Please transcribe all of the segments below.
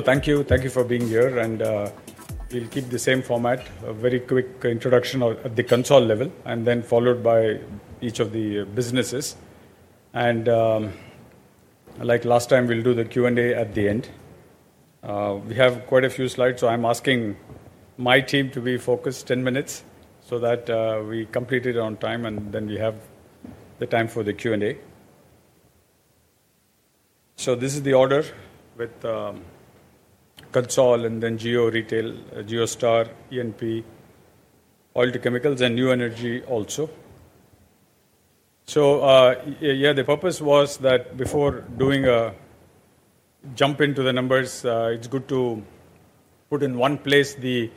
Thank you, thank you for being here, and we'll keep the same format: a very quick introduction at the console level, and then followed by each of the businesses. Like last time, we'll do the Q&A at the end. We have quite a few slides, so I'm asking my team to be focused, 10 minutes, so that we complete it on time, and then we have the time for the Q&A. This is the order with Console, and then Jio, Retail, JioStar, E&P, Oil to Chemicals, and New Energy also. The purpose was that before doing a jump into the numbers, it's good to put in one place the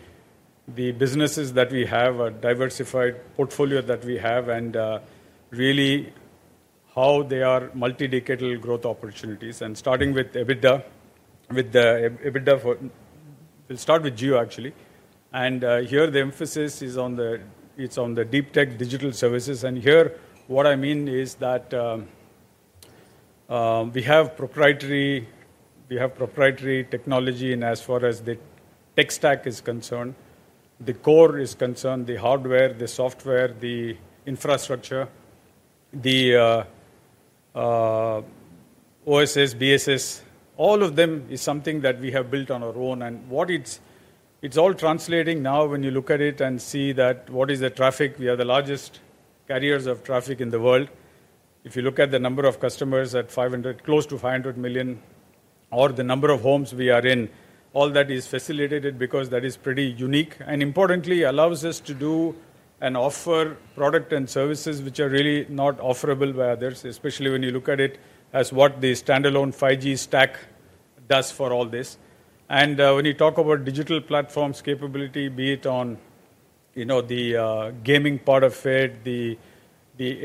businesses that we have, a diversified portfolio that we have, and really how they are multi-decadal growth opportunities. Starting with EBITDA, with the EBITDA for, we'll start with Jio, actually. Here the emphasis is on the deep tech digital services. What I mean is that we have proprietary technology, and as far as the tech stack is concerned, the core is concerned, the hardware, the software, the infrastructure, the OSS, BSS, all of them is something that we have built on our own. What it is all translating now when you look at it and see that what is the traffic, we are the largest carriers of traffic in the world. If you look at the number of customers at 500, close to 500 million, or the number of homes we are in, all that is facilitated because that is pretty unique. Importantly, it allows us to do and offer products and services which are really not offerable by others, especially when you look at it as what the standalone 5G stack does for all this. When you talk about digital platforms capability, be it on the gaming part of it, the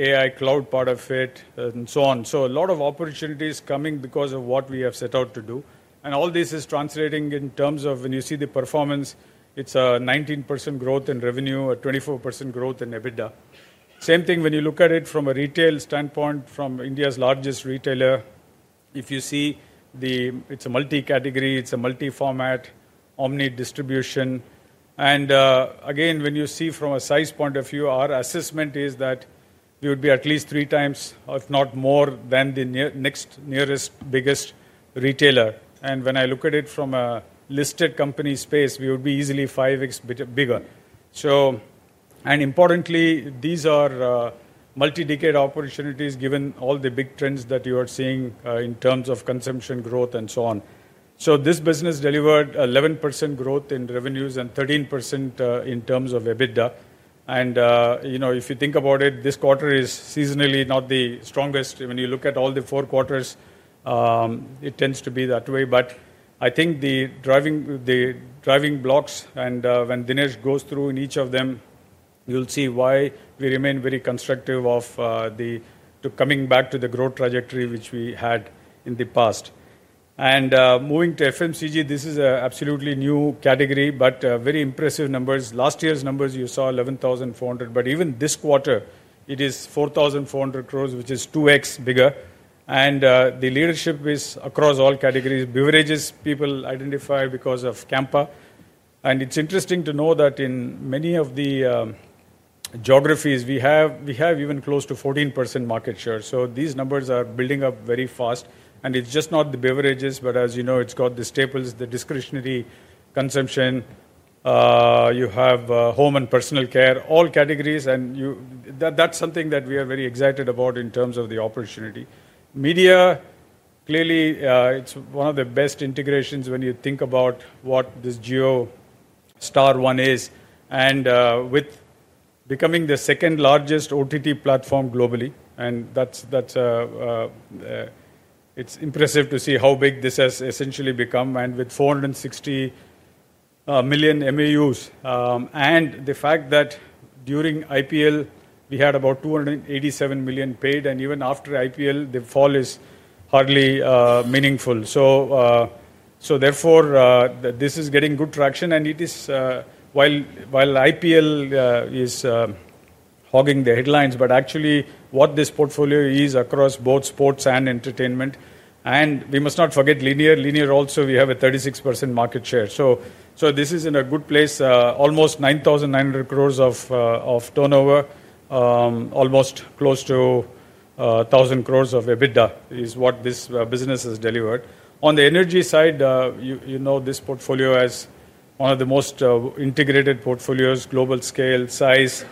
AI cloud part of it, and so on, a lot of opportunities are coming because of what we have set out to do. All this is translating in terms of when you see the performance, it's a 19% growth in revenue, a 24% growth in EBITDA. Same thing when you look at it from a retail standpoint, from India's largest retailer, if you see, it's a multi-category, it's a multi-format, omni-distribution. Again, when you see from a size point of view, our assessment is that we would be at least three times, if not more, than the next nearest biggest retailer. When I look at it from a listed company space, we would be easily five X bigger. And importantly, these are multi-decade opportunities given all the big trends that you are seeing in terms of consumption growth and so on. This business delivered 11% growth in revenues and 13% in terms of EBITDA. If you think about it, this quarter is seasonally not the strongest. When you look at all the four quarters, it tends to be that way. I think the driving blocks, and when Dinesh goes through in each of them, you'll see why we remain very constructive of the coming back to the growth trajectory which we had in the past. Moving to FMCG, this is an absolutely new category, but very impressive numbers. Last year's numbers you saw 11,400, but even this quarter, it is 4,400 crores, which is 2X bigger. The leadership is across all categories. Beverages people identify because of Campa. It is interesting to know that in many of the geographies, we have even close to 14% market share. These numbers are building up very fast. It is just not the beverages, but as you know, it has got the staples, the discretionary consumption, you have home and personal care, all categories. That is something that we are very excited about in terms of the opportunity. Media, clearly, it is one of the best integrations when you think about what this JioStar One is. With becoming the second largest OTT platform globally, it is impressive to see how big this has essentially become, and with 460 million MAUs. The fact that during IPL, we had about 287 million paid, and even after IPL, the fall is hardly meaningful. Therefore, this is getting good traction. While IPL is hogging the headlines, actually what this portfolio is across both sports and entertainment. We must not forget linear. Linear also, we have a 36% market share. This is in a good place, almost 9,900 crore of turnover, almost close to 1,000 crore of EBITDA is what this business has delivered. On the energy side, you know this portfolio has one of the most integrated portfolios, global scale, size,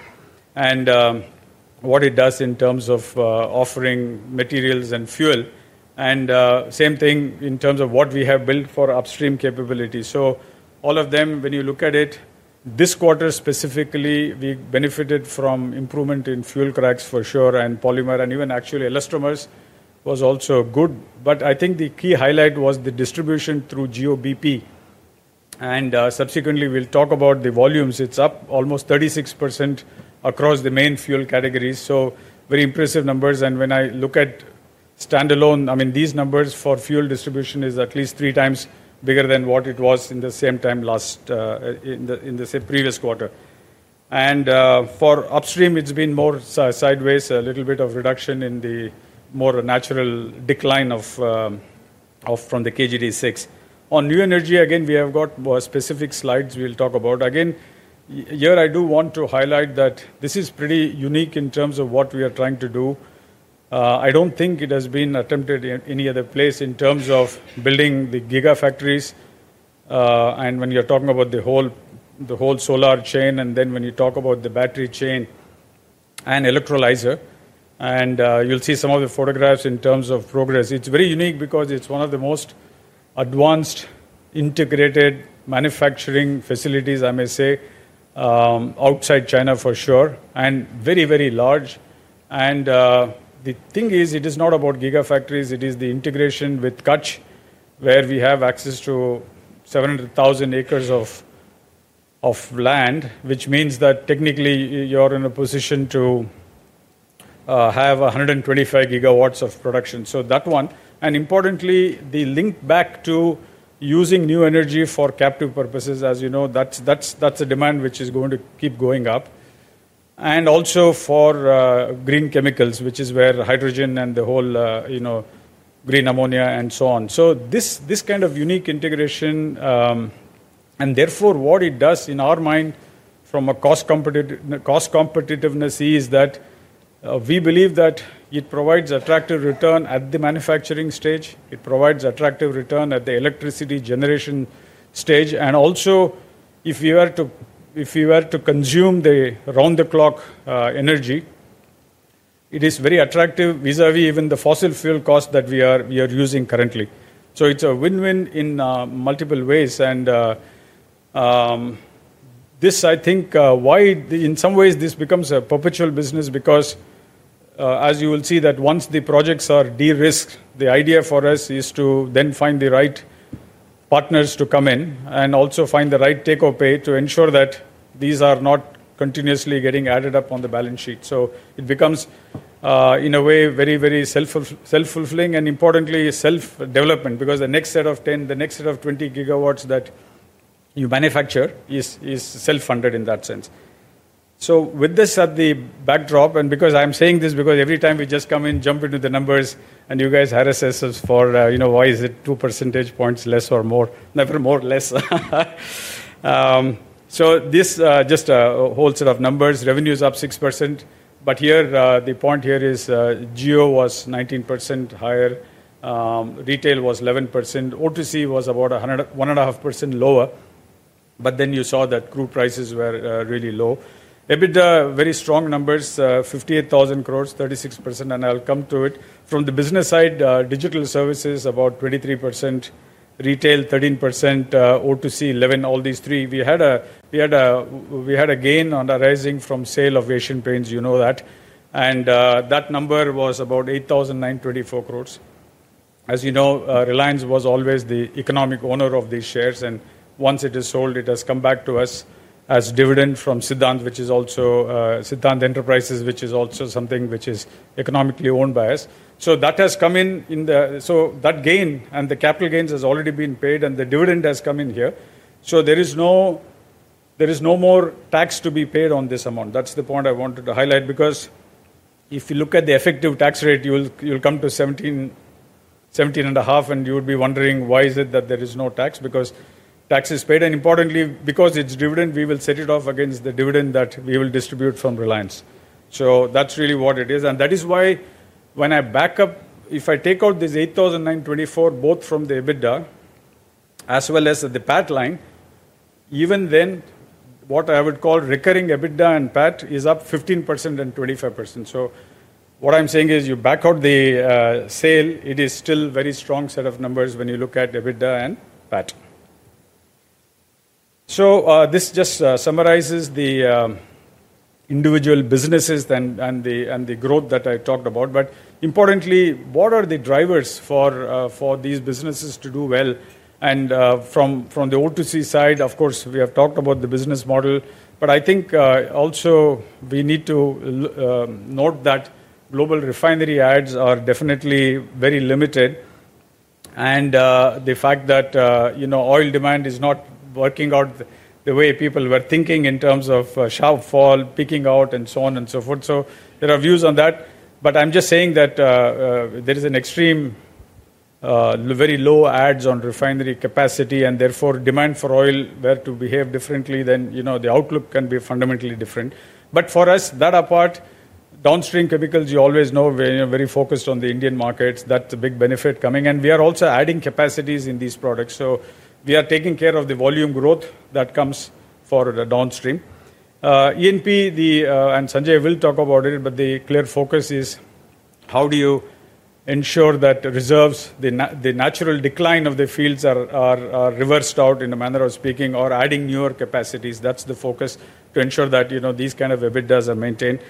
and what it does in terms of offering materials and fuel. Same thing in terms of what we have built for upstream capability. All of them, when you look at it, this quarter specifically, we benefited from improvement in fuel cracks for sure, and polymer, and even actually elastomers was also good. I think the key highlight was the distribution through Jio-bp . Subsequently, we'll talk about the volumes. It's up almost 36% across the main fuel categories. Very impressive numbers. When I look at standalone, I mean, these numbers for fuel distribution are at least three times bigger than what it was in the same time last in the previous quarter. For upstream, it's been more sideways, a little bit of reduction in the more natural decline from the KG-D6. On new energy, again, we have got specific slides we'll talk about. Here I do want to highlight that this is pretty unique in terms of what we are trying to do. I don't think it has been attempted in any other place in terms of building the gigafactories. When you're talking about the whole solar chain, and then when you talk about the battery chain and electrolyzer, you'll see some of the photographs in terms of progress. It's very unique because it's one of the most advanced integrated manufacturing facilities, I may say, outside China for sure, and very, very large. The thing is, it is not about gigafactories. It is the integration with Kutch, where we have access to 700,000 acres of land, which means that technically you're in a position to have 125 gigawatts of production. That one. Importantly, the link back to using new energy for captive purposes, as you know, that's a demand which is going to keep going up. Also for green chemicals, which is where hydrogen and the whole green ammonia and so on. This kind of unique integration, and therefore what it does in our mind from a cost competitiveness, is that we believe that it provides attractive return at the manufacturing stage. It provides attractive return at the electricity generation stage. If you are to consume the round-the-clock energy, it is very attractive vis-à-vis even the fossil fuel cost that we are using currently. It is a win-win in multiple ways. This, I think, is why in some ways this becomes a perpetual business, because as you will see that once the projects are de-risked, the idea for us is to then find the right partners to come in and also find the right take-or-pay to ensure that these are not continuously getting added up on the balance sheet. It becomes in a way very, very self-fulfilling and importantly self-development, because the next set of 10, the next set of 20 gigawatts that you manufacture is self-funded in that sense. With this at the backdrop, and because I'm saying this, because every time we just come in, jump into the numbers, and you guys harass us for why is it 2 percentage points less or more, never more, less. This is just a whole set of numbers, revenues up 6%. The point here is Jio was 19% higher, retail was 11%, O2C was about 1.5% lower, but then you saw that crude prices were really low. EBITDA, very strong numbers, 58,000 crore, 36%, and I'll come to it. From the business side, digital services about 23%, retail 13%, O2C 11%, all these three. We had a gain arising from sale of Asian Paints, you know that. That number was about 8,924 crore. As you know, Reliance was always the economic owner of these shares, and once it is sold, it has come back to us as dividend from Siddhant, which is also Siddhant Enterprises, which is also something which is economically owned by us. That has come in, so that gain and the capital gains has already been paid, and the dividend has come in here. There is no more tax to be paid on this amount. That is the point I wanted to highlight, because if you look at the effective tax rate, you'll come to 17-17.5%, and you would be wondering why is it that there is no tax, because tax is paid. Importantly, because it's dividend, we will set it off against the dividend that we will distribute from Reliance. That is really what it is. That is why when I back up, if I take out this 8,924 both from the EBITDA as well as the PAT line, even then what I would call recurring EBITDA and PAT is up 15% and 25%. What I am saying is you back out the sale, it is still a very strong set of numbers when you look at EBITDA and PAT. This just summarizes the individual businesses and the growth that I talked about. Importantly, what are the drivers for these businesses to do well? From the O2C side, of course, we have talked about the business model, but I think also we need to note that global refinery adds are definitely very limited. The fact that oil demand is not working out the way people were thinking in terms of shelf fall, peaking out, and so on and so forth. There are views on that. I'm just saying that there is an extreme, very low ads on refinery capacity, and therefore if demand for oil were to behave differently, then the outlook can be fundamentally different. For us, that apart, downstream chemicals, you always know we are very focused on the Indian markets. That's a big benefit coming. We are also adding capacities in these products. We are taking care of the volume growth that comes for the downstream. ENP and Sanjay will talk about it, but the clear focus is how do you ensure that reserves, the natural decline of the fields, are reversed out in a manner of speaking or adding newer capacities. That's the focus to ensure that these kinds of EBITDAs are maintained.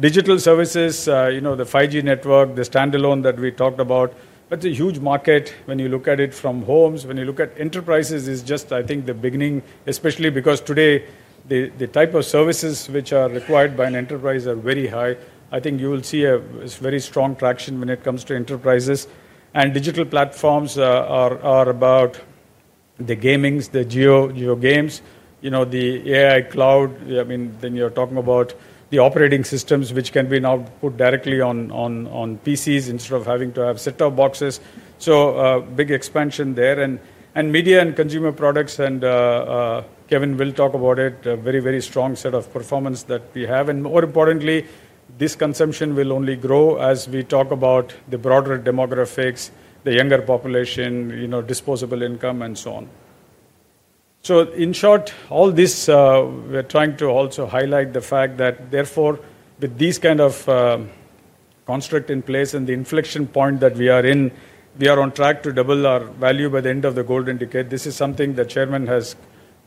Digital services, the 5G network, the standalone that we talked about, that's a huge market when you look at it from homes. When you look at enterprises, it's just, I think, the beginning, especially because today the type of services which are required by an enterprise are very high. I think you will see a very strong traction when it comes to enterprises. And digital platforms are about the gamings, the JioGames, the JioAI Cloud. I mean, then you're talking about the operating systems which can be now put directly on PCs instead of having to have set-top boxes. So big expansion there. And media and consumer products, and Kevin will talk about it, a very, very strong set of performance that we have. And more importantly, this consumption will only grow as we talk about the broader demographics, the younger population, disposable income, and so on. In short, all this, we're trying to also highlight the fact that therefore, with these kinds of constructs in place and the inflection point that we are in, we are on track to double our value by the end of the golden decade. This is something the Chairman has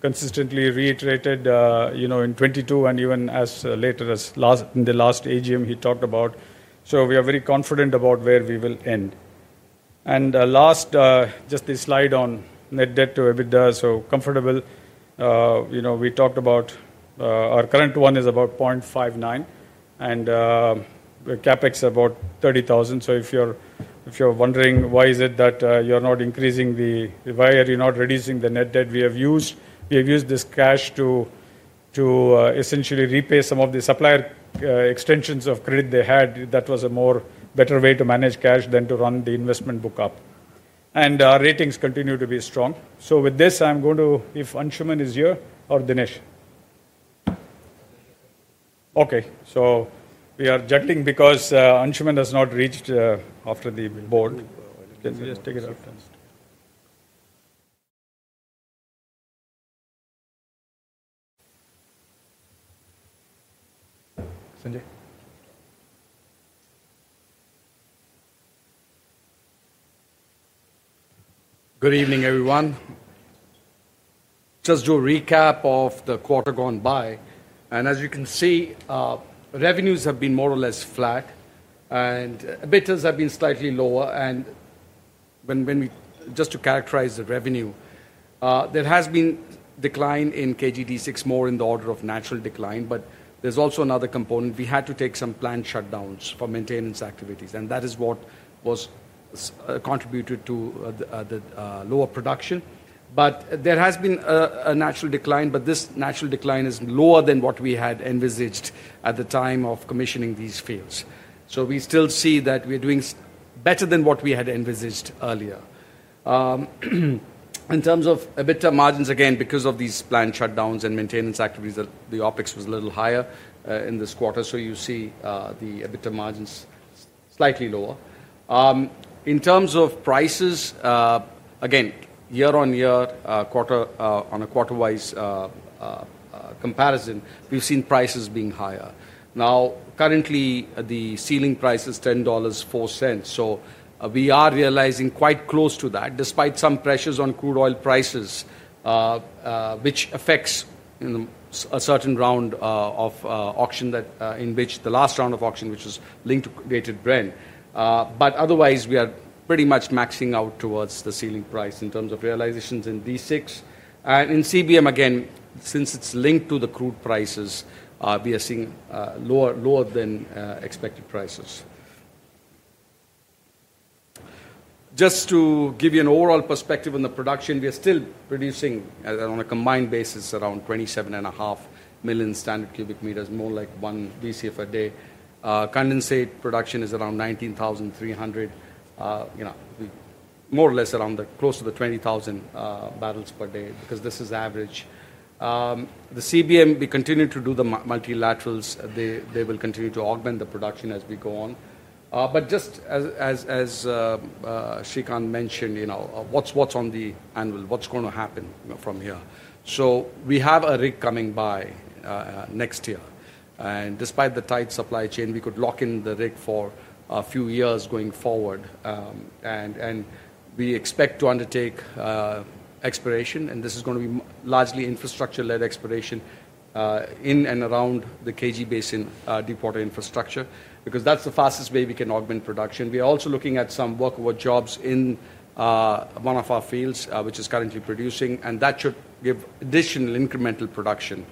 consistently reiterated in 2022 and even as late as in the last AGM he talked about. We are very confident about where we will end. Last, just this slide on net debt to EBITDA, so comfortable. We talked about our current one is about 0.59, and the CapEx is about 30,000 crore. If you're wondering why is it that you're not increasing the VAE, you're not reducing the net debt, we have used this cash to essentially repay some of the supplier extensions of credit they had. That was a better way to manage cash than to run the investment book up. Our ratings continue to be strong. With this, I am going to, if Anshuman is here or Dinesh. Okay, we are jetting because Anshuman has not reached after the board. Sanjay? Good evening, everyone. Just to do a recap of the quarter gone by. As you can see, revenues have been more or less flat, and EBITDAs have been slightly lower. Just to characterize the revenue, there has been a decline in KG-D6, more in the order of natural decline. There is also another component. We had to take some planned shutdowns for maintenance activities, and that is what contributed to the lower production. There has been a natural decline, but this natural decline is lower than what we had envisaged at the time of commissioning these fields. We still see that we're doing better than what we had envisaged earlier. In terms of EBITDA margins, again, because of these planned shutdowns and maintenance activities, the OpEx was a little higher in this quarter. You see the EBITDA margins slightly lower. In terms of prices, again, year-on-year, on a quarter-wise comparison, we've seen prices being higher. Now, currently, the ceiling price is $10.04. We are realizing quite close to that, despite some pressures on crude oil prices, which affects a certain round of auction in which the last round of auction was linked to Dated Brent. Otherwise, we are pretty much maxing out towards the ceiling price in terms of realizations in D6. In CBM, again, since it's linked to the crude prices, we are seeing lower than expected prices. Just to give you an overall perspective on the production, we are still producing on a combined basis around 27.5 million standard cubic meters, more like one DCF a day. Condensate production is around 19,300, more or less around close to the 20,000 barrels per day, because this is average. The CBM, we continue to do the multilaterals. They will continue to augment the production as we go on. Just as Srikanth mentioned, what's on the annual? What's going to happen from here? We have a rig coming by next year. Despite the tight supply chain, we could lock in the rig for a few years going forward. We expect to undertake exploration, and this is going to be largely infrastructure-led exploration in and around the KG Basin deepwater infrastructure, because that's the fastest way we can augment production. We are also looking at some work with jobs in one of our fields, which is currently producing, and that should give additional incremental production.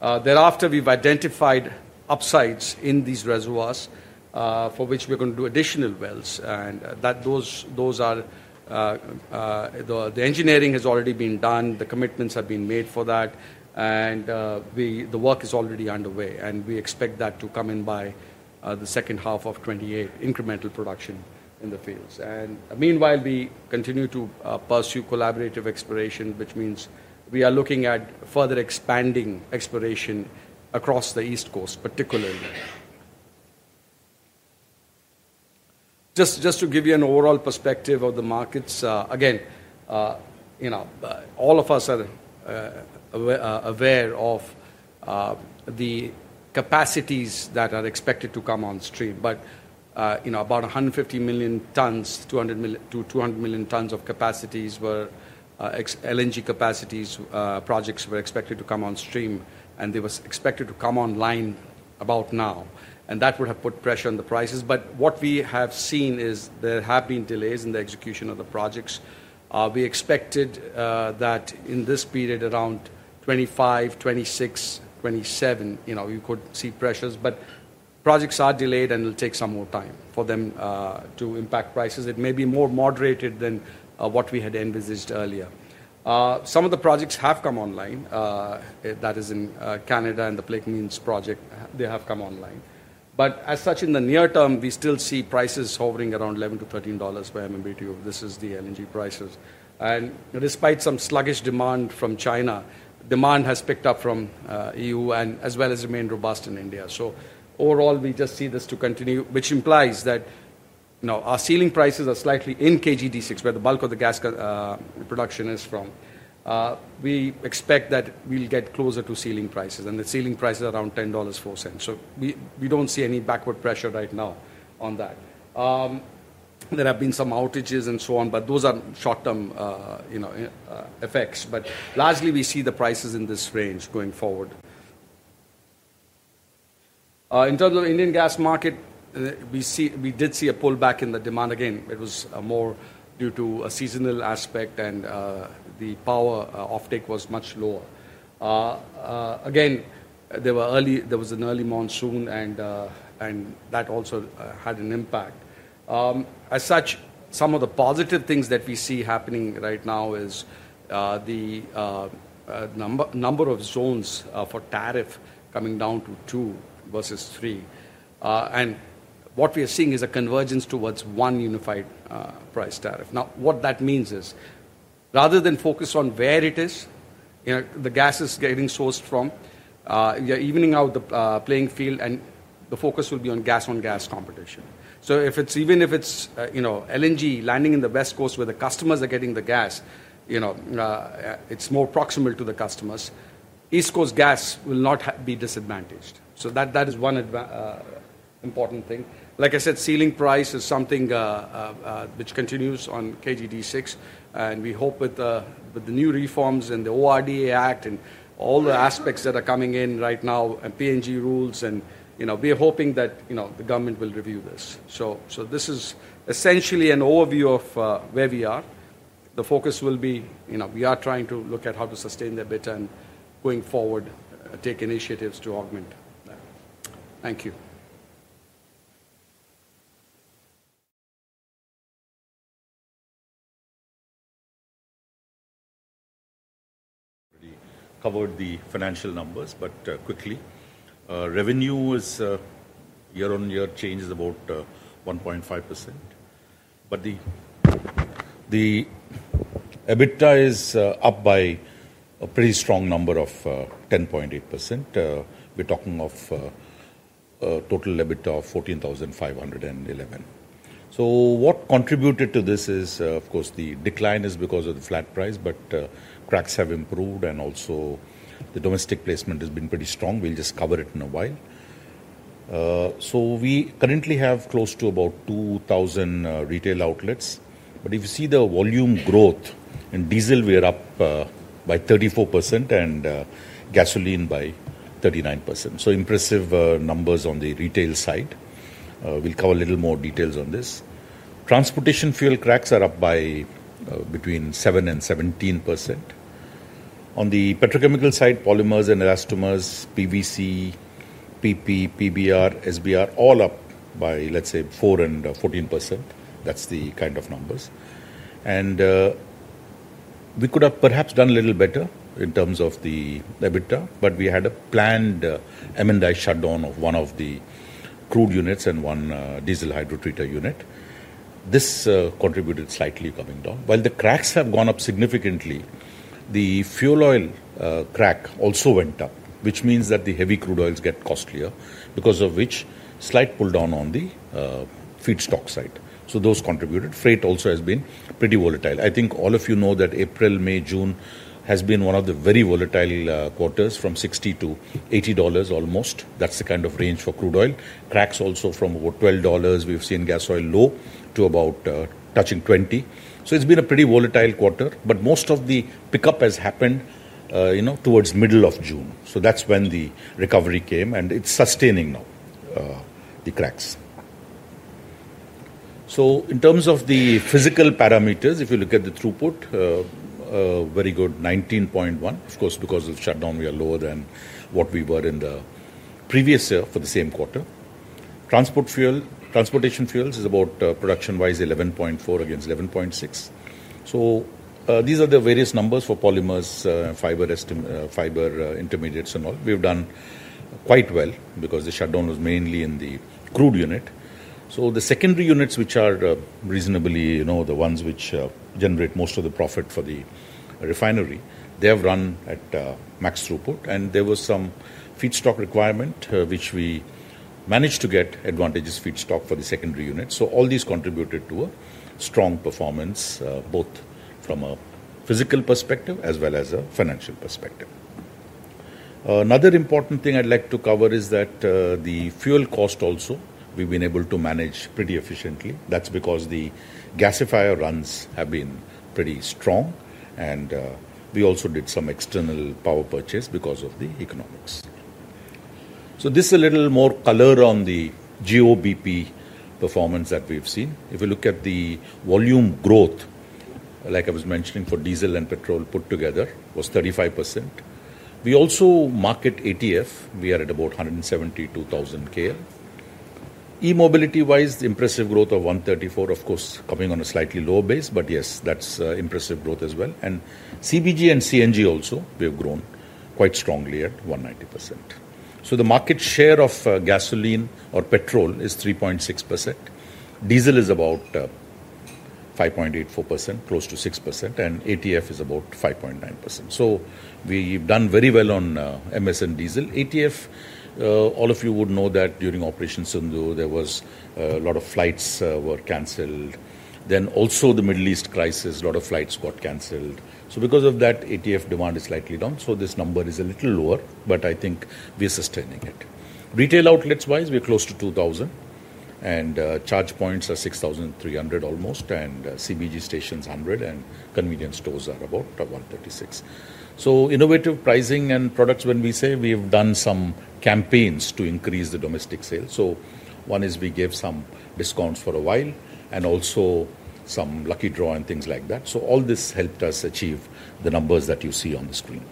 Thereafter, we have identified upsides in these reservoirs for which we are going to do additional wells. The engineering has already been done. The commitments have been made for that, and the work is already underway. We expect that to come in by the second half of 2028, incremental production in the fields. Meanwhile, we continue to pursue collaborative exploration, which means we are looking at further expanding exploration across the East Coast, particularly. Just to give you an overall perspective of the markets, again, all of us are aware of the capacities that are expected to come on stream. About 150 million tons-200 million tons of capacities were LNG capacities projects were expected to come on stream, and they were expected to come online about now. That would have put pressure on the prices. What we have seen is there have been delays in the execution of the projects. We expected that in this period, around 2025, 2026, 2027, we could see pressures. Projects are delayed, and it'll take some more time for them to impact prices. It may be more moderated than what we had envisaged earlier. Some of the projects have come online. That is in Canada and the Plaquemines project, they have come online. As such, in the near term, we still see prices hovering around $11-$13 per MMBtu. This is the LNG prices. Despite some sluggish demand from China, demand has picked up from the EU, as well as remained robust in India. Overall, we just see this to continue, which implies that our ceiling prices are slightly in KG-D6, where the bulk of the gas production is from. We expect that we'll get closer to ceiling prices, and the ceiling price is around $10.04. We do not see any backward pressure right now on that. There have been some outages and so on, but those are short-term effects. Largely, we see the prices in this range going forward. In terms of the Indian gas market, we did see a pullback in the demand. Again, it was more due to a seasonal aspect, and the power offtake was much lower. There was an early monsoon, and that also had an impact. As such, some of the positive things that we see happening right now is the number of zones for tariff coming down to two versus three. What we are seeing is a convergence towards one unified price tariff. Now, what that means is, rather than focus on where it is the gas is getting sourced from, you're evening out the playing field, and the focus will be on gas-on-gas competition. Even if it's LNG landing in the West Coast where the customers are getting the gas, it's more proximal to the customers. East Coast gas will not be disadvantaged. That is one important thing. Like I said, ceiling price is something which continues on KG-D6. We hope with the new reforms and the ORDA Act and all the aspects that are coming in right now, and PNG rules, and we are hoping that the government will review this. This is essentially an overview of where we are. The focus will be we are trying to look at how to sustain the EBITDA and going forward, take initiatives to augment that. Thank you. We covered the financial numbers, but quickly. Revenue is year-on-year changes about 1.5%. The EBITDA is up by a pretty strong number of 10.8%. We are talking of total EBITDA of 14,511 crore. What contributed to this is, of course, the decline is because of the flat price, but cracks have improved, and also the domestic placement has been pretty strong. We will just cover it in a while. We currently have close to about 2,000 retail outlets. If you see the volume growth in diesel, we are up by 34% and gasoline by 39%. Impressive numbers on the retail side. We'll cover a little more details on this. Transportation fuel cracks are up by between 7% and 17%. On the petrochemical side, polymers and elastomers, PVC, PP, PBR, SBR, all up by, let's say, 4% and 14%. That's the kind of numbers. We could have perhaps done a little better in terms of the EBITDA, but we had a planned M&I shutdown of one of the crude units and one diesel hydrotreater unit. This contributed slightly coming down. While the cracks have gone up significantly, the fuel oil crack also went up, which means that the heavy crude oils get costlier, because of which slight pull down on the feedstock side. Those contributed. Freight also has been pretty volatile. I think all of you know that April, May, June has been one of the very volatile quarters from $60-$80 almost. That's the kind of range for crude oil. Cracks also from about $12. We've seen gas oil low to about touching $20. It has been a pretty volatile quarter, but most of the pickup has happened towards middle of June. That's when the recovery came, and it's sustaining now, the cracks. In terms of the physical parameters, if you look at the throughput, very good, 19.1. Of course, because of the shutdown, we are lower than what we were in the previous year for the same quarter. Transportation fuels is about production-wise 11.4 against 11.6. These are the various numbers for polymers, fiber intermediates and all. We've done quite well because the shutdown was mainly in the crude unit. The secondary units, which are reasonably the ones which generate most of the profit for the refinery, have run at max throughput. There was some feedstock requirement, which we managed to get advantageous feedstock for the secondary unit. All these contributed to a strong performance, both from a physical perspective as well as a financial perspective. Another important thing I'd like to cover is that the fuel cost also we've been able to manage pretty efficiently. That's because the gasifier runs have been pretty strong, and we also did some external power purchase because of the economics. This is a little more color on the Jio-bp performance that we've seen. If you look at the volume growth, like I was mentioning, for diesel and petrol put together was 35%. We also market ATF. We are at about 172,000 KL. E-mobility-wise, impressive growth of 134, of course, coming on a slightly lower base, but yes, that's impressive growth as well. CBG and CNG also, we have grown quite strongly at 190%. The market share of gasoline or petrol is 3.6%. Diesel is about 5.84%, close to 6%, and ATF is about 5.9%. We have done very well on MS and diesel. ATF, all of you would know that during Operation Sindhu, there was a lot of flights were canceled. Also the Middle East crisis, a lot of flights got canceled. Because of that, ATF demand is slightly down. This number is a little lower, but I think we are sustaining it. Retail outlets-wise, we are close to 2,000, and charge points are 6,300 almost, and CBG stations 100, and convenience stores are about 136. Innovative pricing and products, when we say we have done some campaigns to increase the domestic sales. One is we gave some discounts for a while and also some lucky draw and things like that. All this helped us achieve the numbers that you see on the screen.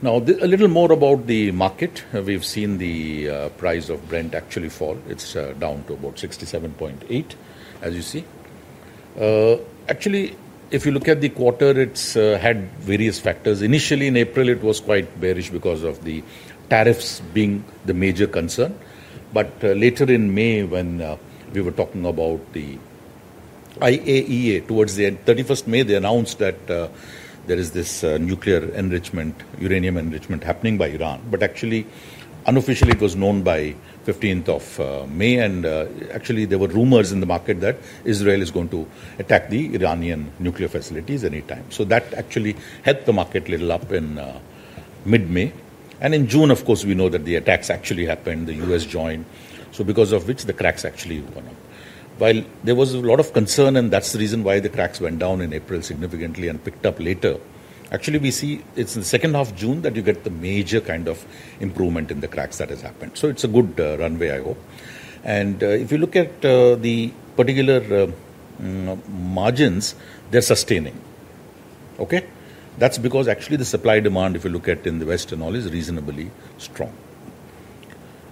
Now, a little more about the market. We've seen the price of Brent actually fall. It's down to about $67.8, as you see. Actually, if you look at the quarter, it's had various factors. Initially, in April, it was quite bearish because of the tariffs being the major concern. Later in May, when we were talking about the IAEA, towards 31 May, they announced that there is this nuclear enrichment, uranium enrichment happening by Iran. Actually, unofficially, it was known by 15th of May, and actually, there were rumors in the market that Israel is going to attack the Iranian nuclear facilities anytime. That actually helped the market a little up in mid-May. In June, of course, we know that the attacks actually happened. The U.S. joined. Because of which the cracks actually went up. While there was a lot of concern, and that's the reason why the cracks went down in April significantly and picked up later, actually, we see it's in the second half of June that you get the major kind of improvement in the cracks that has happened. It's a good runway, I hope. If you look at the particular margins, they're sustaining. Okay? That's because actually the supply demand, if you look at in the West and all, is reasonably strong.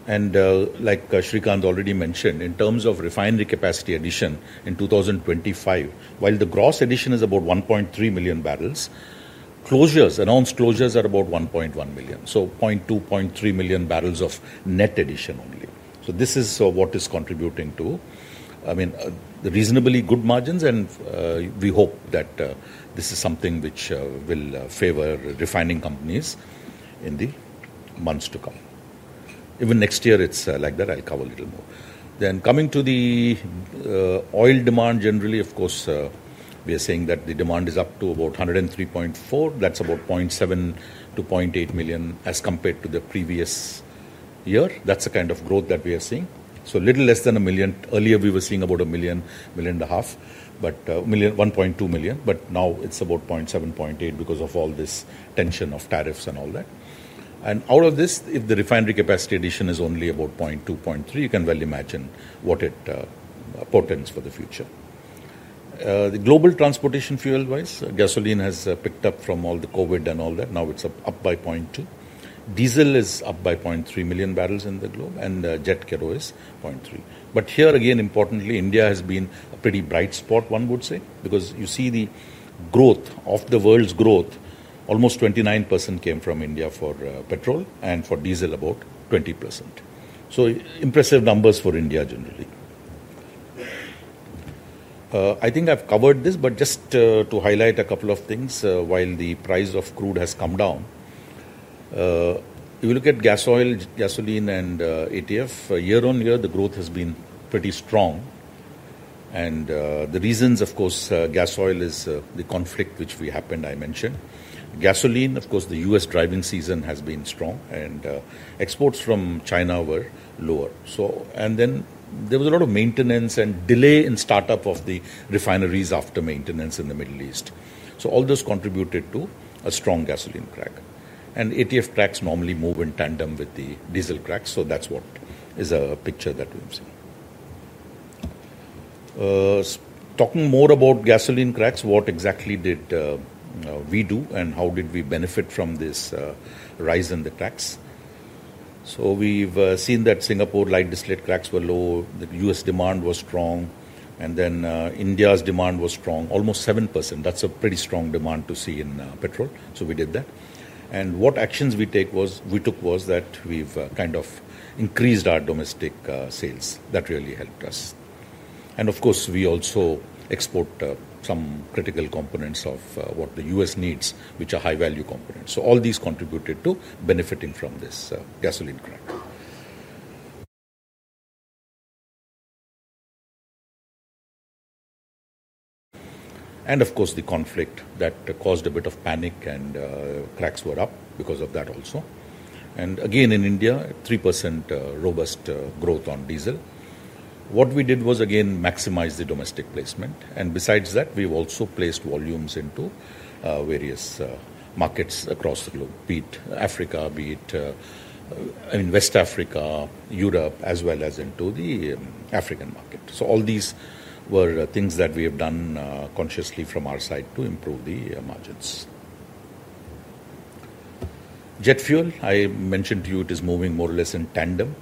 Like Srikanth already mentioned, in terms of refinery capacity addition in 2025, while the gross addition is about 1.3 million barrels, closures, announced closures are about 1.1 million. So 0.2-0.3 million barrels of net addition only. This is what is contributing to, I mean, reasonably good margins, and we hope that this is something which will favor refining companies in the months to come. Even next year, it's like that. I'll cover a little more. Coming to the oil demand, generally, of course, we are seeing that the demand is up to about 103.4. That's about 0.7-0.8 million as compared to the previous year. That's the kind of growth that we are seeing. A little less than a million. Earlier, we were seeing about a million, million and a half, but 1.2 million. Now it is about 0.7-0.8 because of all this tension of tariffs and all that. Out of this, if the refinery capacity addition is only about 0.2-0.3, you can well imagine what it portends for the future. The global transportation fuel-wise, gasoline has picked up from all the COVID and all that. Now it is up by 0.2. Diesel is up by 0.3 million barrels in the globe, and jet kero is 0.3. Here, again, importantly, India has been a pretty bright spot, one would say, because you see the growth of the world's growth, almost 29% came from India for petrol and for diesel about 20%. Impressive numbers for India generally. I think I have covered this, but just to highlight a couple of things. While the price of crude has come down, if you look at gas oil, gasoline, and ATF, year-on-year, the growth has been pretty strong. The reasons, of course, gas oil is the conflict which we happened, I mentioned. Gasoline, of course, the U.S. driving season has been strong, and exports from China were lower. There was a lot of maintenance and delay in startup of the refineries after maintenance in the Middle East. All those contributed to a strong gasoline crack. ATF cracks normally move in tandem with the diesel cracks. That is what is a picture that we've seen. Talking more about gasoline cracks, what exactly did we do and how did we benefit from this rise in the cracks? We've seen that Singapore light-distillate cracks were low. The U.S. demand was strong. India's demand was strong, almost 7%. That's a pretty strong demand to see in petrol. We did that. What actions we took was that we've kind of increased our domestic sales. That really helped us. We also export some critical components of what the U.S. needs, which are high-value components. All these contributed to benefiting from this gasoline crack. The conflict caused a bit of panic and cracks were up because of that also. In India, 3% robust growth on diesel. What we did was maximize the domestic placement. Besides that, we've also placed volumes into various markets across the globe, be it Africa, be it West Africa, Europe, as well as into the African market. All these were things that we have done consciously from our side to improve the margins. Jet fuel, I mentioned to you, it is moving more or less in tandem.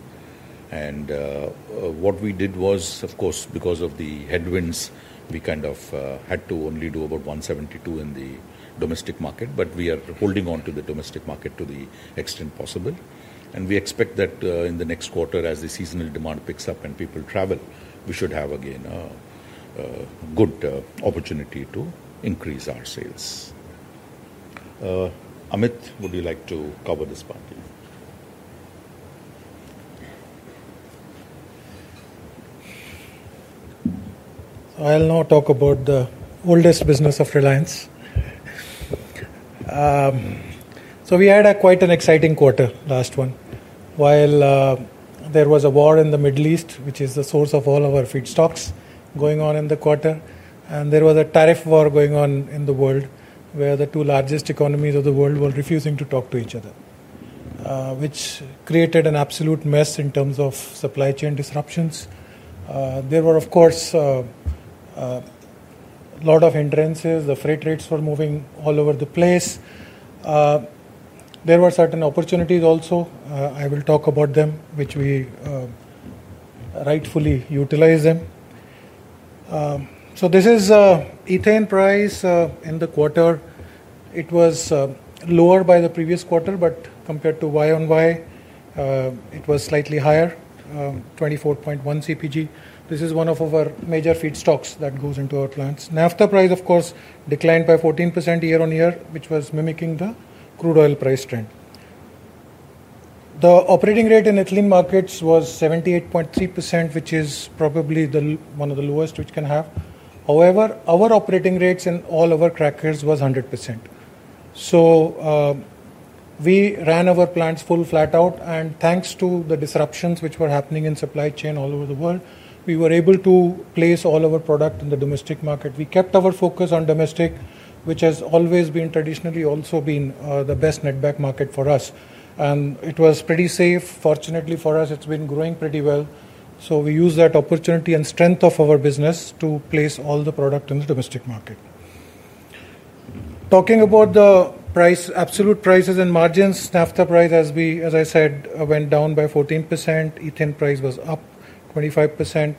What we did was, of course, because of the headwinds, we kind of had to only do about 172 in the domestic market, but we are holding on to the domestic market to the extent possible. We expect that in the next quarter, as the seasonal demand picks up and people travel, we should have again a good opportunity to increase our sales. Amit, would you like to cover this part? I'll now talk about the oldest business of Reliance. We had quite an exciting quarter, last one. While there was a war in the Middle East, which is the source of all of our feedstocks going on in the quarter, and there was a tariff war going on in the world where the two largest economies of the world were refusing to talk to each other, which created an absolute mess in terms of supply chain disruptions. There were, of course, a lot of hindrances. The freight rates were moving all over the place. There were certain opportunities also. I will talk about them, which we rightfully utilize them. This is ethane price in the quarter. It was lower by the previous quarter, but compared to Y-on-Y, it was slightly higher, 24.1 CPG. This is one of our major feedstocks that goes into our plants. Naphtha price, of course, declined by 14% year-on-year, which was mimicking the crude oil price trend. The operating rate in ethylene markets was 78.3%, which is probably one of the lowest we can have. However, our operating rates in all of our crackers was 100%. We ran our plants full flat out. Thanks to the disruptions which were happening in supply chain all over the world, we were able to place all of our product in the domestic market. We kept our focus on domestic, which has always been traditionally also been the best net back market for us. It was pretty safe. Fortunately for us, it's been growing pretty well. We used that opportunity and strength of our business to place all the product in the domestic market. Talking about the absolute prices and margins, naphtha price, as I said, went down by 14%. Ethane price was up 25%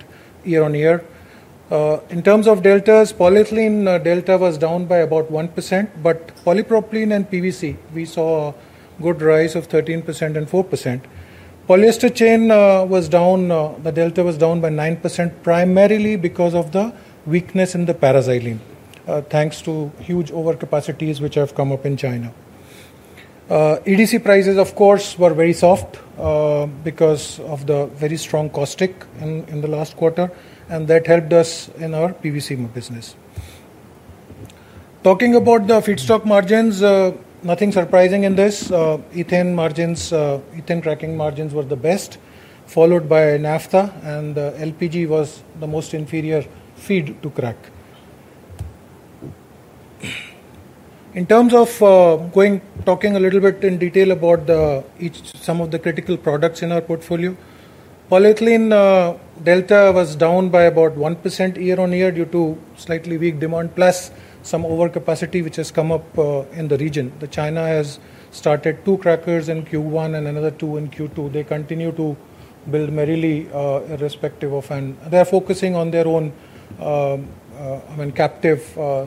year-on-year. In terms of deltas, polyethylene delta was down by about 1%, but polypropylene and PVC, we saw a good rise of 13% and 4%. Polyester chain was down. The delta was down by 9%, primarily because of the weakness in the paracylene, thanks to huge overcapacities which have come up in China. EDC prices, of course, were very soft because of the very strong caustic in the last quarter, and that helped us in our PVC business. Talking about the feedstock margins, nothing surprising in this. Ethane cracking margins were the best, followed by naphtha, and LPG was the most inferior feed to crack. In terms of talking a little bit in detail about some of the critical products in our portfolio, polyethylene delta was down by about 1% year-on-year due to slightly weak demand, plus some overcapacity which has come up in the region. China has started two crackers in Q1 and another two in Q2. They continue to build merrily irrespective of, and they're focusing on their own captive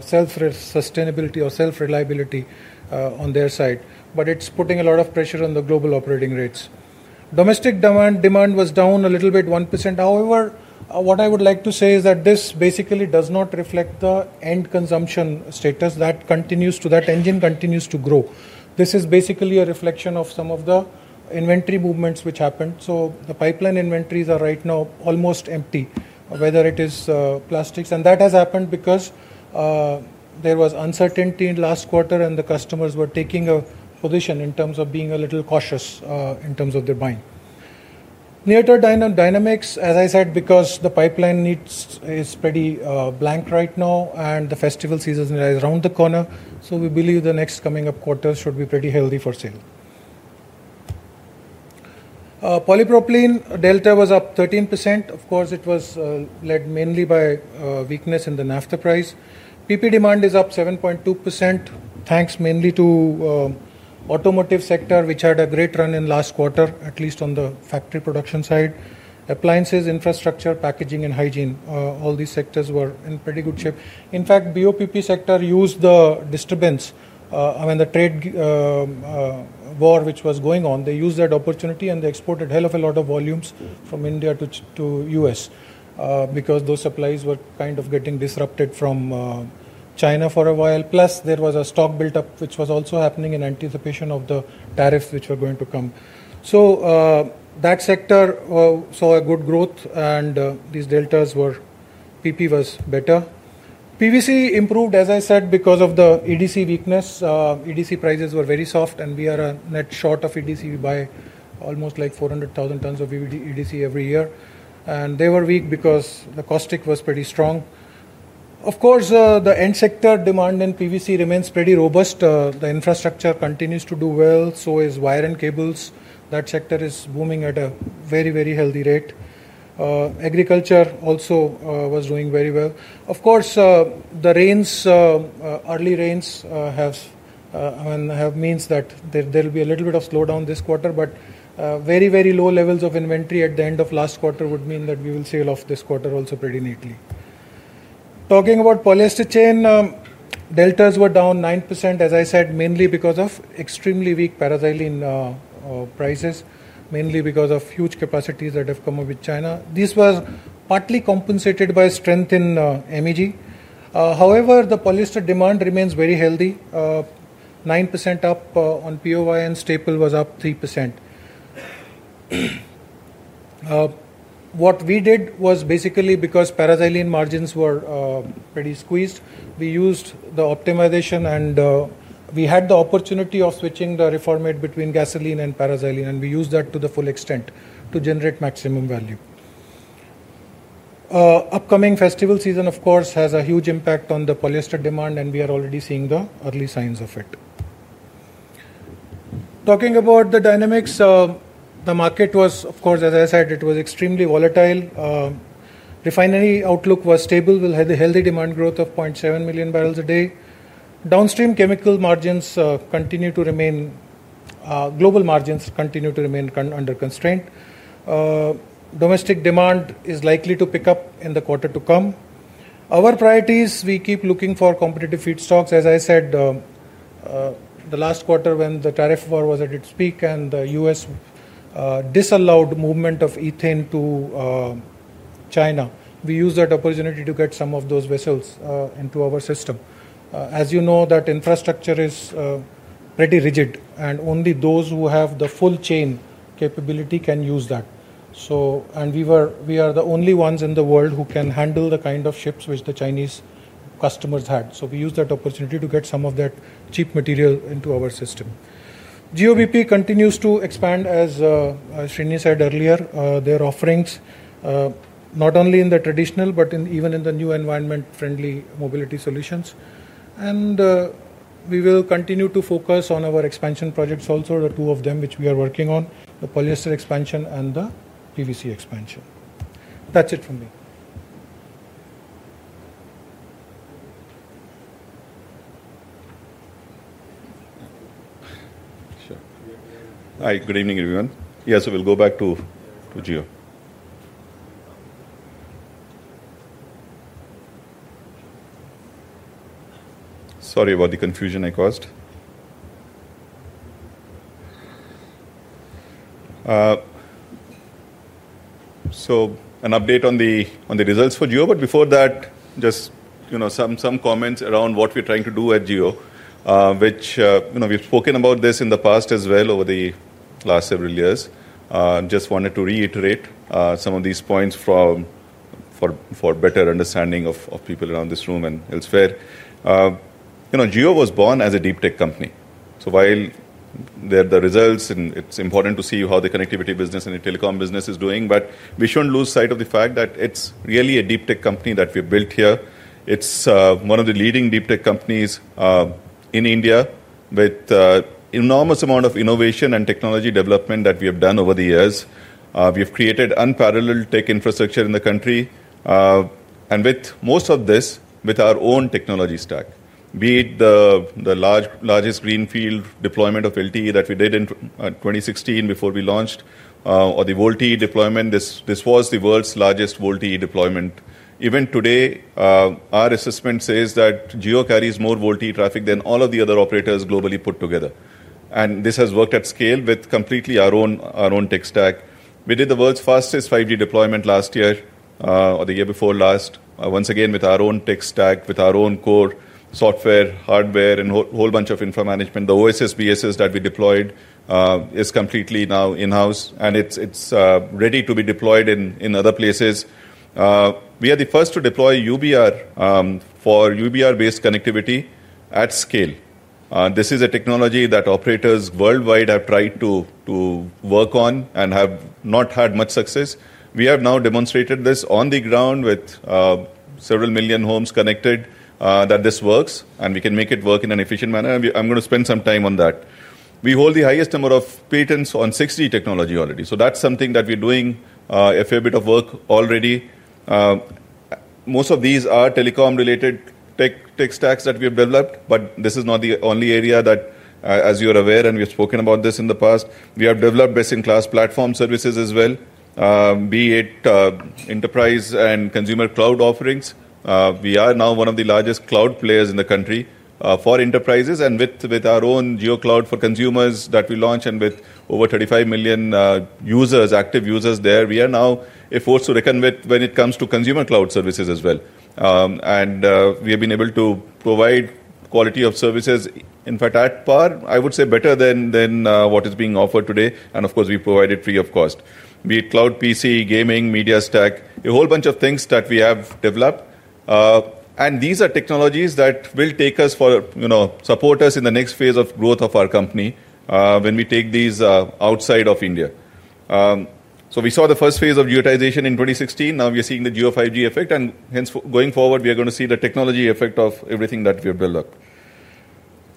self-sustainability or self-reliability on their side. It is putting a lot of pressure on the global operating rates. Domestic demand was down a little bit, 1%. However, what I would like to say is that this basically does not reflect the end consumption status that continues to, that engine continues to grow. This is basically a reflection of some of the inventory movements which happened. The pipeline inventories are right now almost empty, whether it is plastics. That has happened because there was uncertainty in last quarter, and the customers were taking a position in terms of being a little cautious in terms of their buying. Near-term dynamics, as I said, because the pipeline is pretty blank right now, and the festival season is around the corner. We believe the next coming up quarter should be pretty healthy for sale. Polypropylene delta was up 13%. Of course, it was led mainly by weakness in the naphtha price. PP demand is up 7.2%, thanks mainly to the automotive sector, which had a great run in last quarter, at least on the factory production side. Appliances, infrastructure, packaging, and hygiene, all these sectors were in pretty good shape. In fact, BOPP sector used the disturbance when the trade war which was going on. They used that opportunity, and they exported hell of a lot of volumes from India to the U.S. because those supplies were kind of getting disrupted from China for a while. Plus, there was a stock buildup which was also happening in anticipation of the tariffs which were going to come. That sector saw a good growth, and these deltas were PP was better. PVC improved, as I said, because of the EDC weakness. EDC prices were very soft, and we are net short of EDC. We buy almost like 400,000 tons of EDC every year. They were weak because the caustic was pretty strong. Of course, the end sector demand in PVC remains pretty robust. The infrastructure continues to do well. So is wire and cables. That sector is booming at a very, very healthy rate. Agriculture also was doing very well. Of course, the early rains have meant that there will be a little bit of slowdown this quarter, but very, very low levels of inventory at the end of last quarter would mean that we will see a lot of this quarter also pretty neatly. Talking about polyester chain, deltas were down 9%, as I said, mainly because of extremely weak paraxylene prices, mainly because of huge capacities that have come up in China. This was partly compensated by strength in MEG. However, the polyester demand remains very healthy, 9% up on POI, and staple was up 3%. What we did was basically because paraxylene margins were pretty squeezed, we used the optimization, and we had the opportunity of switching the reformat between gasoline and paraxylene, and we used that to the full extent to generate maximum value. Upcoming festival season, of course, has a huge impact on the polyester demand, and we are already seeing the early signs of it. Talking about the dynamics, the market was, of course, as I said, it was extremely volatile. Refinery outlook was stable. We will have the healthy demand growth of 0.7 million barrels a day. Downstream chemical margins continue to remain. Global margins continue to remain under constraint. Domestic demand is likely to pick up in the quarter to come. Our priorities, we keep looking for competitive feedstocks. As I said, the last quarter when the tariff war was at its peak and the U.S. disallowed movement of ethane to China, we used that opportunity to get some of those vessels into our system. As you know, that infrastructure is pretty rigid, and only those who have the full chain capability can use that. We are the only ones in the world who can handle the kind of ships which the Chinese customers had. We used that opportunity to get some of that cheap material into our system. Jio-bp continues to expand, as Shrini said earlier, their offerings not only in the traditional, but even in the new environment-friendly mobility solutions. We will continue to focus on our expansion projects, also the two of them which we are working on, the polyester expansion and the PVC expansion. That is it from me. Sure. Hi. Good evening, everyone. Yeah, we will go back to Jio. Sorry about the confusion I caused. An update on the results for Jio, but before that, just some comments around what we are trying to do at Jio, which we have spoken about in the past as well over the last several years. Just wanted to reiterate some of these points for better understanding of people around this room and elsewhere. Jio was born as a deep tech company. While there are the results, and it's important to see how the connectivity business and the telecom business is doing, we shouldn't lose sight of the fact that it's really a deep tech company that we have built here. It's one of the leading deep tech companies in India with an enormous amount of innovation and technology development that we have done over the years. We have created unparalleled tech infrastructure in the country. With most of this, with our own technology stack, be it the largest greenfield deployment of LTE that we did in 2016 before we launched, or the VoLTE deployment, this was the world's largest VoLTE deployment. Even today, our assessment says that Jio carries more VoLTE traffic than all of the other operators globally put together. This has worked at scale with completely our own tech stack. We did the world's fastest 5G deployment last year or the year before last, once again with our own tech stack, with our own core software, hardware, and a whole bunch of infra management. The OSS/BSS that we deployed is completely now in-house, and it's ready to be deployed in other places. We are the first to deploy UBR for UBR-based connectivity at scale. This is a technology that operators worldwide have tried to work on and have not had much success. We have now demonstrated this on the ground with several million homes connected that this works, and we can make it work in an efficient manner. I'm going to spend some time on that. We hold the highest number of patents on 6G technology already. That is something that we are doing a fair bit of work already. Most of these are telecom-related tech stacks that we have developed, but this is not the only area that, as you are aware, and we have spoken about this in the past. We have developed best-in-class platform services as well, be it enterprise and consumer cloud offerings. We are now one of the largest cloud players in the country for enterprises, and with our own Jio Cloud for consumers that we launched and with over 35 million active users there, we are now a force to reckon with when it comes to consumer cloud services as well. We have been able to provide quality of services, in fact, at par, I would say better than what is being offered today. Of course, we provide it free of cost, be it cloud PC, gaming, media stack, a whole bunch of things that we have developed. These are technologies that will take us for support us in the next phase of growth of our company when we take these outside of India. We saw the first phase of ghettoization in 2016. Now we are seeing the Jio 5G effect, and hence going forward, we are going to see the technology effect of everything that we have built up.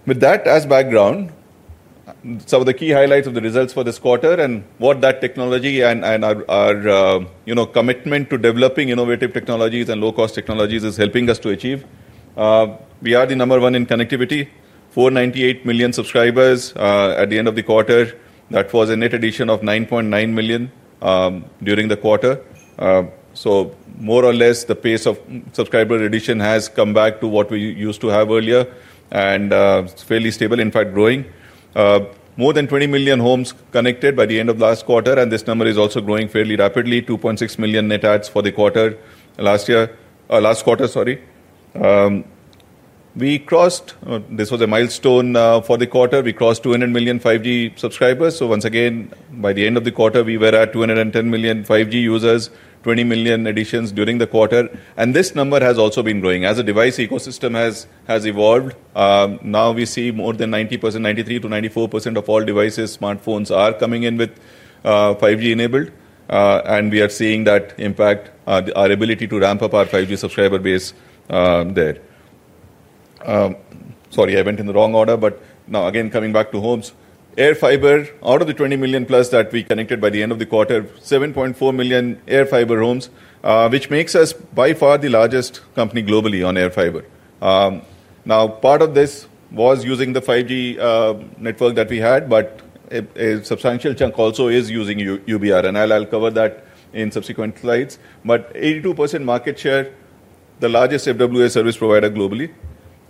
With that as background, some of the key highlights of the results for this quarter and what that technology and our commitment to developing innovative technologies and low-cost technologies is helping us to achieve. We are the number one in connectivity, 498 million subscribers at the end of the quarter. That was a net addition of 9.9 million during the quarter. More or less, the pace of subscriber addition has come back to what we used to have earlier and is fairly stable, in fact, growing. More than 20 million homes connected by the end of last quarter, and this number is also growing fairly rapidly, 2.6 million net adds for the quarter last year, last quarter, sorry. We crossed, this was a milestone for the quarter. We crossed 200 million 5G subscribers. Once again, by the end of the quarter, we were at 210 million 5G users, 20 million additions during the quarter. This number has also been growing as the device ecosystem has evolved. Now we see more than 90%, 93% to 94% of all devices, smartphones are coming in with 5G enabled, and we are seeing that impact, our ability to ramp up our 5G subscriber base there. Sorry, I went in the wrong order, but now again, coming back to homes, JioAirFiber, out of the 20 million plus that we connected by the end of the quarter, 7.4 million JioAirFiber homes, which makes us by far the largest company globally on JioAirFiber. Now, part of this was using the 5G network that we had, but a substantial chunk also is using UBR, and I'll cover that in subsequent slides. But 82% market share, the largest FWA service provider globally.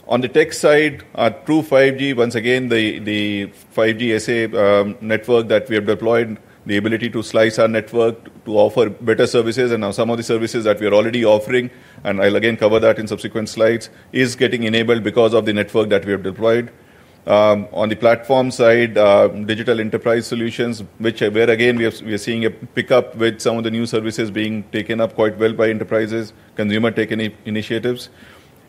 On the tech side, true 5G, once again, the 5G SA network that we have deployed, the ability to slice our network to offer better services. And now some of the services that we are already offering, and I'll again cover that in subsequent slides, is getting enabled because of the network that we have deployed. On the platform side, digital enterprise solutions, which again, we are seeing a pickup with some of the new services being taken up quite well by enterprises, consumer tech initiatives.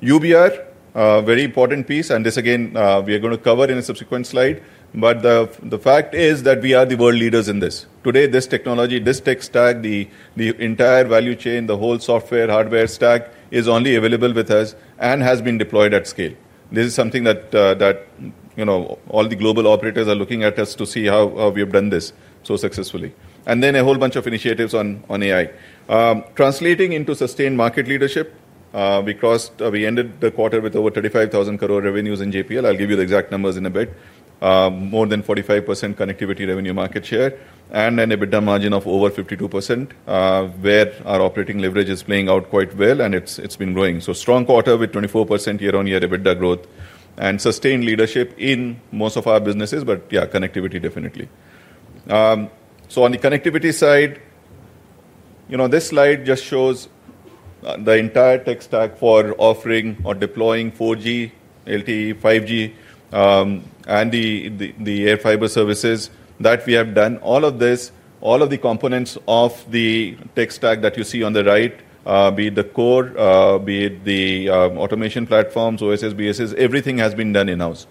UBR, very important piece, and this again, we are going to cover in a subsequent slide. The fact is that we are the world leaders in this. Today, this technology, this tech stack, the entire value chain, the whole software, hardware stack is only available with us and has been deployed at scale. This is something that all the global operators are looking at us to see how we have done this so successfully. A whole bunch of initiatives on AI. Translating into sustained market leadership, we ended the quarter with over 35,000 crore revenues in JPL. I'll give you the exact numbers in a bit. More than 45% connectivity revenue market share and an EBITDA margin of over 52% where our operating leverage is playing out quite well, and it's been growing. Strong quarter with 24% year-on-year EBITDA growth and sustained leadership in most of our businesses, but yeah, connectivity definitely. On the connectivity side, this slide just shows the entire tech stack for offering or deploying 4G, LTE, 5G, and the JioAirFiber services that we have done. All of this, all of the components of the tech stack that you see on the right, be it the core, be it the automation platforms, OSS/BSS, everything has been done in-house.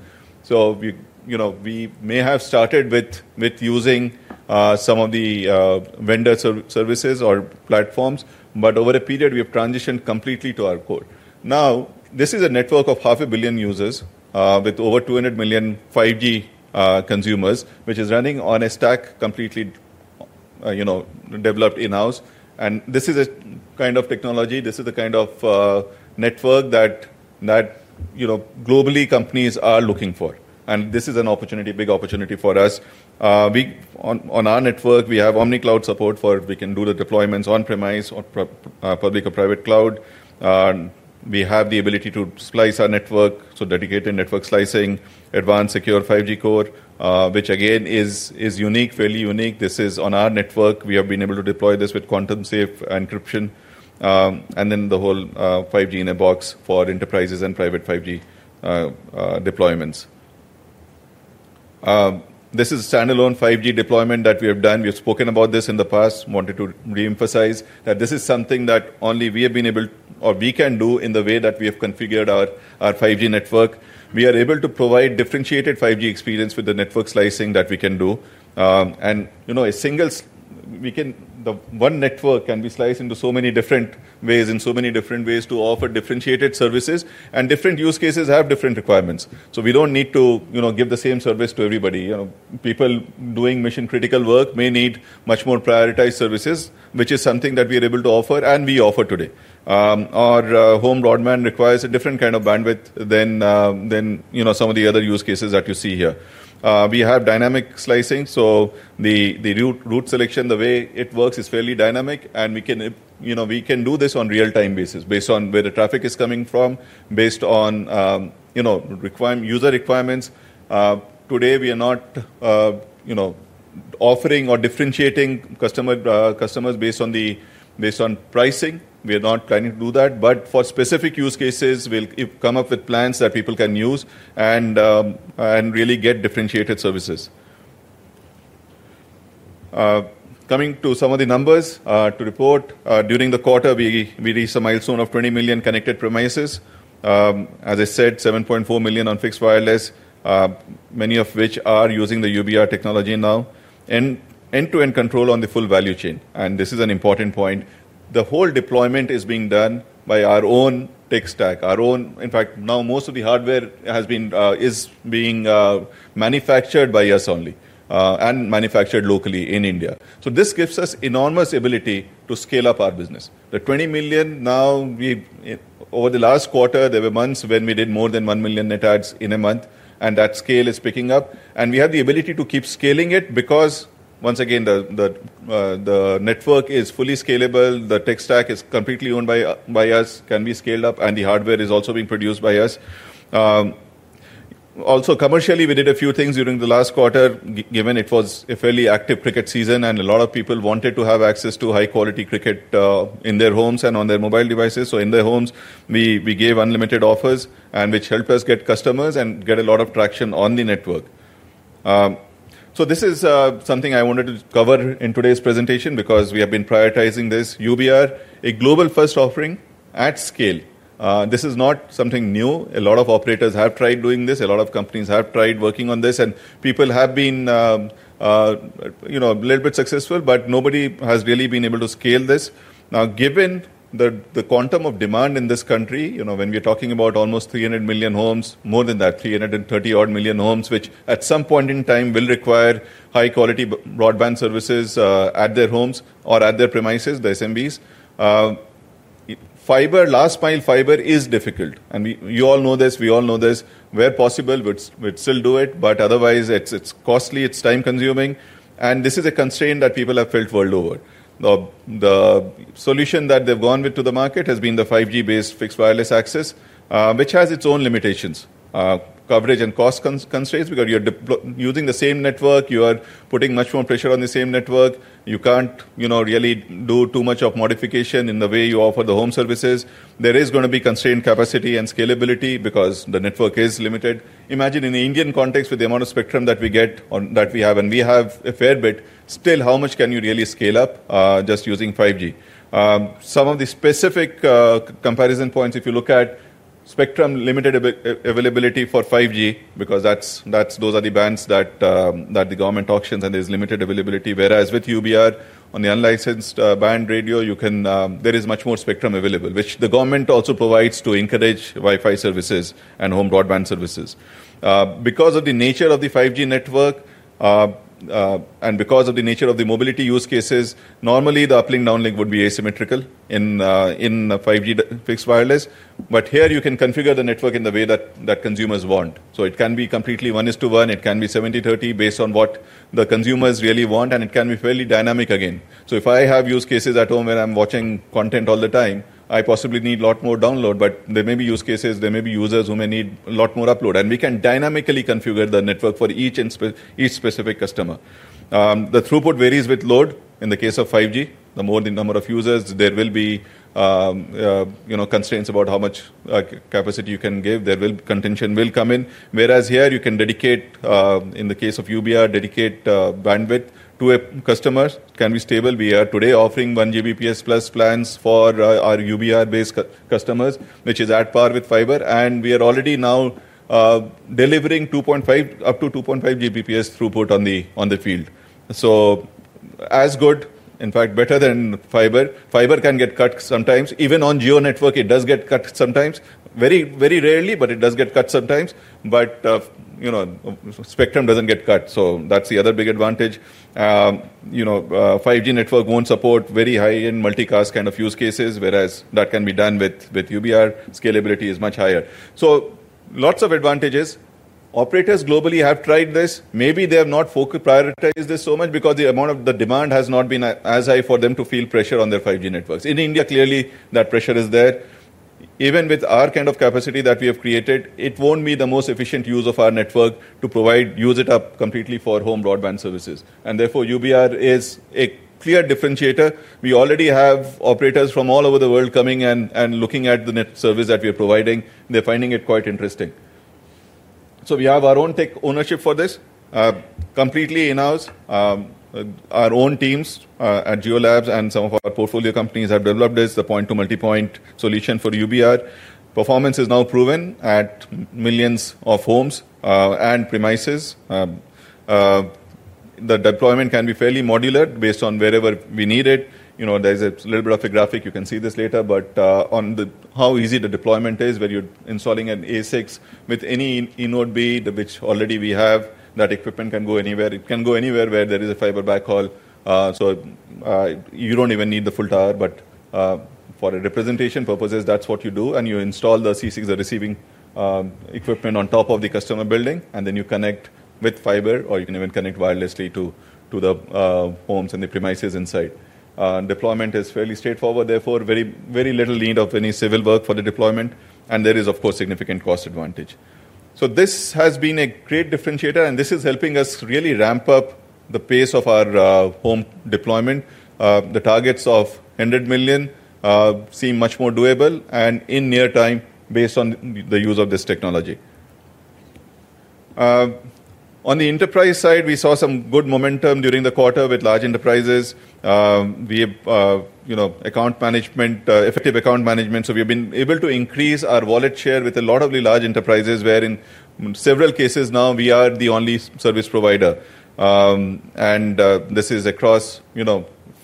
We may have started with using some of the vendor services or platforms, but over a period, we have transitioned completely to our core. Now, this is a network of half a billion users with over 200 million 5G consumers, which is running on a stack completely developed in-house. This is a kind of technology. This is the kind of network that globally companies are looking for. This is a big opportunity for us. On our network, we have OmniCloud support for we can do the deployments on-premise or public or private cloud. We have the ability to slice our network, so dedicated network slicing, advanced secure 5G core, which again is unique, fairly unique. This is on our network. We have been able to deploy this with quantum-safe encryption and then the whole 5G in a box for enterprises and private 5G deployments. This is a standalone 5G deployment that we have done. We have spoken about this in the past, wanted to reemphasize that this is something that only we have been able or we can do in the way that we have configured our 5G network. We are able to provide differentiated 5G experience with the network slicing that we can do. A single network can be sliced in so many different ways to offer differentiated services, and different use cases have different requirements. We do not need to give the same service to everybody. People doing mission-critical work may need much more prioritized services, which is something that we are able to offer and we offer today. Our home broadband requires a different kind of bandwidth than some of the other use cases that you see here. We have dynamic slicing, so the route selection, the way it works is fairly dynamic, and we can do this on a real-time basis based on where the traffic is coming from, based on user requirements. Today, we are not offering or differentiating customers based on pricing. We are not trying to do that, but for specific use cases, we'll come up with plans that people can use and really get differentiated services. Coming to some of the numbers to report, during the quarter, we reached a milestone of 20 million connected premises. As I said, 7.4 million on fixed wireless, many of which are using the UBR technology now, end-to-end control on the full value chain. This is an important point. The whole deployment is being done by our own tech stack. In fact, now most of the hardware is being manufactured by us only and manufactured locally in India. This gives us enormous ability to scale up our business. The 20 million now, over the last quarter, there were months when we did more than 1 million net adds in a month, and that scale is picking up. We have the ability to keep scaling it because, once again, the network is fully scalable, the tech stack is completely owned by us, can be scaled up, and the hardware is also being produced by us. Also, commercially, we did a few things during the last quarter, given it was a fairly active cricket season and a lot of people wanted to have access to high-quality cricket in their homes and on their mobile devices. In their homes, we gave unlimited offers which helped us get customers and get a lot of traction on the network. This is something I wanted to cover in today's presentation because we have been prioritizing this. UBR, a global-first offering at scale. This is not something new. A lot of operators have tried doing this. A lot of companies have tried working on this, and people have been a little bit successful, but nobody has really been able to scale this. Now, given the quantum of demand in this country, when we are talking about almost 300 million homes, more than that, 330-odd million homes, which at some point in time will require high-quality broadband services at their homes or at their premises, the SMBs, fiber, last-mile fiber is difficult. You all know this, we all know this. Where possible, we'd still do it, but otherwise, it's costly, it's time-consuming, and this is a constraint that people have felt world over. The solution that they've gone with to the market has been the 5G-based fixed wireless access, which has its own limitations, coverage, and cost constraints because you're using the same network, you are putting much more pressure on the same network, you can't really do too much of modification in the way you offer the home services. There is going to be constrained capacity and scalability because the network is limited. Imagine in the Indian context with the amount of spectrum that we get or that we have, and we have a fair bit, still how much can you really scale up just using 5G? Some of the specific comparison points, if you look at spectrum limited availability for 5G because those are the bands that the government auctions and there's limited availability, whereas with UBR on the unlicensed band radio, there is much more spectrum available, which the government also provides to encourage Wi-Fi services and home broadband services. Because of the nature of the 5G network and because of the nature of the mobility use cases, normally the uplink/downlink would be asymmetrical in 5G fixed wireless, but here you can configure the network in the way that consumers want. It can be completely 1:1, it can be 70/30 based on what the consumers really want, and it can be fairly dynamic again. If I have use cases at home where I'm watching content all the time, I possibly need a lot more download, but there may be use cases, there may be users who may need a lot more upload, and we can dynamically configure the network for each specific customer. The throughput varies with load. In the case of 5G, the more the number of users, there will be constraints about how much capacity you can give. Contention will come in, whereas here you can dedicate, in the case of UBR, dedicate bandwidth to a customer. Can we be stable? We are today offering 1 Gbps plus plans for our UBR-based customers, which is at par with fiber, and we are already now delivering up to 2.5 Gbps throughput on the field. As good, in fact, better than fiber. Fiber can get cut sometimes. Even on Jio network, it does get cut sometimes. Very rarely, but it does get cut sometimes, but spectrum does not get cut. That is the other big advantage. 5G network will not support very high-end multicast kind of use cases, whereas that can be done with UBR. Scalability is much higher. Lots of advantages. Operators globally have tried this. Maybe they have not prioritized this so much because the demand has not been as high for them to feel pressure on their 5G networks. In India, clearly, that pressure is there. Even with our kind of capacity that we have created, it will not be the most efficient use of our network to use it up completely for home broadband services. Therefore, UBR is a clear differentiator. We already have operators from all over the world coming and looking at the service that we are providing. They're finding it quite interesting. We have our own tech ownership for this, completely in-house. Our own teams at Jiolabs and some of our portfolio companies have developed this, the point-to-multipoint solution for UBR. Performance is now proven at millions of homes and premises. The deployment can be fairly modular based on wherever we need it. There's a little bit of a graphic. You can see this later, but on how easy the deployment is, where you're installing an ASIC with any eNodeB, which already we have, that equipment can go anywhere. It can go anywhere where there is a fiber backhaul. You do not even need the full tower, but for representation purposes, that's what you do. You install the C6, the receiving equipment on top of the customer building, and then you connect with fiber or you can even connect wirelessly to the homes and the premises inside. Deployment is fairly straightforward. Therefore, very little need of any civil work for the deployment, and there is, of course, significant cost advantage. This has been a great differentiator, and this is helping us really ramp up the pace of our home deployment. The targets of 100 million seem much more doable and in near time based on the use of this technology. On the enterprise side, we saw some good momentum during the quarter with large enterprises. We have account management, effective account management. We have been able to increase our wallet share with a lot of large enterprises, where in several cases now, we are the only service provider. This is across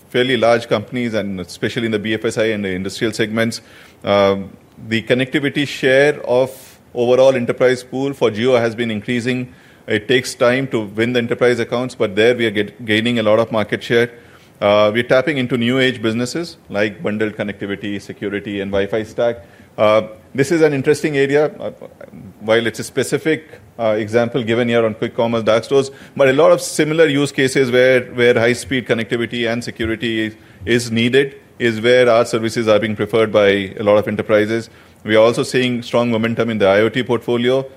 fairly large companies, and especially in the BFSI and the industrial segments. The connectivity share of overall enterprise pool for Jio has been increasing. It takes time to win the enterprise accounts, but there we are gaining a lot of market share. We're tapping into new-age businesses like bundled connectivity, security, and Wi-Fi stack. This is an interesting area. While it's a specific example given here on Quick Commerce Dark Stores, a lot of similar use cases where high-speed connectivity and security is needed is where our services are being preferred by a lot of enterprises. We are also seeing strong momentum in the IoT portfolio.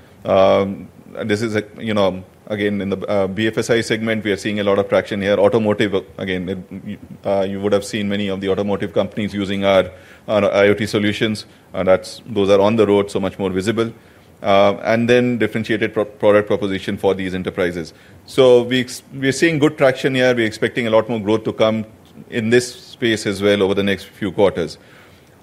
This is, again, in the BFSI segment, we are seeing a lot of traction here. Automotive, again, you would have seen many of the automotive companies using our IoT solutions. Those are on the road, so much more visible. Then differentiated product proposition for these enterprises. We're seeing good traction here. We're expecting a lot more growth to come in this space as well over the next few quarters.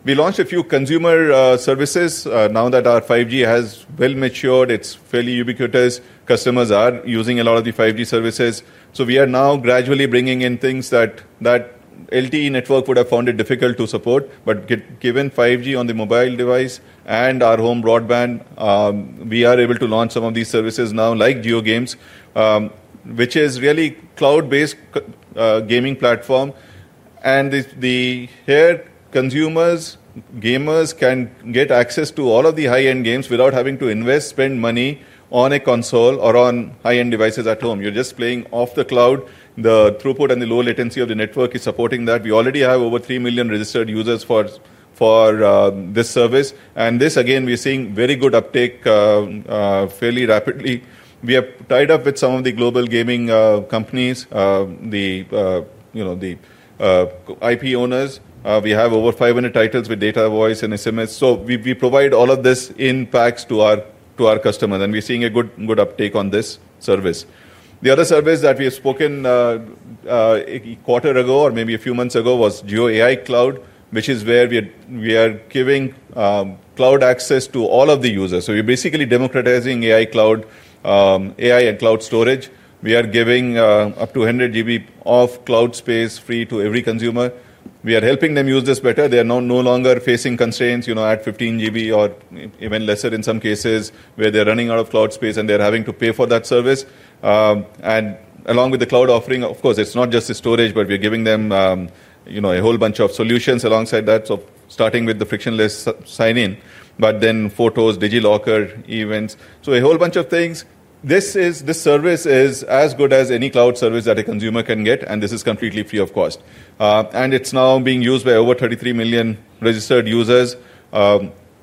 We launched a few consumer services. Now that our 5G has well matured, it's fairly ubiquitous. Customers are using a lot of the 5G services. We are now gradually bringing in things that LTE network would have found it difficult to support, but given 5G on the mobile device and our home broadband, we are able to launch some of these services now, like JioGames, which is really a cloud-based gaming platform. Here, consumers, gamers can get access to all of the high-end games without having to invest, spend money on a console or on high-end devices at home. You're just playing off the cloud. The throughput and the low latency of the network is supporting that. We already have over 3 million registered users for this service. We are seeing very good uptake fairly rapidly. We have tied up with some of the global gaming companies, the IP owners. We have over 500 titles with Datavoice and SMS. We provide all of this in packs to our customers, and we are seeing a good uptake on this service. The other service that we have spoken a quarter ago or maybe a few months ago was JioAI Cloud, which is where we are giving cloud access to all of the users. We are basically democratizing AI and cloud storage. We are giving up to 100 GB of cloud space free to every consumer. We are helping them use this better. They are no longer facing constraints at 15 GB or even lesser in some cases where they're running out of cloud space and they're having to pay for that service. Along with the cloud offering, of course, it's not just the storage, but we're giving them a whole bunch of solutions alongside that. Starting with the frictionless sign-in, then photos, DigiLocker, events. A whole bunch of things. This service is as good as any cloud service that a consumer can get, and this is completely free of cost. It is now being used by over 33 million registered users.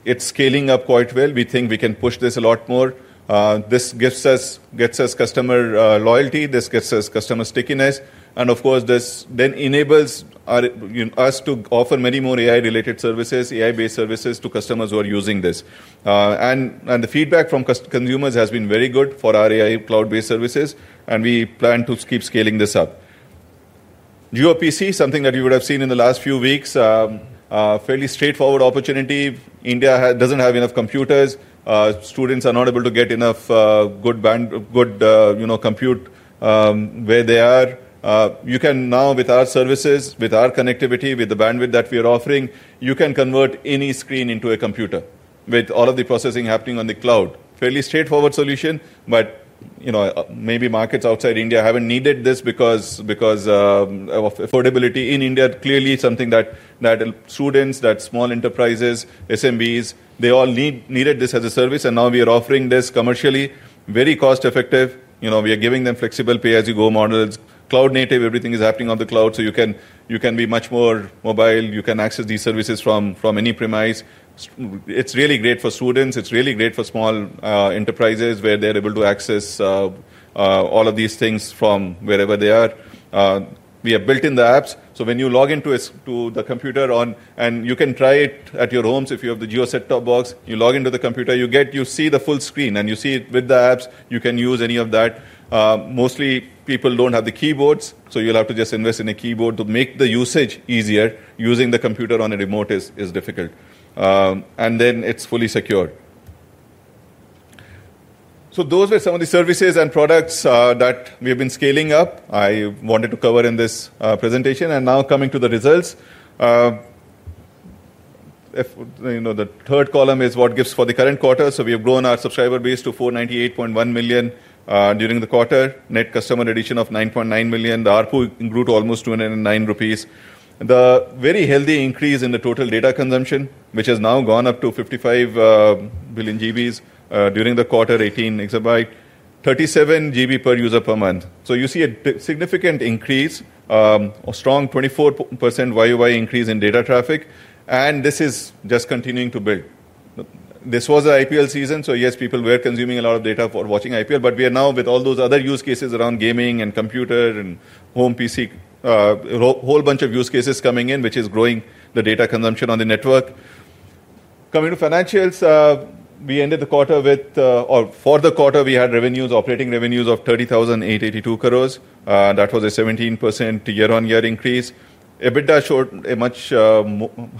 It's scaling up quite well. We think we can push this a lot more. This gets us customer loyalty. This gets us customer stickiness. Of course, this then enables us to offer many more AI-related services, AI-based services to customers who are using this. The feedback from consumers has been very good for our AI cloud-based services, and we plan to keep scaling this up. JioPC, something that you would have seen in the last few weeks, a fairly straightforward opportunity. India does not have enough computers. Students are not able to get enough good compute where they are. You can now, with our services, with our connectivity, with the bandwidth that we are offering, you can convert any screen into a computer with all of the processing happening on the cloud. Fairly straightforward solution, but maybe markets outside India have not needed this because of affordability in India. Clearly, something that students, that small enterprises, SMBs, they all needed this as a service, and now we are offering this commercially. Very cost-effective. We are giving them flexible pay-as-you-go models. Cloud-native, everything is happening on the cloud, so you can be much more mobile. You can access these services from any premise. It's really great for students. It's really great for small enterprises where they're able to access all of these things from wherever they are. We have built in the apps. When you log into the computer, and you can try it at your homes if you have the Jio set top box, you log into the computer, you see the full screen, and you see with the apps, you can use any of that. Mostly, people don't have the keyboards, so you'll have to just invest in a keyboard. To make the usage easier, using the computer on a remote is difficult. It is fully secure. Those were some of the services and products that we have been scaling up. I wanted to cover in this presentation. Now coming to the results. The third column is what gifts for the current quarter. We have grown our subscriber base to 498.1 million during the quarter, net customer addition of 9.9 million. The ARPU grew to almost 209 rupees. The very healthy increase in the total data consumption, which has now gone up to 55 billion GBs during the quarter, 18 exabyte, 37 GB per user per month. You see a significant increase, a strong 24% YUY increase in data traffic, and this is just continuing to build. This was IPL season, so yes, people were consuming a lot of data for watching IPL, but we are now with all those other use cases around gaming and computer and home PC, a whole bunch of use cases coming in, which is growing the data consumption on the network. Coming to financials, we ended the quarter with, or for the quarter, we had revenues, operating revenues of 30,882 crore. That was a 17% year-on-year increase. EBITDA showed a much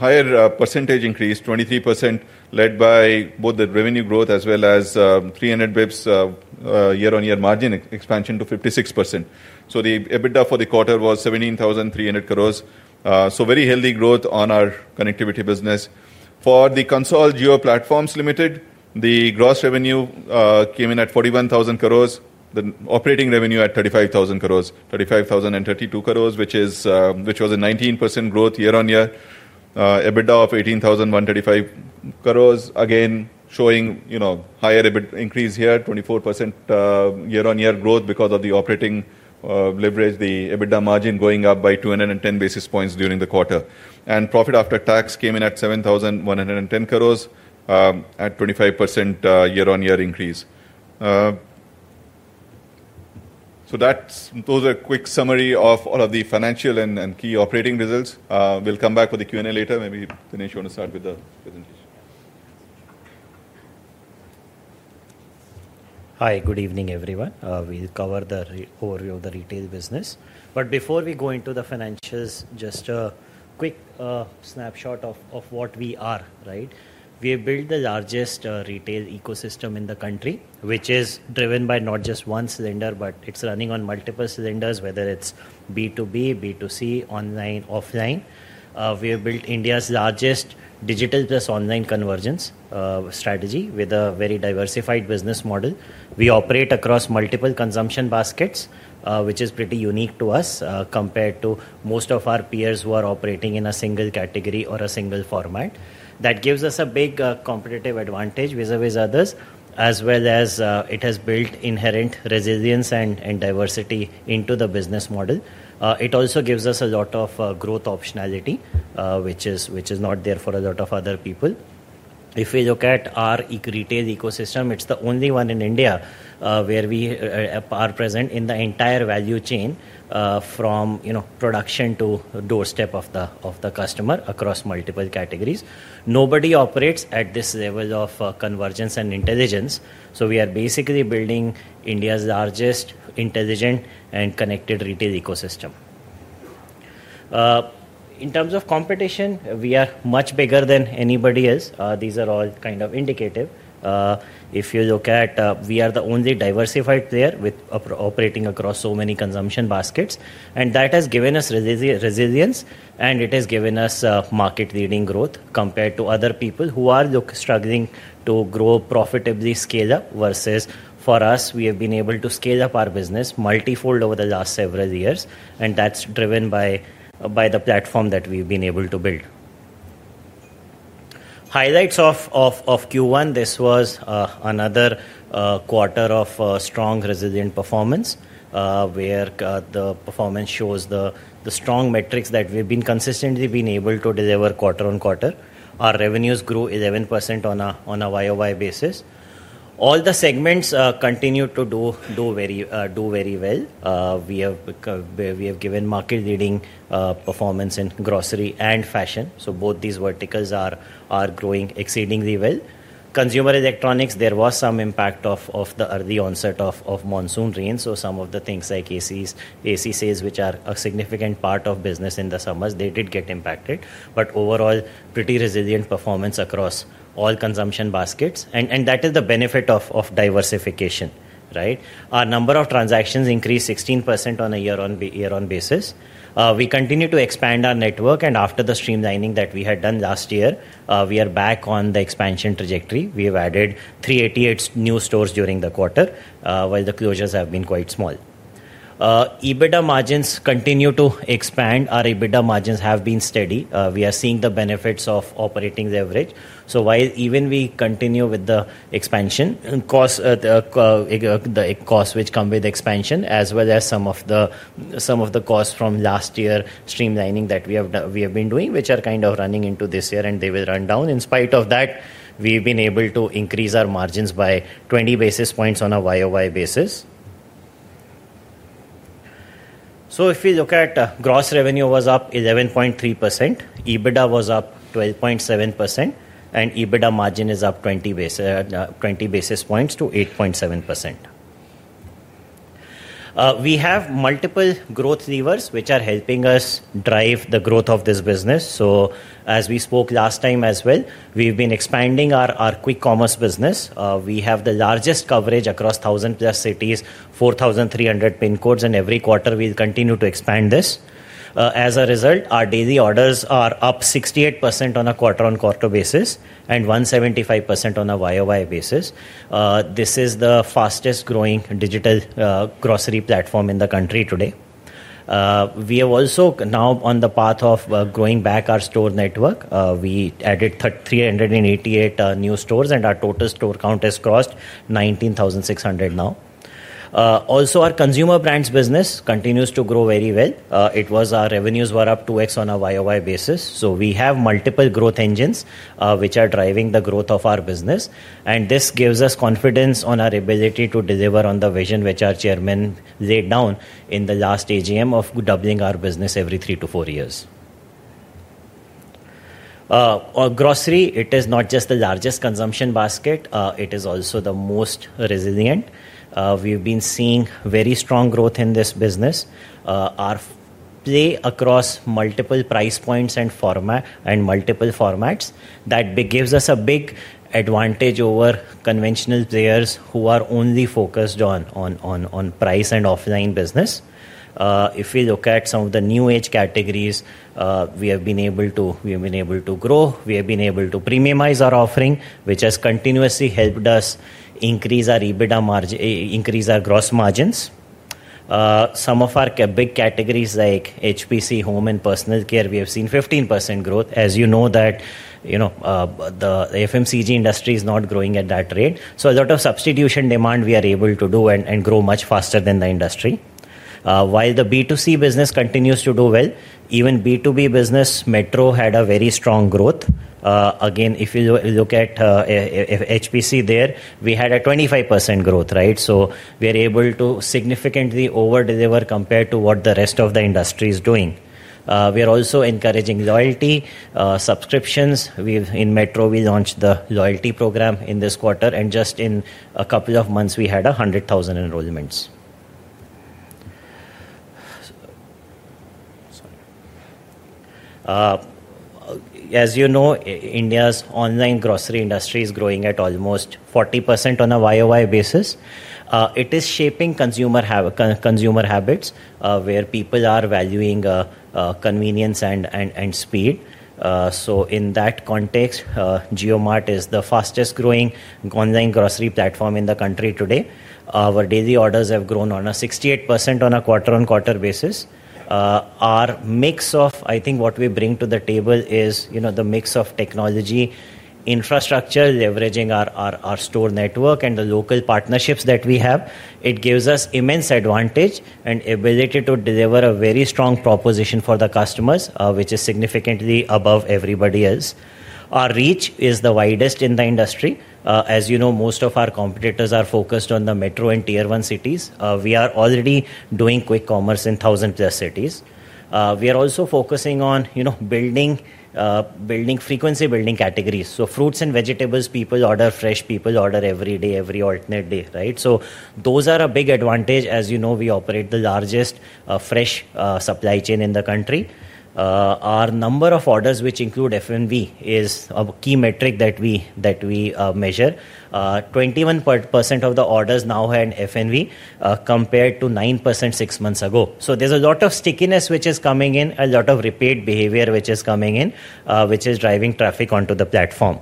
higher percentage increase, 23%, led by both the revenue growth as well as 300 basis points year-on-year margin expansion to 56%. The EBITDA for the quarter was 17,300 crore. Very healthy growth on our connectivity business. For the consolidated Jio Platforms Limited, the gross revenue came in at 41,000 crore, the operating revenue at 35,000 crore, 35,032 crore, which was a 19% growth year-on-year. EBITDA of 18,135 crore, again showing higher increase here, 24% year-on-year growth because of the operating leverage, the EBITDA margin going up by 210 basis points during the quarter. Profit after tax came in at 7,110 crore at 25% year-on-year increase. Those are a quick summary of all of the financial and key operating results. We'll come back with the Q&A later. Maybe Dinesh wants to start with the presentation. Hi, good evening, everyone. We'll cover the overview of the retail business. Before we go into the financials, just a quick snapshot of what we are. We have built the largest retail ecosystem in the country, which is driven by not just one cylinder, but it's running on multiple cylinders, whether it's B2B, B2C, online, offline. We have built India's largest digital plus online convergence strategy with a very diversified business model. We operate across multiple consumption baskets, which is pretty unique to us compared to most of our peers who are operating in a single category or a single format. That gives us a big competitive advantage vis-à-vis others, as well as it has built inherent resilience and diversity into the business model. It also gives us a lot of growth optionality, which is not there for a lot of other people. If we look at our retail ecosystem, it's the only one in India where we are present in the entire value chain from production to doorstep of the customer across multiple categories. Nobody operates at this level of convergence and intelligence. We are basically building India's largest intelligent and connected retail ecosystem. In terms of competition, we are much bigger than anybody else. These are all kind of indicative. If you look at, we are the only diversified player operating across so many consumption baskets. That has given us resilience, and it has given us market-leading growth compared to other people who are struggling to grow profitably. Scale-up versus for us, we have been able to scale up our business multi-fold over the last several years. That is driven by the platform that we have been able to build. Highlights of Q1, this was another quarter of strong resilient performance where the performance shows the strong metrics that we have consistently been able to deliver quarter on quarter. Our revenues grew 11% on a YOY basis. All the segments continue to do very well. We have given market-leading performance in grocery and fashion. Both these verticals are growing exceedingly well. Consumer electronics, there was some impact of the early onset of monsoon rains. Some of the things like AC sales, which are a significant part of business in the summers, did get impacted. Overall, pretty resilient performance across all consumption baskets. That is the benefit of diversification. Our number of transactions increased 16% on a year-on-year basis. We continue to expand our network. After the streamlining that we had done last year, we are back on the expansion trajectory. We have added 388 new stores during the quarter, while the closures have been quite small. EBITDA margins continue to expand. Our EBITDA margins have been steady. We are seeing the benefits of operating the average. While we continue with the expansion, the costs which come with expansion, as well as some of the costs from last year's streamlining that we have been doing, are kind of running into this year and they will run down. In spite of that, we've been able to increase our margins by 20 basis points on a YOY basis. If we look at gross revenue, it was up 11.3%. EBITDA was up 12.7%. EBITDA margin is up 20 basis points to 8.7%. We have multiple growth levers which are helping us drive the growth of this business. As we spoke last time as well, we've been expanding our quick commerce business. We have the largest coverage across 1,000 plus cities, 4,300 pin codes, and every quarter we'll continue to expand this. As a result, our daily orders are up 68% on a quarter-on-quarter basis and 175% on a YOY basis. This is the fastest growing digital grocery platform in the country today. We have also now on the path of growing back our store network. We added 388 new stores, and our total store count has crossed 19,600 now. Also, our consumer brands business continues to grow very well. Our revenues were up 2x on a YOY basis. We have multiple growth engines which are driving the growth of our business. This gives us confidence on our ability to deliver on the vision which our Chairman laid down in the last AGM of doubling our business every three to four years. Grocery, it is not just the largest consumption basket. It is also the most resilient. We've been seeing very strong growth in this business. Our play across multiple price points and multiple formats gives us a big advantage over conventional players who are only focused on price and offline business. If we look at some of the new age categories, we have been able to grow, we have been able to premiumize our offering, which has continuously helped us increase our gross margins. Some of our big categories like HPC, home, and personal care, we have seen 15% growth. As you know, the FMCG industry is not growing at that rate. So a lot of substitution demand we are able to do and grow much faster than the industry. While the B2C business continues to do well, even B2B business, Metro had a very strong growth. Again, if you look at HPC there, we had a 25% growth. We are able to significantly overdeliver compared to what the rest of the industry is doing. We are also encouraging loyalty subscriptions. In Metro, we launched the loyalty program in this quarter. Just in a couple of months, we had 100,000 enrollments. As you know, India's online grocery industry is growing at almost 40% on a year-on-year basis. It is shaping consumer habits, where people are valuing convenience and speed. In that context, JioMart is the fastest growing online grocery platform in the country today. Our daily orders have grown 68% on a quarter-on-quarter basis. I think what we bring to the table is the mix of technology, infrastructure, leveraging our store network, and the local partnerships that we have. It gives us immense advantage and ability to deliver a very strong proposition for the customers, which is significantly above everybody else. Our reach is the widest in the industry. As you know, most of our competitors are focused on the metro and tier-one cities. We are already doing quick commerce in 1,000-plus cities. We are also focusing on building frequency building categories. Fruits and vegetables, people order fresh, people order every day, every alternate day. Those are a big advantage. As you know, we operate the largest fresh supply chain in the country. Our number of orders, which include FNV, is a key metric that we measure. 21% of the orders now had FNV compared to 9% six months ago. There is a lot of stickiness which is coming in, a lot of repeat behavior which is coming in, which is driving traffic onto the platform.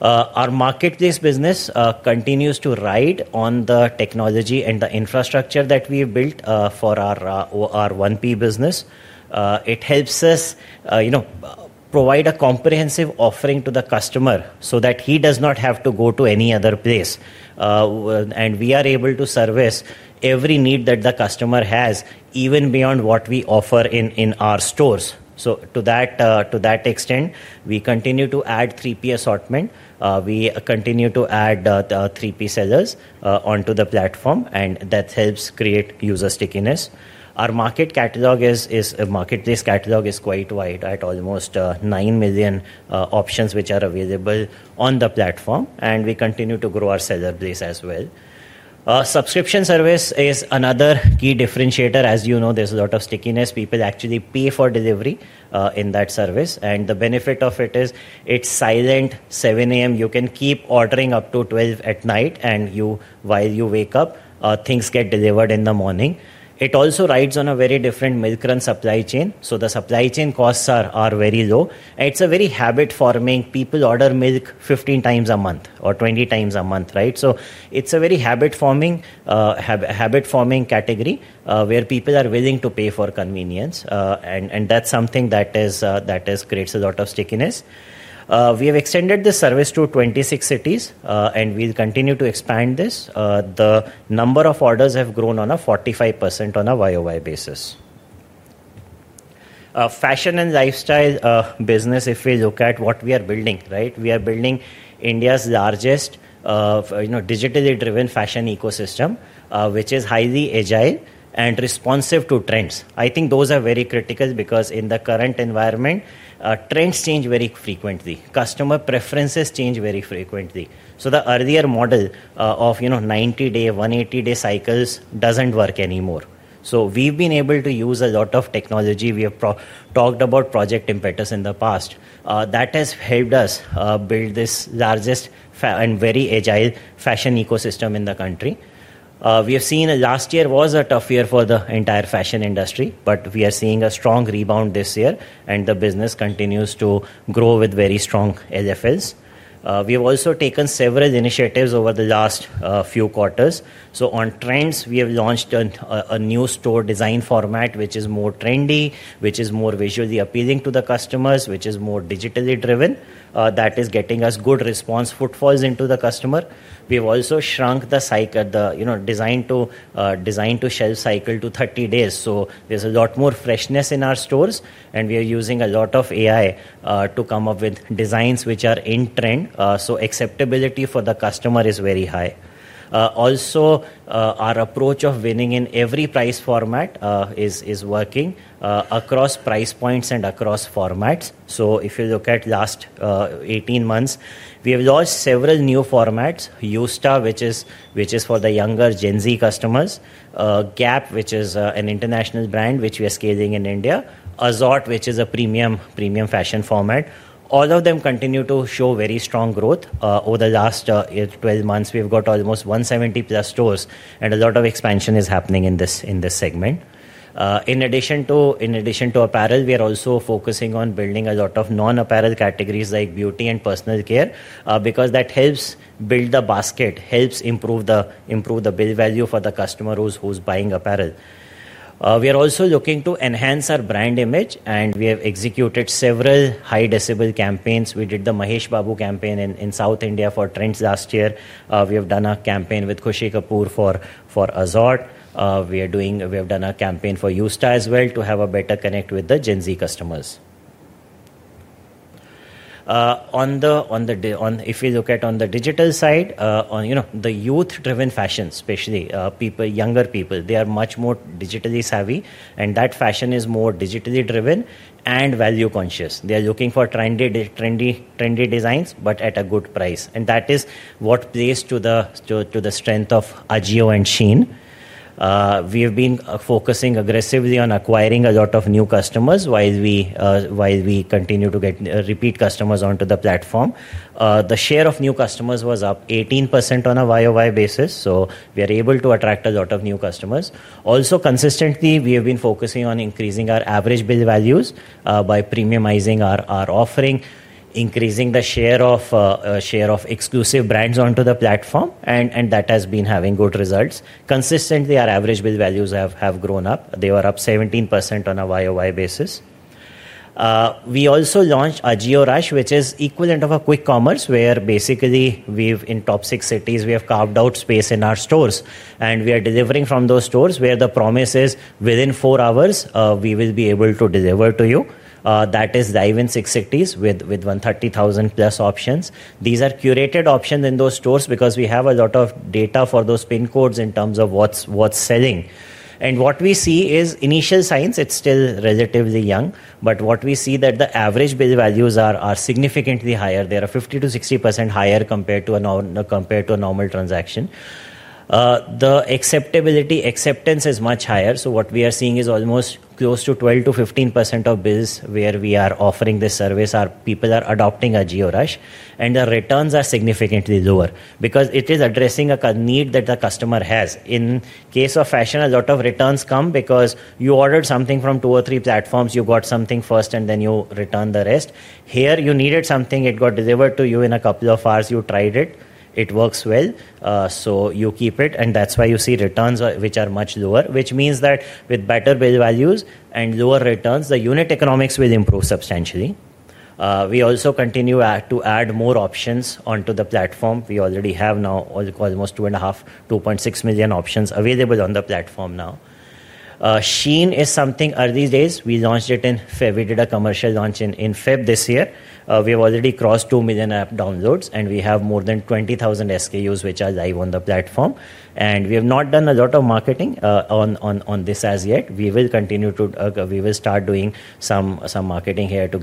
Our marketplace business continues to ride on the technology and the infrastructure that we have built for our 1P business. It helps us provide a comprehensive offering to the customer so that he does not have to go to any other place. We are able to service every need that the customer has, even beyond what we offer in our stores. To that extent, we continue to add 3P assortment. We continue to add 3P sellers onto the platform, and that helps create user stickiness. Our marketplace catalog is quite wide at almost 9 million options which are available on the platform. We continue to grow our seller base as well. Subscription service is another key differentiator. As you know, there is a lot of stickiness. People actually pay for delivery in that service. The benefit of it is it is silent 7:00 A.M. You can keep ordering up to 12:00 at night, and while you wake up, things get delivered in the morning. It also rides on a very different milk run supply chain. The supply chain costs are very low. It is a very habit-forming. People order milk 15 times a month or 20 times a month. It is a very habit-forming category where people are willing to pay for convenience. That is something that creates a lot of stickiness. We have extended the service to 26 cities, and we will continue to expand this. The number of orders has grown 45% on a year-on-year basis. Fashion and lifestyle business, if we look at what we are building, we are building India's largest digitally driven fashion ecosystem, which is highly agile and responsive to trends. I think those are very critical because in the current environment, trends change very frequently. Customer preferences change very frequently. The earlier model of 90-day, 180-day cycles does not work anymore. We have been able to use a lot of technology. We have talked about project impetus in the past. That has helped us build this largest and very agile fashion ecosystem in the country. We have seen last year was a tough year for the entire fashion industry, but we are seeing a strong rebound this year, and the business continues to grow with very strong LFLs. We have also taken several initiatives over the last few quarters. On Trends, we have launched a new store design format, which is more trendy, which is more visually appealing to the customers, which is more digitally driven. That is getting us good response footfalls into the customer. We have also shrunk the design to shelf cycle to 30 days. There is a lot more freshness in our stores, and we are using a lot of AI to come up with designs which are in trend. Acceptability for the customer is very high. Also, our approach of winning in every price format is working across price points and across formats. If you look at the last 18 months, we have launched several new formats: Yousta, which is for the younger Gen Z customers; Gap, which is an international brand, which we are scaling in India; Azorte, which is a premium fashion format. All of them continue to show very strong growth. Over the last 12 months, we have got almost 170 plus stores, and a lot of expansion is happening in this segment. In addition to apparel, we are also focusing on building a lot of non-apparel categories like beauty and personal care because that helps build the basket, helps improve the build value for the customer who is buying apparel. We are also looking to enhance our brand image, and we have executed several high-decibel campaigns. We did the Mahesh Babu campaign in South India for Trends last year. We have done a campaign with Khushi Kapoor for AJIO. We have done a campaign for Yusta as well to have a better connect with the Gen Z customers. If you look at on the digital side, the youth-driven fashion, especially younger people, they are much more digitally savvy, and that fashion is more digitally driven and value-conscious. They are looking for trendy designs, but at a good price. That is what plays to the strength of AJIO and Shein. We have been focusing aggressively on acquiring a lot of new customers while we continue to get repeat customers onto the platform. The share of new customers was up 18% on a year-on-year basis. We are able to attract a lot of new customers. Also, consistently, we have been focusing on increasing our average build values by premiumizing our offering, increasing the share of exclusive brands onto the platform, and that has been having good results. Consistently, our average build values have grown up. They were up 17% on a YOY basis. We also launched AJIO RUSH, which is equivalent of a quick commerce, where basically in top six cities, we have carved out space in our stores, and we are delivering from those stores where the promise is within four hours, we will be able to deliver to you. That is live in six cities with 130,000 plus options. These are curated options in those stores because we have a lot of data for those pin codes in terms of what's selling. What we see is initial signs. It's still relatively young, but what we see is that the average build values are significantly higher. They are 50%-60% higher compared to a normal transaction. The acceptability, acceptance is much higher. What we are seeing is almost close to 12%-15% of bills where we are offering this service. People are adopting AJIO RUSH, and the returns are significantly lower because it is addressing a need that the customer has. In case of fashion, a lot of returns come because you ordered something from two or three platforms, you got something first, and then you return the rest. Here, you needed something, it got delivered to you in a couple of hours, you tried it, it works well, so you keep it, and that's why you see returns which are much lower, which means that with better build values and lower returns, the unit economics will improve substantially. We also continue to add more options onto the platform. We already have now almost 2.5-2.6 million options available on the platform now. Shein is something early days. We launched it in February, did a commercial launch in February this year. We have already crossed 2 million app downloads, and we have more than 20,000 SKUs which are live on the platform. We have not done a lot of marketing on this as yet. We will continue to, we will start doing some marketing here to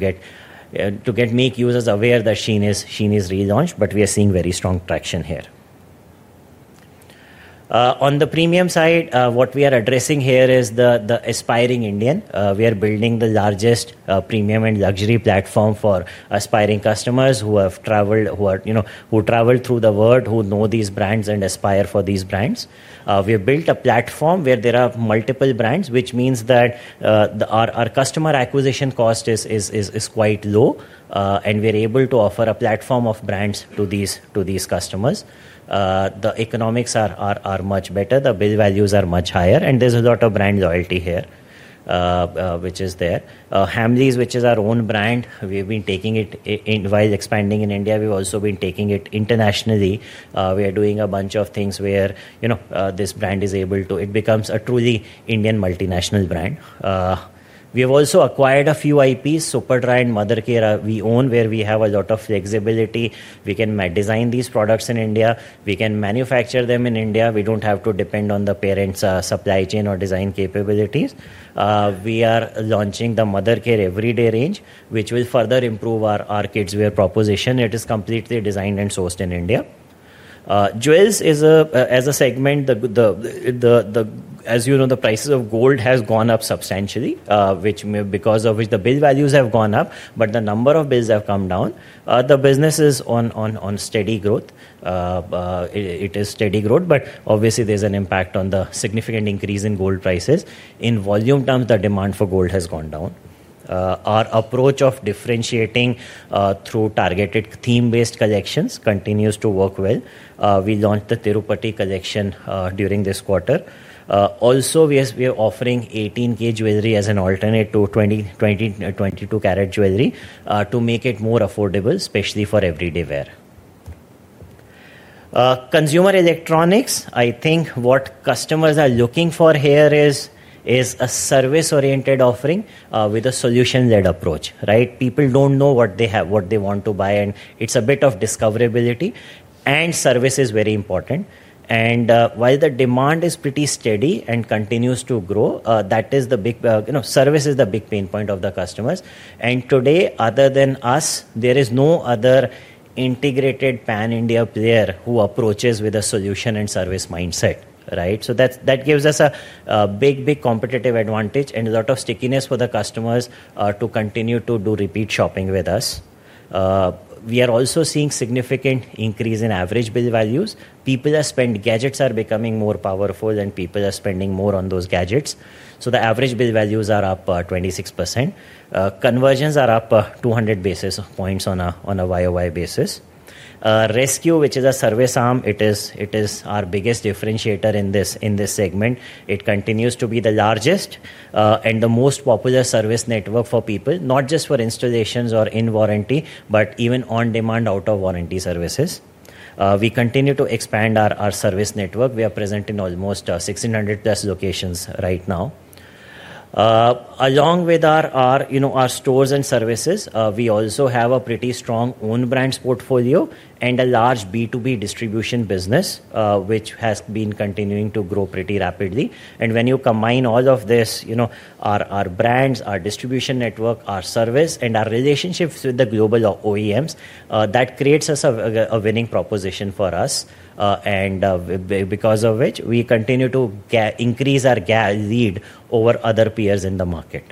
make users aware that Sheen is relaunched, but we are seeing very strong traction here. On the premium side, what we are addressing here is the aspiring Indian. We are building the largest premium and luxury platform for aspiring customers who have traveled through the world, who know these brands and aspire for these brands. We have built a platform where there are multiple brands, which means that our customer acquisition cost is quite low, and we are able to offer a platform of brands to these customers. The economics are much better. The build values are much higher, and there's a lot of brand loyalty here, which is there. Hamleys, which is our own brand, we have been taking it while expanding in India. We have also been taking it internationally. We are doing a bunch of things where this brand is able to, it becomes a truly Indian multinational brand. We have also acquired a few IPs, Superdry and Mothercare, we own where we have a lot of flexibility. We can design these products in India. We can manufacture them in India. We do not have to depend on the parent's supply chain or design capabilities. We are launching the Mothercare everyday range, which will further improve our kids' wear proposition. It is completely designed and sourced in India. Jewels is a, as a segment, as you know, the prices of gold have gone up substantially, which because of which the build values have gone up, but the number of builds have come down. The business is on steady growth. It is steady growth, but obviously there is an impact on the significant increase in gold prices. In volume terms, the demand for gold has gone down. Our approach of differentiating through targeted theme-based collections continues to work well. We launched the Tirupati collection during this quarter. Also, we are offering 18K jewelry as an alternate to 20-22-carat jewelry to make it more affordable, especially for everyday wear. Consumer electronics, I think what customers are looking for here is a service-oriented offering with a solution-led approach. People do not know what they want to buy, and it is a bit of discoverability. Service is very important. While the demand is pretty steady and continues to grow, service is the big pain point of the customers. Today, other than us, there is no other integrated pan-India player who approaches with a solution and service mindset. That gives us a big, big competitive advantage and a lot of stickiness for the customers to continue to do repeat shopping with us. We are also seeing significant increase in average build values. People are spending, gadgets are becoming more powerful, and people are spending more on those gadgets. The average build values are up 26%. Conversions are up 200 basis points on a YOY basis. Rescue, which is a service arm, it is our biggest differentiator in this segment. It continues to be the largest and the most popular service network for people, not just for installations or in warranty, but even on-demand, out-of-warranty services. We continue to expand our service network. We are present in almost 1,600 plus locations right now. Along with our stores and services, we also have a pretty strong own brands portfolio and a large B2B distribution business, which has been continuing to grow pretty rapidly. When you combine all of this, our brands, our distribution network, our service, and our relationships with the global OEMs, that creates us a winning proposition for us, and because of which we continue to increase our lead over other peers in the market.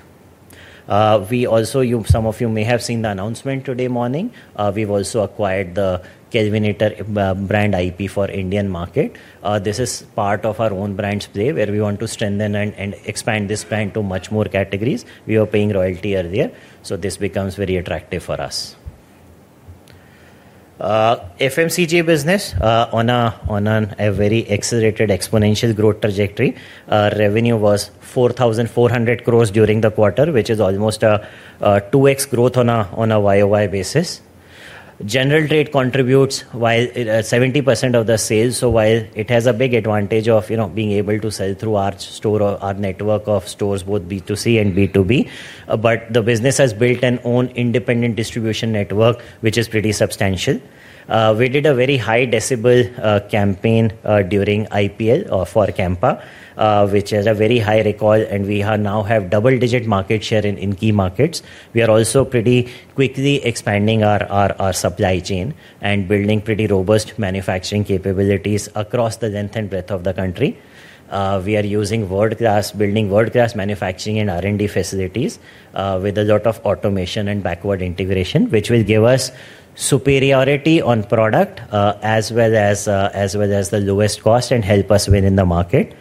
Some of you may have seen the announcement today morning. We've also acquired the Kelvinator brand IP for Indian market. This is part of our own brand splay where we want to strengthen and expand this brand to much more categories. We are paying royalty earlier, so this becomes very attractive for us. FMCG business on a very accelerated exponential growth trajectory. Revenue was 4,400 crore during the quarter, which is almost a 2x growth on a YOY basis. General trade contributes while 70% of the sales, so while it has a big advantage of being able to sell through our store or our network of stores, both B2C and B2B, but the business has built an own independent distribution network, which is pretty substantial. We did a very high decibel campaign during IPL for Campa, which has a very high recall, and we now have double-digit market share in key markets. We are also pretty quickly expanding our supply chain and building pretty robust manufacturing capabilities across the length and breadth of the country. We are using world-class, building world-class manufacturing and R&D facilities with a lot of automation and backward integration, which will give us superiority on product as well as the lowest cost and help us win in the market.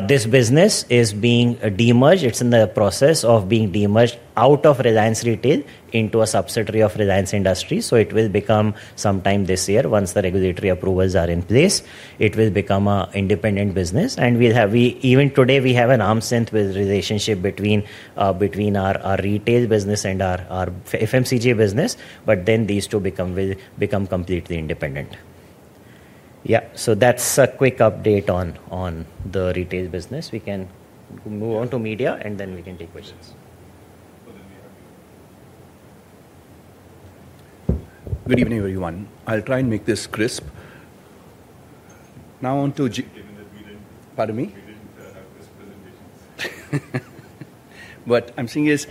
This business is being de-merged. It is in the process of being de-merged out of Reliance Retail into a subsidiary of Reliance Industries. It will become sometime this year, once the regulatory approvals are in place, it will become an independent business. Even today, we have an arm's length relationship between our retail business and our FMCG business, but then these two will become completely independent. Yeah, so that is a quick update on the retail business. We can move on to media, and then we can take questions. Good evening, everyone. I'll try and make this crisp. Now on to, pardon me? We did not have this presentation. What I'm saying is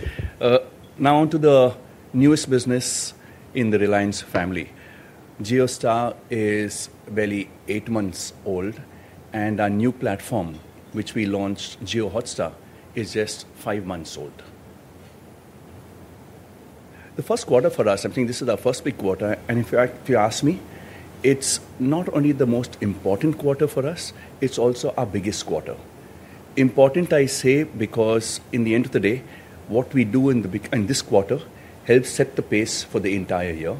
now on to the newest business in the Reliance family. GeoStar is barely eight months old, and our new platform, which we launched, JioHotstar, is just five months old. The first quarter for us, I think this is our first big quarter, and if you ask me, it's not only the most important quarter for us, it's also our biggest quarter. Important, I say, because in the end of the day, what we do in this quarter helps set the pace for the entire year.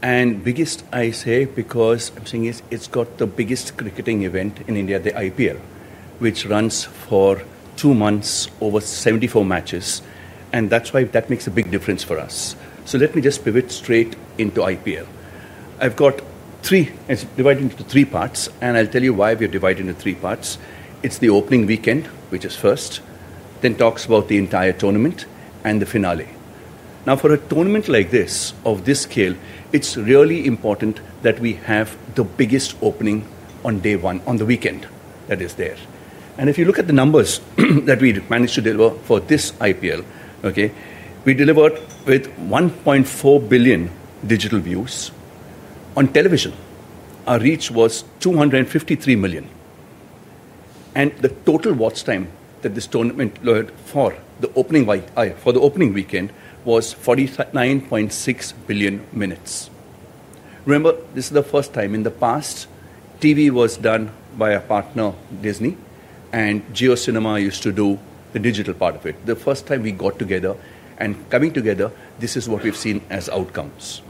Biggest, I say, because I'm saying it's got the biggest cricketing event in India, the IPL, which runs for two months, over 74 matches, and that makes a big difference for us. Let me just pivot straight into IPL. I've got three, it's divided into three parts, and I'll tell you why we are divided into three parts. It's the opening weekend, which is first, then talks about the entire tournament and the finale. Now, for a tournament like this of this scale, it's really important that we have the biggest opening on day one, on the weekend that is there. If you look at the numbers that we managed to deliver for this IPL, okay, we delivered with 1.4 billion digital views on television. Our reach was 253 million. The total watch time that this tournament for the opening weekend was 49.6 billion minutes. Remember, this is the first time in the past TV was done by a partner, Disney, and Jiocinema used to do the digital part of it. The first time we got together and coming together, this is what we've seen as outcomes.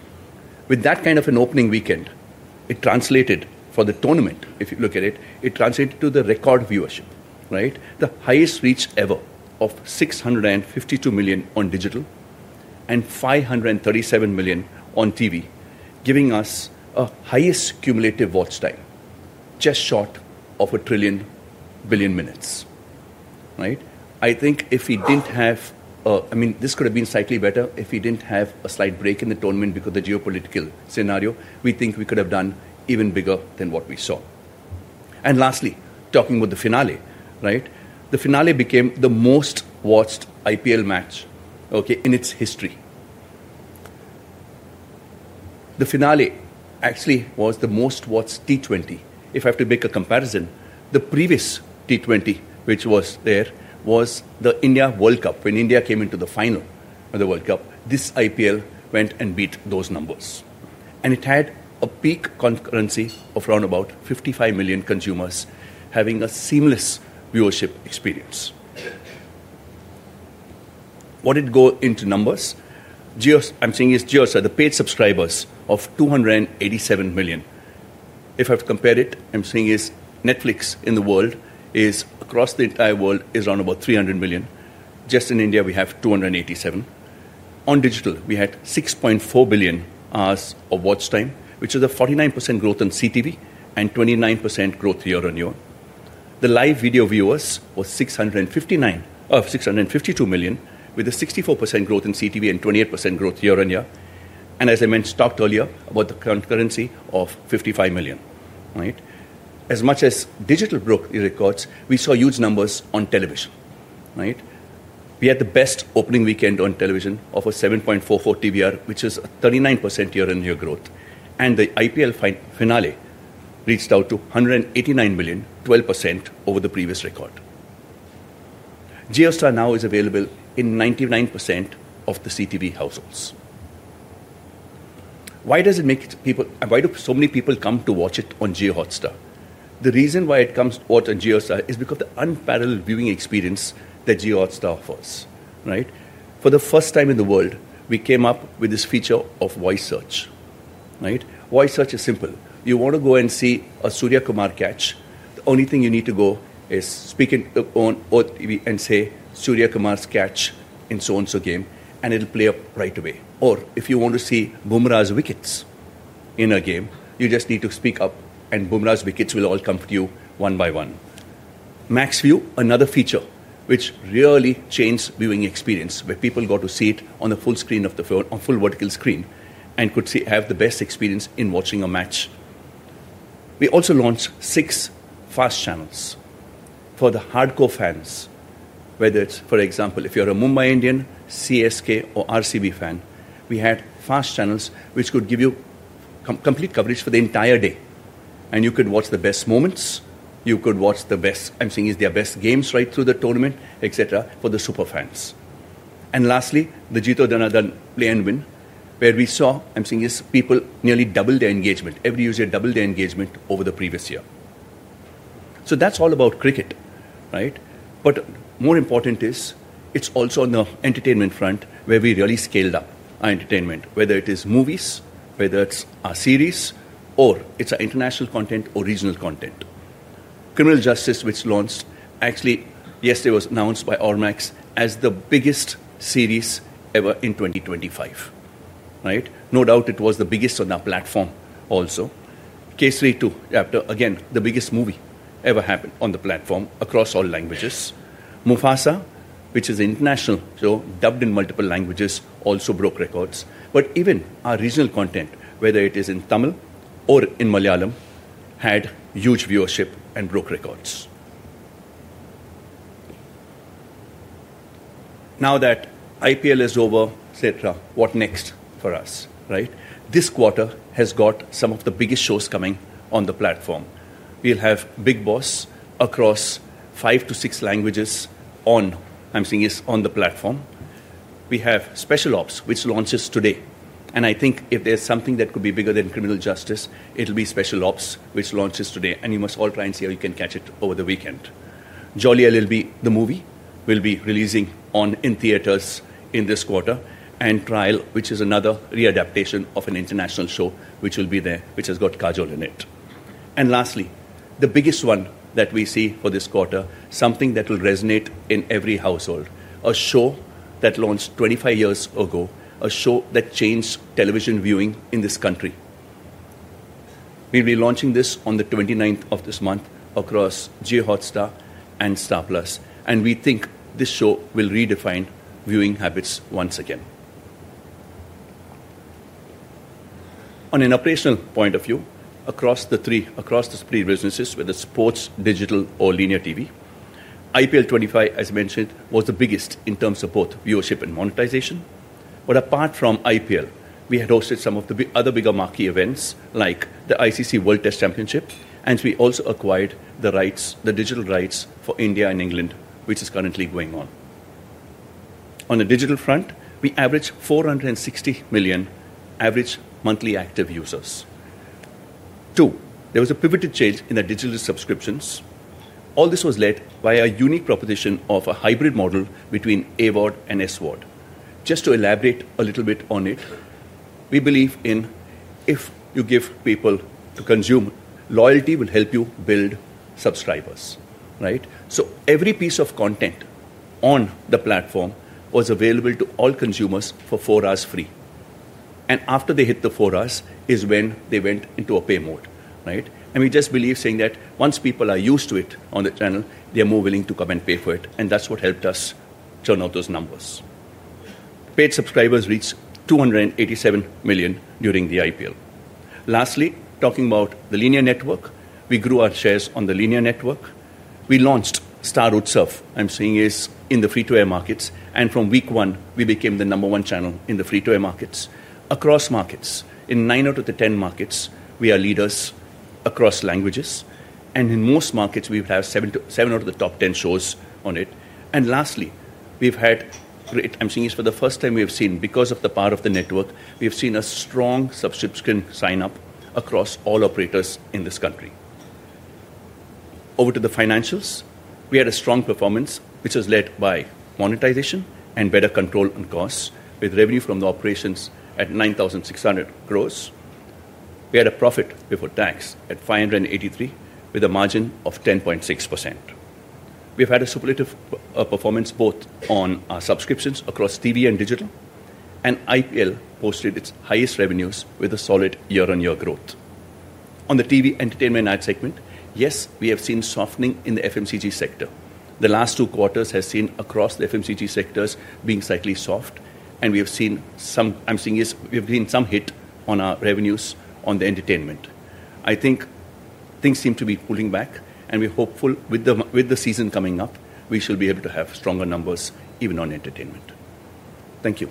With that kind of an opening weekend, it translated for the tournament, if you look at it, it translated to the record viewership, right? The highest reach ever of 652 million on digital and 537 million on TV, giving us a highest cumulative watch time, just short of a trillion billion minutes, right? I think if we didn't have, I mean, this could have been slightly better if we didn't have a slight break in the tournament because of the geopolitical scenario, we think we could have done even bigger than what we saw. Lastly, talking about the finale, right? The finale became the most watched IPL match, okay, in its history. The finale actually was the most watched T20. If I have to make a comparison, the previous T20, which was there, was the India World Cup. When India came into the final of the World Cup, this IPL went and beat those numbers. It had a peak concurrency of around about 55 million consumers having a seamless viewership experience. What it goes into numbers, I'm seeing is GeoStar, the paid subscribers of 287 million. If I have to compare it, I'm seeing is Netflix in the world is across the entire world is around about 300 million. Just in India, we have 287. On digital, we had 6.4 billion hours of watch time, which is a 49% growth in CTV and 29% growth year-on-year. The live video viewers were 652 million with a 64% growth in CTV and 28% growth year-on-year. As I mentioned, talked earlier about the concurrency of 55 million. As much as digital broke the records, we saw huge numbers on television. We had the best opening weekend on television of a 7.44 TVR, which is a 39% year-on-year growth. The IPL finale reached out to 189 million, 12% over the previous record. GeoStar now is available in 99% of the CTV households. Why does it make people, why do so many people come to watch it on GeoStar? The reason why it comes to watch on GeoStar is because of the unparalleled viewing experience that GeoStar offers. For the first time in the world, we came up with this feature of voice search. Voice search is simple. You want to go and see a Surya Kumar catch, the only thing you need to go is speak on Earth TV and say, "Surya Kumar's catch in so-and-so game," and it'll play up right away. If you want to see Bumrah's wickets in a game, you just need to speak up and Bumrah's wickets will all come to you one by one. MaxView, another feature which really changed viewing experience, where people got to see it on the full screen of the phone, on full vertical screen, and could have the best experience in watching a match. We also launched six fast channels for the hardcore fans, whether it's, for example, if you're a Mumbai Indian, CSK, or RCB fan, we had fast channels which could give you complete coverage for the entire day. You could watch the best moments. You could watch the best, I'm saying, is their best games right through the tournament, etc., for the super fans. Lastly, the Jeeto Dhan Dhana Dhan Dhanadan play and win where we saw, I'm saying, is people nearly doubled their engagement. Every user doubled their engagement over the previous year. That is all about cricket, right? More important is it is also on the entertainment front where we really scaled up our entertainment, whether it is movies, whether it is our series, or it is our international content or regional content. Criminal Justice, which launched actually, yesterday was announced by Ormax as the biggest series ever in 2025. No doubt it was the biggest on our platform also. K32, again, the biggest movie ever happened on the platform across all languages. Mufasa, which is international, so dubbed in multiple languages, also broke records. Even our regional content, whether it is in Tamil or in Malayalam, had huge viewership and broke records. Now that IPL is over, etc., what next for us? This quarter has got some of the biggest shows coming on the platform. We'll have Bigg Boss across five to six languages on, I'm saying, is on the platform. We have Special Ops, which launches today. I think if there's something that could be bigger than Criminal Justice, it'll be Special Ops, which launches today. You must all try and see how you can catch it over the weekend. Jolly LLB, the movie, will be releasing in theaters in this quarter. Trial, which is another readaptation of an international show, which will be there, which has got Kajol in it. Lastly, the biggest one that we see for this quarter, something that will resonate in every household, a show that launched 25 years ago, a show that changed television viewing in this country. We'll be launching this on the 29th of this month across GeoStar and Star Plus. We think this show will redefine viewing habits once again. On an operational point of view, across the three businesses, whether it's sports, digital, or linear TV, IPL 2025, as mentioned, was the biggest in terms of both viewership and monetization. Apart from IPL, we had hosted some of the other bigger marquee events like the ICC World Test Championship, and we also acquired the digital rights for India and England, which is currently going on. On the digital front, we averaged 460 million average monthly active users. Two, there was a pivoted change in the digital subscriptions. All this was led by a unique proposition of a hybrid model between AVOD and SVOD. Just to elaborate a little bit on it, we believe in if you give people to consume, loyalty will help you build subscribers. Every piece of content on the platform was available to all consumers for four hours free. After they hit the four hours is when they went into a pay mode. We just believe saying that once people are used to it on the channel, they are more willing to come and pay for it. That is what helped us turn out those numbers. Paid subscribers reached 287 million during the IPL. Lastly, talking about the linear network, we grew our shares on the linear network. We launched Star Root Surf, I am saying, is in the free-to-air markets. From week one, we became the number one channel in the free-to-air markets. Across markets, in nine out of the ten markets, we are leaders across languages. In most markets, we have seven out of the top ten shows on it. Lastly, we've had, I'm saying, for the first time we have seen, because of the power of the network, we have seen a strong subscription sign-up across all operators in this country. Over to the financials, we had a strong performance, which was led by monetization and better control on costs, with revenue from the operations at 9,600 crore. We had a profit before tax at 583 crore, with a margin of 10.6%. We've had a superlative performance both on our subscriptions across TV and digital. IPL posted its highest revenues with a solid year-on-year growth. On the TV entertainment ad segment, yes, we have seen softening in the FMCG sector. The last two quarters have seen across the FMCG sectors being slightly soft. We have seen some, I'm saying, we have seen some hit on our revenues on the entertainment. I think things seem to be pulling back. We're hopeful with the season coming up, we should be able to have stronger numbers even on entertainment. Thank you.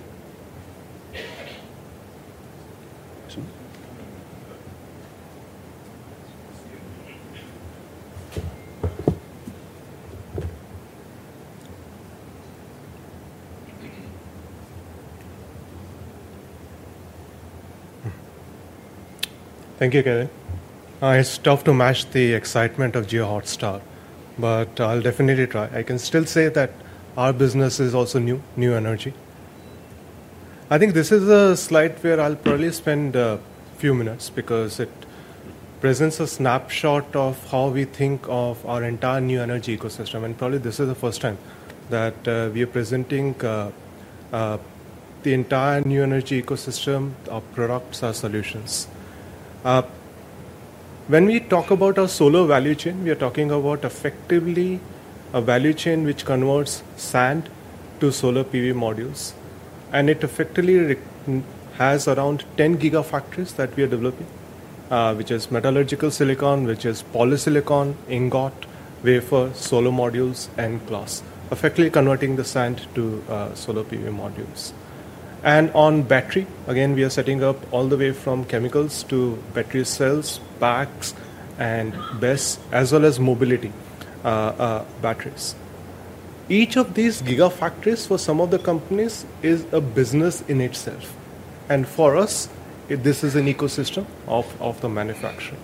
Thank you, Kevin. It's tough to match the excitement of GeoStar, but I'll definitely try. I can still say that our business is also new, new energy. I think this is a slide where I'll probably spend a few minutes because it presents a snapshot of how we think of our entire new energy ecosystem. Probably this is the first time that we are presenting the entire new energy ecosystem of products or solutions. When we talk about our solar value chain, we are talking about effectively a value chain which converts sand to solar PV modules. It effectively has around 10 gigafactories that we are developing, which is metallurgical silicon, which is polysilicon, ingot, wafer, solar modules, and glass, effectively converting the sand to solar PV modules. On battery, again, we are setting up all the way from chemicals to battery cells, packs, and BES, as well as mobility batteries. Each of these gigafactories for some of the companies is a business in itself. For us, this is an ecosystem of the manufacturing.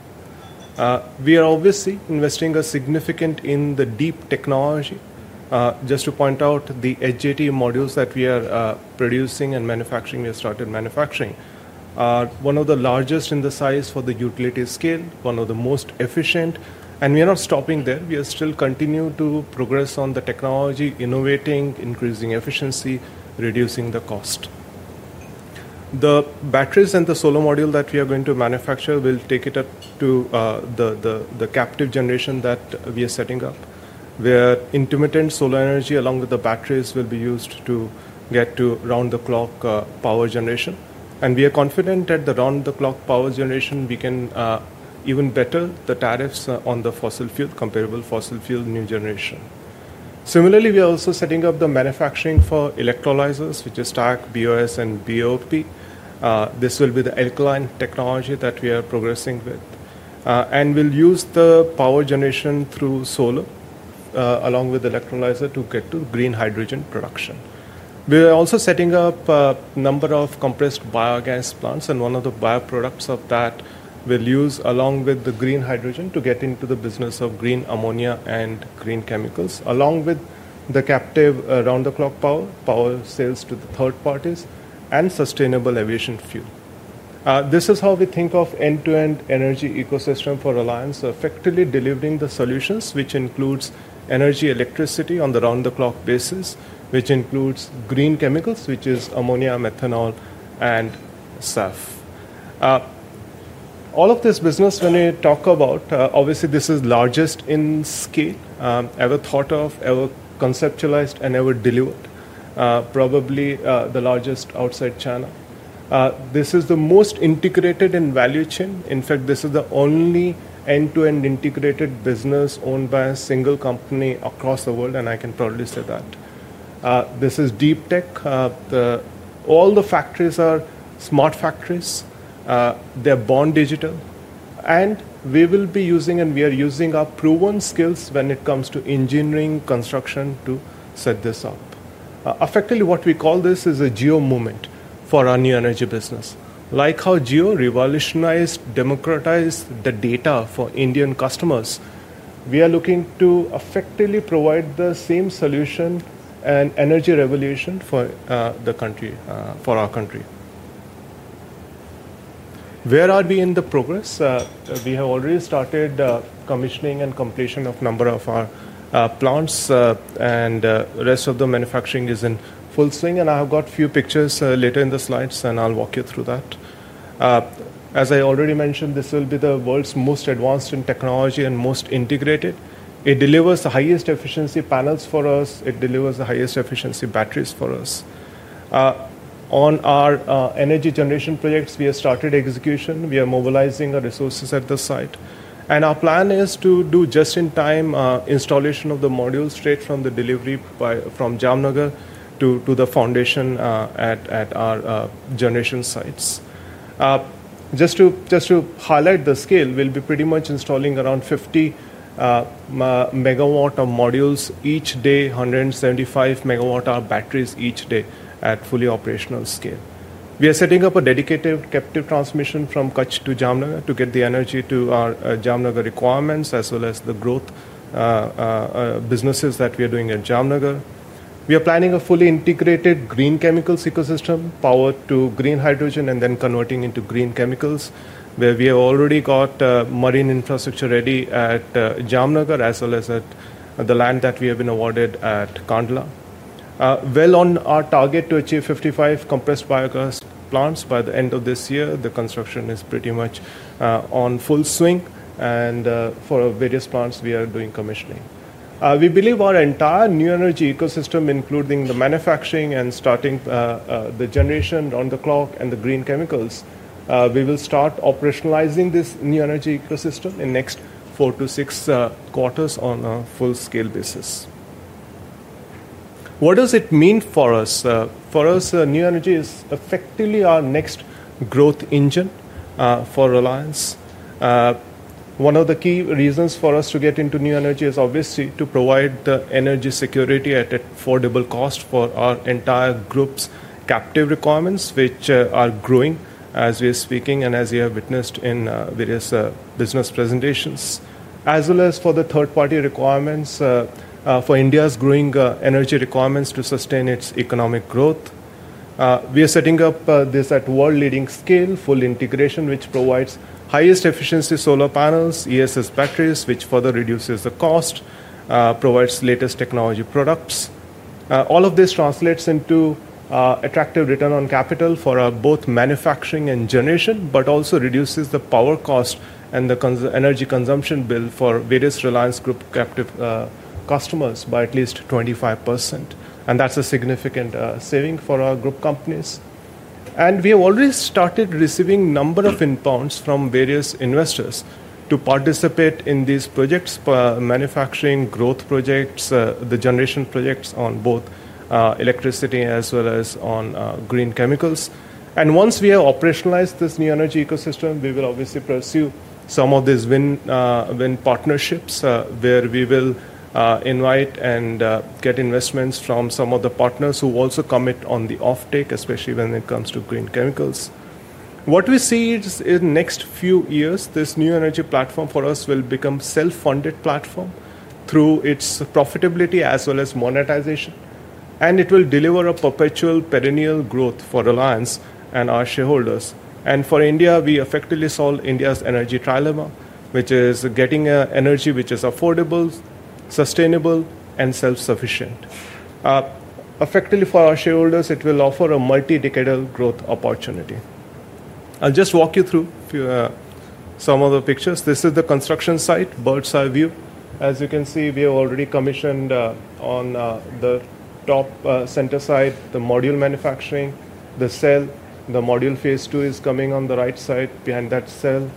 We are obviously investing significantly in the deep technology. Just to point out the HJT modules that we are producing and manufacturing, we have started manufacturing. One of the largest in the size for the utility scale, one of the most efficient. We are not stopping there. We are still continuing to progress on the technology, innovating, increasing efficiency, reducing the cost. The batteries and the solar module that we are going to manufacture will take it up to the captive generation that we are setting up, where intermittent solar energy along with the batteries will be used to get to round-the-clock power generation. We are confident that the round-the-clock power generation, we can even better the tariffs on the fossil fuel, comparable fossil fuel new generation. Similarly, we are also setting up the manufacturing for electrolyzers, which is stack, BOS, and BOP. This will be the alkaline technology that we are progressing with. We will use the power generation through solar along with electrolyzer to get to green hydrogen production. We are also setting up a number of compressed biogas plants. One of the bioproducts of that we'll use along with the green hydrogen to get into the business of green ammonia and green chemicals, along with the captive round-the-clock power, power sales to third parties, and sustainable aviation fuel. This is how we think of end-to-end energy ecosystem for Reliance, effectively delivering the solutions, which includes energy electricity on the round-the-clock basis, which includes green chemicals, which is ammonia, methanol, and surf. All of this business, when we talk about, obviously, this is largest in scale, ever thought of, ever conceptualized, and ever delivered, probably the largest outside China. This is the most integrated in value chain. In fact, this is the only end-to-end integrated business owned by a single company across the world, and I can proudly say that. This is deep tech. All the factories are smart factories. They're born digital. We will be using, and we are using, our proven skills when it comes to engineering and construction to set this up. Effectively, what we call this is a Jio moment for our new energy business. Like how Jio revolutionized and democratized data for Indian customers, we are looking to effectively provide the same solution and energy revolution for the country, for our country. Where are we in the progress? We have already started commissioning and completion of a number of our plants, and the rest of the manufacturing is in full swing. I have got a few pictures later in the slides, and I'll walk you through that. As I already mentioned, this will be the world's most advanced in technology and most integrated. It delivers the highest efficiency panels for us. It delivers the highest efficiency batteries for us. On our energy generation projects, we have started execution. We are mobilizing our resources at the site. Our plan is to do just-in-time installation of the modules straight from the delivery from Jamnagar to the foundation at our generation sites. Just to highlight the scale, we'll be pretty much installing around 50 megawatt of modules each day, 175 megawatt hour batteries each day at fully operational scale. We are setting up a dedicated captive transmission from Kutch to Jamnagar to get the energy to our Jamnagar requirements, as well as the growth businesses that we are doing at Jamnagar. We are planning a fully integrated green chemicals ecosystem, power to green hydrogen, and then converting into green chemicals, where we have already got marine infrastructure ready at Jamnagar, as well as at the land that we have been awarded at Kandla. are on our target to achieve 55 compressed biogas plants by the end of this year. The construction is pretty much in full swing. For various plants, we are doing commissioning. We believe our entire new energy ecosystem, including the manufacturing and starting the generation on the clock and the green chemicals, we will start operationalizing this new energy ecosystem in the next four to six quarters on a full-scale basis. What does it mean for us? For us, new energy is effectively our next growth engine for Reliance. One of the key reasons for us to get into new energy is obviously to provide the energy security at an affordable cost for our entire group's captive requirements, which are growing as we are speaking and as you have witnessed in various business presentations, as well as for the third-party requirements for India's growing energy requirements to sustain its economic growth. We are setting up this at world-leading scale, full integration, which provides highest efficiency solar panels, ESS batteries, which further reduces the cost, provides latest technology products. All of this translates into attractive return on capital for both manufacturing and generation, but also reduces the power cost and the energy consumption bill for various Reliance Group captive customers by at least 25%. That is a significant saving for our group companies. We have already started receiving a number of inbounds from various investors to participate in these projects, manufacturing growth projects, the generation projects on both electricity as well as on green chemicals. Once we have operationalized this new energy ecosystem, we will obviously pursue some of these win-win partnerships, where we will invite and get investments from some of the partners who also commit on the offtake, especially when it comes to green chemicals. What we see is in the next few years, this new energy platform for us will become a self-funded platform through its profitability as well as monetization. It will deliver a perpetual perennial growth for Reliance and our shareholders. For India, we effectively solve India's energy trilemma, which is getting energy which is affordable, sustainable, and self-sufficient. Effectively, for our shareholders, it will offer a multi-decadal growth opportunity. I'll just walk you through some of the pictures. This is the construction site, bird's-eye view. As you can see, we have already commissioned on the top center side, the module manufacturing, the cell. The module phase two is coming on the right side behind that cell.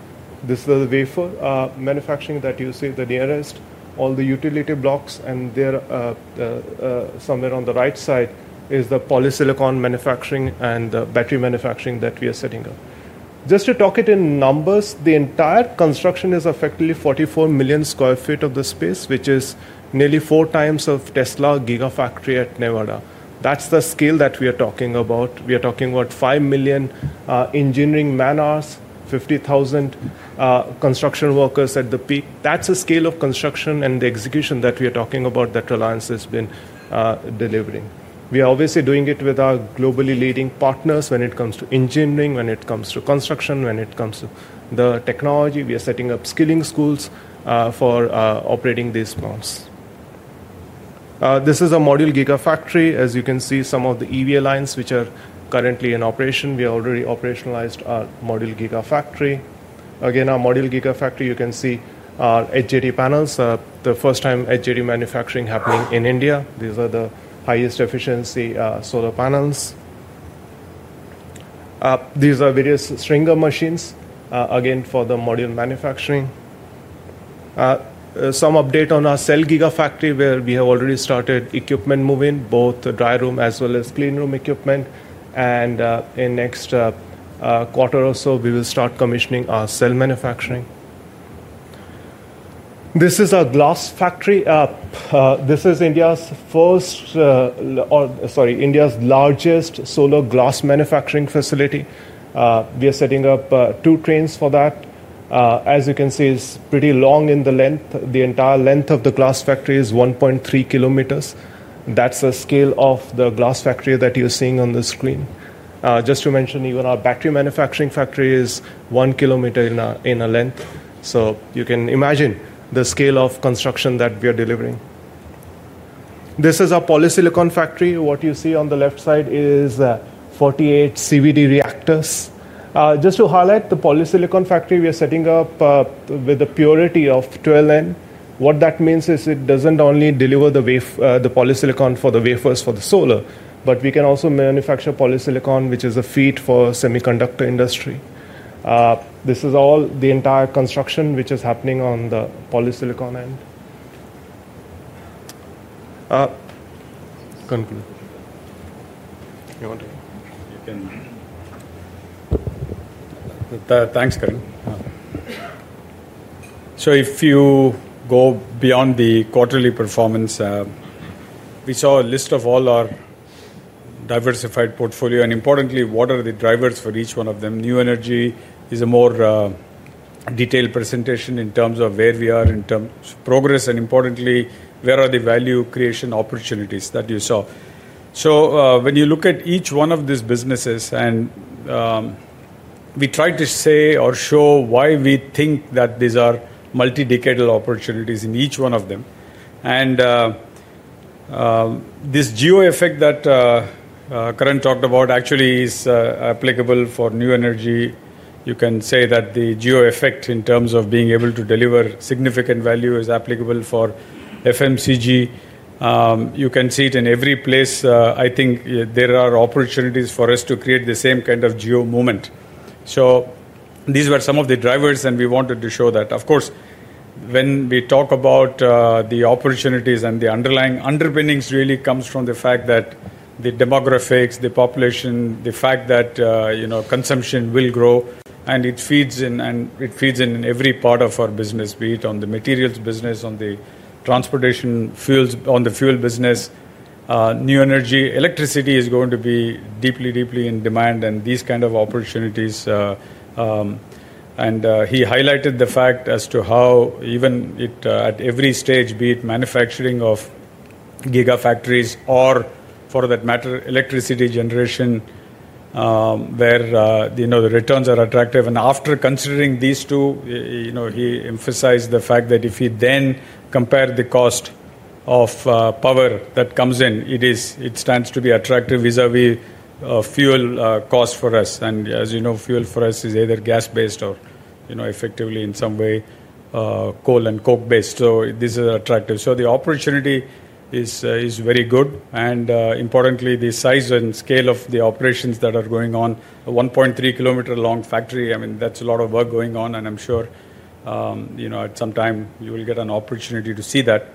This is the wafer manufacturing that you see the nearest, all the utility blocks. And somewhere on the right side is the polysilicon manufacturing and the battery manufacturing that we are setting up. Just to talk it in numbers, the entire construction is effectively 44 million sq ft of the space, which is nearly four times of Tesla gigafactory at Nevada. That's the scale that we are talking about. We are talking about 5 million engineering man-hours, 50,000 construction workers at the peak. That's the scale of construction and the execution that we are talking about that Reliance has been delivering. We are obviously doing it with our globally leading partners when it comes to engineering, when it comes to construction, when it comes to the technology. We are setting up skilling schools for operating these plants. This is a module gigafactory. As you can see, some of the EV lines which are currently in operation, we have already operationalized our module gigafactory. Again, our module gigafactory, you can see our HJT panels, the first-time HJT manufacturing happening in India. These are the highest efficiency solar panels. These are various stringer machines, again, for the module manufacturing. Some update on our cell gigafactory, where we have already started equipment moving, both dry room as well as clean room equipment. In the next quarter or so, we will start commissioning our cell manufacturing. This is our glass factory. This is India's first, or sorry, India's largest solar glass manufacturing facility. We are setting up two trains for that. As you can see, it's pretty long in the length. The entire length of the glass factory is 1.3 kilometers. That's the scale of the glass factory that you're seeing on the screen. Just to mention, even our battery manufacturing factory is 1 kilometer in length. You can imagine the scale of construction that we are delivering. This is our polysilicon factory. What you see on the left side is 48 CVD reactors. Just to highlight the polysilicon factory, we are setting up with a purity of 12N. What that means is it doesn't only deliver the polysilicon for the wafers for the solar, but we can also manufacture polysilicon, which is a feat for the semiconductor industry. This is all the entire construction which is happening on the polysilicon end. Conclude. You want to? Thanks, Karan. If you go beyond the quarterly performance, we saw a list of all our diversified portfolio. Importantly, what are the drivers for each one of them? New energy is a more detailed presentation in terms of where we are in terms of progress. Importantly, where are the value creation opportunities that you saw? When you look at each one of these businesses, and we try to say or show why we think that these are multi-decadal opportunities in each one of them. This Jio effect that Karan talked about actually is applicable for new energy. You can say that the Jio effect in terms of being able to deliver significant value is applicable for FMCG. You can see it in every place. I think there are opportunities for us to create the same kind of Jio moment. These were some of the drivers, and we wanted to show that. Of course, when we talk about the opportunities and the underpinnings, it really comes from the fact that the demographics, the population, the fact that consumption will grow, and it feeds in every part of our business, be it on the materials business, on the transportation fuels, on the fuel business. New energy, electricity is going to be deeply, deeply in demand, and these kinds of opportunities. He highlighted the fact as to how even at every stage, be it manufacturing of gigafactories or, for that matter, electricity generation, where the returns are attractive. After considering these two, he emphasized the fact that if he then compared the cost of power that comes in, it stands to be attractive vis-à-vis fuel cost for us. As you know, fuel for us is either gas-based or effectively in some way coal and coke-based. This is attractive. The opportunity is very good. Importantly, the size and scale of the operations that are going on, a 1.3-kilometer-long factory, I mean, that's a lot of work going on. I'm sure at some time you will get an opportunity to see that.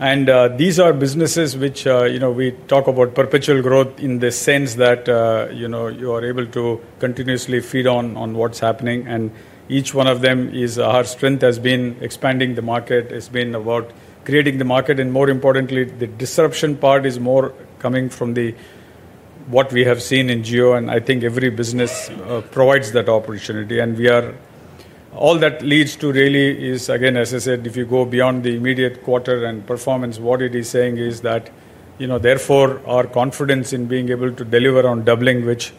These are businesses which we talk about perpetual growth in the sense that you are able to continuously feed on what's happening. Each one of them, our strength has been expanding the market. It's been about creating the market. More importantly, the disruption part is more coming from what we have seen in Jio. I think every business provides that opportunity. All that leads to really is, again, as I said, if you go beyond the immediate quarter and performance, what it is saying is that therefore our confidence in being able to deliver on doubling, which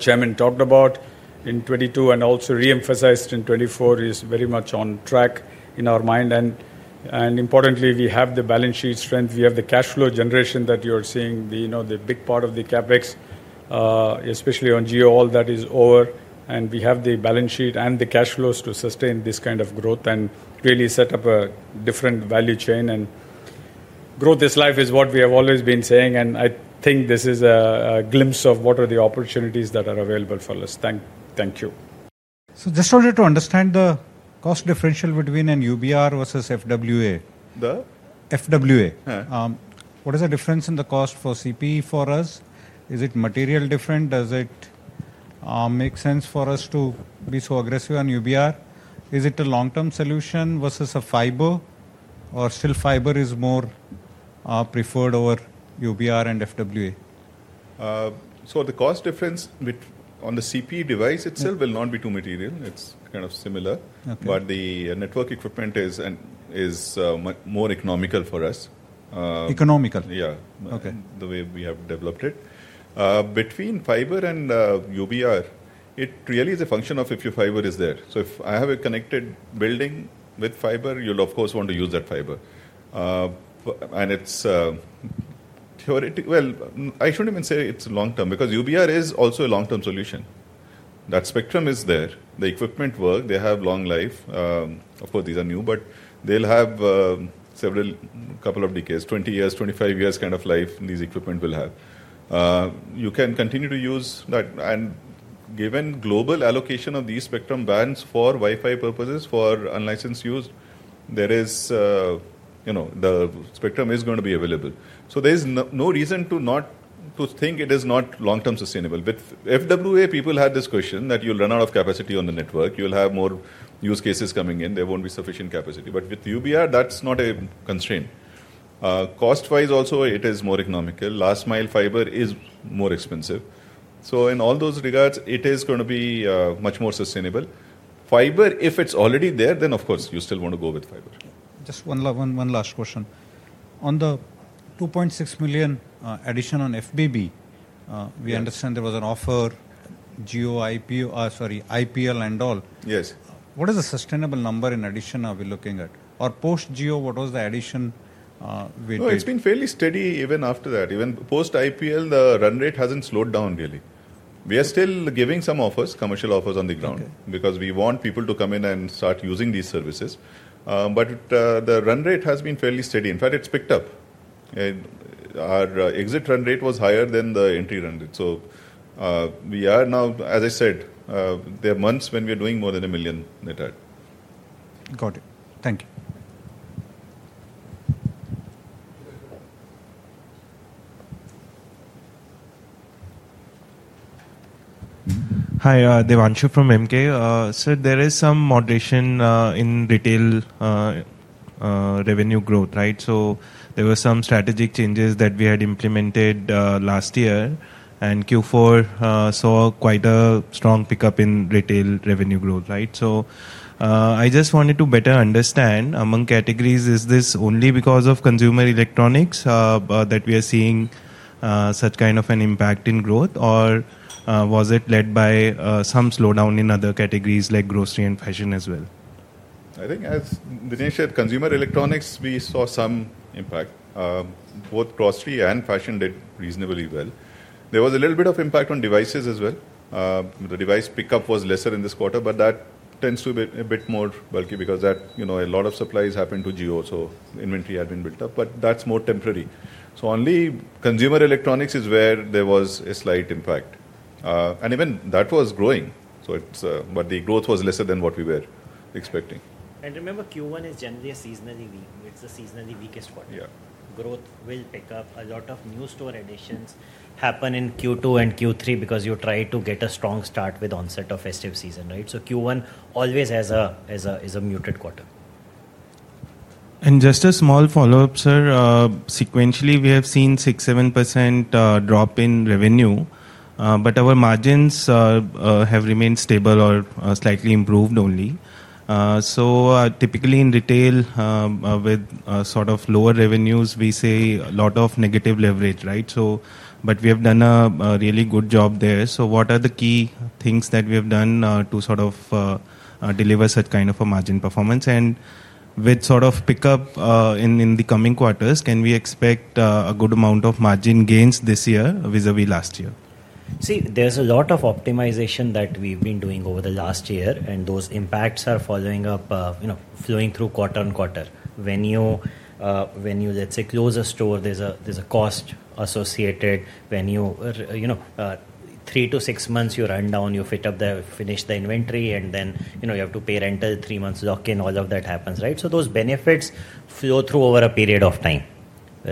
Chairman talked about in 2022 and also re-emphasized in 2024, is very much on track in our mind. Importantly, we have the balance sheet strength. We have the cash flow generation that you are seeing, the big part of the CapEx, especially on Jio, all that is over. We have the balance sheet and the cash flows to sustain this kind of growth and really set up a different value chain and grow this life is what we have always been saying. I think this is a glimpse of what are the opportunities that are available for us. Thank you. Just wanted to understand the cost differential between a UBR versus FWA. The FWA, what is the difference in the cost for CP for us? Is it materially different? Does it make sense for us to be so aggressive on UBR? Is it a long-term solution versus fiber, or is fiber still more preferred over UBR and FWA? The cost difference on the CP device itself will not be too material. It's kind of similar, but the network equipment is more economical for us. Economical, yeah, the way we have developed it. Between fiber and UBR, it really is a function of if your fiber is there. If I have a connected building with fiber, you'll of course want to use that fiber. It's theoretically, I shouldn't even say it's long-term because UBR is also a long-term solution. That spectrum is there. The equipment works. They have long life. Of course, these are new, but they'll have several couple of decades, 20 years, 25 years kind of life these equipment will have. You can continue to use that. Given global allocation of these spectrum bands for Wi-Fi purposes for unlicensed use, the spectrum is going to be available. There is no reason to think it is not long-term sustainable. With FWA, people had this question that you'll run out of capacity on the network. You'll have more use cases coming in. There won't be sufficient capacity. With UBR, that's not a constraint. Cost-wise, also, it is more economical. Last-mile fiber is more expensive. In all those regards, it is going to be much more sustainable. Fiber, if it's already there, then of course you still want to go with fiber. Just one last question. On the 2.6 million addition on FBB, we understand there was an offer, Jio, IPL, and all. What is the sustainable number in addition are we looking at? Or post-Jio, what was the addition? It's been fairly steady even after that. Even post-IPL, the run rate hasn't slowed down really. We are still giving some offers, commercial offers on the ground because we want people to come in and start using these services. The run rate has been fairly steady. In fact, it's picked up. Our exit run rate was higher than the entry run rate. We are now, as I said, there are months when we are doing more than a million net ad. Got it. Thank you. Hi, Devanshu from MK. There is some moderation in retail revenue growth, right? There were some strategic changes that we had implemented last year. Q4 saw quite a strong pickup in retail revenue growth, right? I just wanted to better understand, among categories, is this only because of consumer electronics that we are seeing such kind of an impact in growth? Or was it led by some slowdown in other categories like grocery and fashion as well? I think, as Dinesh said, consumer electronics, we saw some impact. Both grocery and fashion did reasonably well. There was a little bit of impact on devices as well. The device pickup was lesser in this quarter, but that tends to be a bit more bulky because a lot of supplies happened to Jio. Inventory had been built up, but that is more temporary. Only consumer electronics is where there was a slight impact. Even that was growing, but the growth was lesser than what we were expecting. Remember, Q1 is generally a seasonally weak. It is the seasonally weakest quarter. Growth will pick up. A lot of new store additions happen in Q2 and Q3 because you try to get a strong start with onset of festive season, right? Q1 always has a muted quarter. Just a small follow-up, sir. Sequentially, we have seen 6%-7% drop in revenue. Our margins have remained stable or slightly improved only. Typically in retail, with sort of lower revenues, we see a lot of negative leverage, right? We have done a really good job there. What are the key things that we have done to sort of deliver such kind of a margin performance? With sort of pickup in the coming quarters, can we expect a good amount of margin gains this year vis-à-vis last year? See, there's a lot of optimization that we've been doing over the last year. Those impacts are flowing through quarter on quarter. When you, let's say, close a store, there's a cost associated. When you, three to six months, you run down, you fit up the, finish the inventory, and then you have to pay rental, three months lock-in, all of that happens, right? Those benefits flow through over a period of time,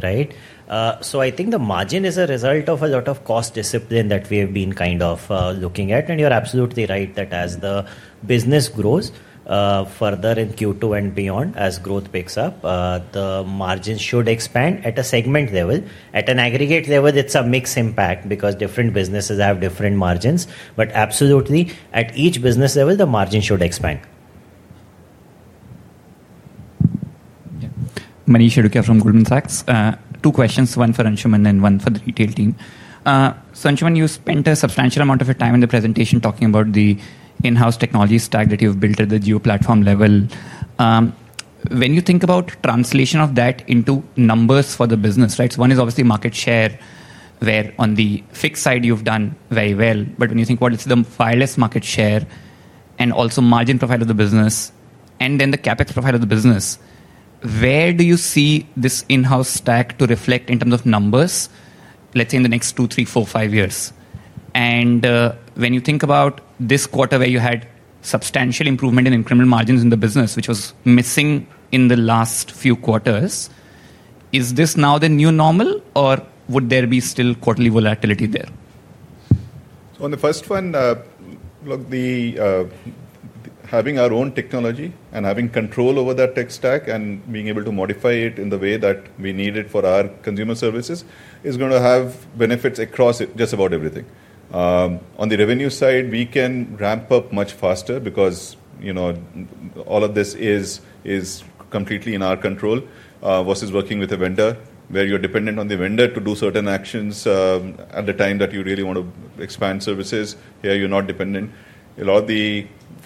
right? I think the margin is a result of a lot of cost discipline that we have been kind of looking at. You're absolutely right that as the business grows further in Q2 and beyond, as growth picks up, the margin should expand at a segment level. At an aggregate level, it's a mixed impact because different businesses have different margins. Absolutely, at each business level, the margin should expand. Manish Adukia from Goldman Sachs. Two questions, one for Anshuman and one for the retail team. Anshuman, you spent a substantial amount of your time in the presentation talking about the in-house technology stack that you've built at the Jio platform level. When you think about translation of that into numbers for the business, right? One is obviously market share, where on the fixed side you've done very well. When you think about the wireless market share and also margin profile of the business, and then the CapEx profile of the business, where do you see this in-house stack to reflect in terms of numbers, let's say in the next two, three, four, five years? When you think about this quarter where you had substantial improvement in incremental margins in the business, which was missing in the last few quarters, is this now the new normal or would there be still quarterly volatility there? On the first one, having our own technology and having control over that tech stack and being able to modify it in the way that we need it for our consumer services is going to have benefits across just about everything. On the revenue side, we can ramp up much faster because all of this is completely in our control versus working with a vendor where you're dependent on the vendor to do certain actions at the time that you really want to expand services. Here, you're not dependent.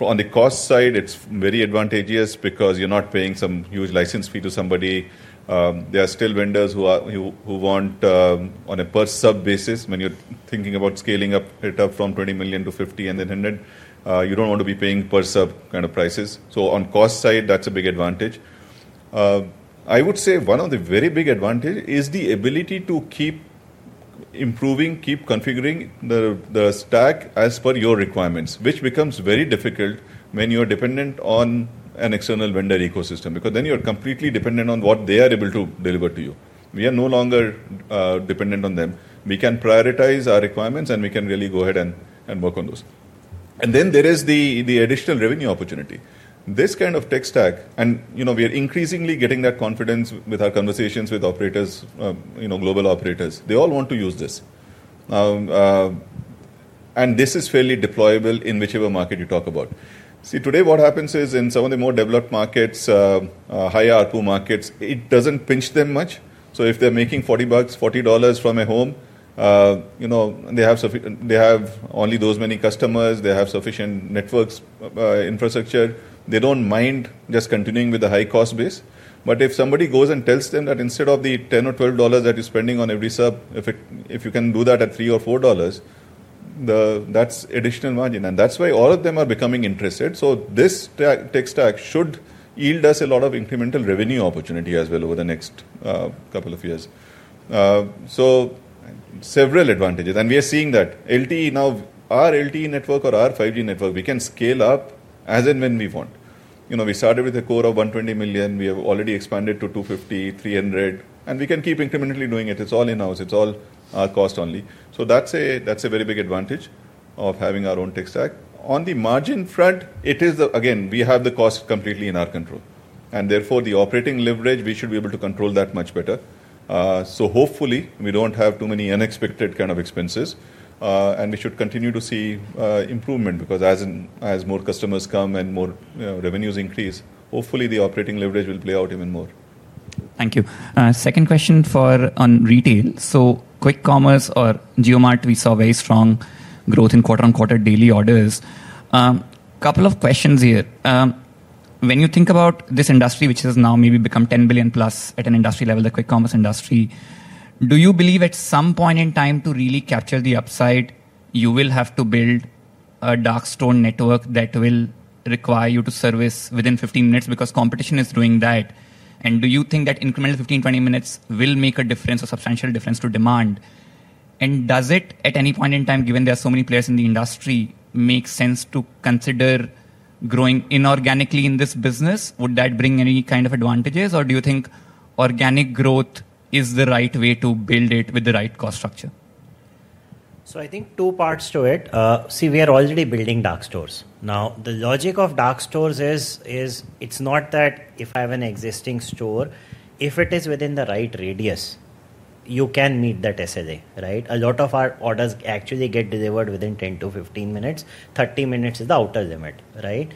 On the cost side, it's very advantageous because you're not paying some huge license fee to somebody. There are still vendors who want on a per sub basis. When you're thinking about scaling it up from 20 million to 50 and then 100, you don't want to be paying per sub kind of prices. On the cost side, that's a big advantage. I would say one of the very big advantages is the ability to keep improving, keep configuring the stack as per your requirements, which becomes very difficult when you're dependent on an external vendor ecosystem because then you're completely dependent on what they are able to deliver to you. We are no longer dependent on them. We can prioritize our requirements and we can really go ahead and work on those. There is the additional revenue opportunity. This kind of tech stack, and we are increasingly getting that confidence with our conversations with operators, global operators. They all want to use this. This is fairly deployable in whichever market you talk about. See, today what happens is in some of the more developed markets, higher ARPU markets, it does not pinch them much. If they are making $40 from a home, they have only those many customers. They have sufficient networks, infrastructure. They do not mind just continuing with the high cost base. If somebody goes and tells them that instead of the $10 or $12 that you are spending on every sub, if you can do that at $3 or $4, that is additional margin. That is why all of them are becoming interested. This tech stack should yield us a lot of incremental revenue opportunity as well over the next couple of years. There are several advantages. We are seeing that. Our LTE network or our 5G network, we can scale up as and when we want. We started with a core of 120 million. We have already expanded to 250, 300. We can keep incrementally doing it. It is all in-house. It is all cost only. That is a very big advantage of having our own tech stack. On the margin front, it is the, again, we have the cost completely in our control. Therefore, the operating leverage, we should be able to control that much better. Hopefully, we do not have too many unexpected kind of expenses. We should continue to see improvement because as more customers come and more revenues increase, hopefully the operating leverage will play out even more. Thank you. Second question on retail. Quick Commerce or JioMart, we saw very strong growth in quarter on quarter daily orders. Couple of questions here. When you think about this industry, which has now maybe become $10 billion plus at an industry level, the Quick Commerce industry, do you believe at some point in time to really capture the upside, you will have to build a dark store network that will require you to service within 15 minutes because competition is doing that? Do you think that incremental 15-20 minutes will make a difference or substantial difference to demand? Does it, at any point in time, given there are so many players in the industry, make sense to consider growing inorganically in this business? Would that bring any kind of advantages? Do you think organic growth is the right way to build it with the right cost structure? I think two parts to it. See, we are already building dark stores. Now, the logic of Dark stores is it's not that if I have an existing store, if it is within the right radius, you can meet that SLA, right? A lot of our orders actually get delivered within 10-15 minutes. Thirty minutes is the outer limit, right?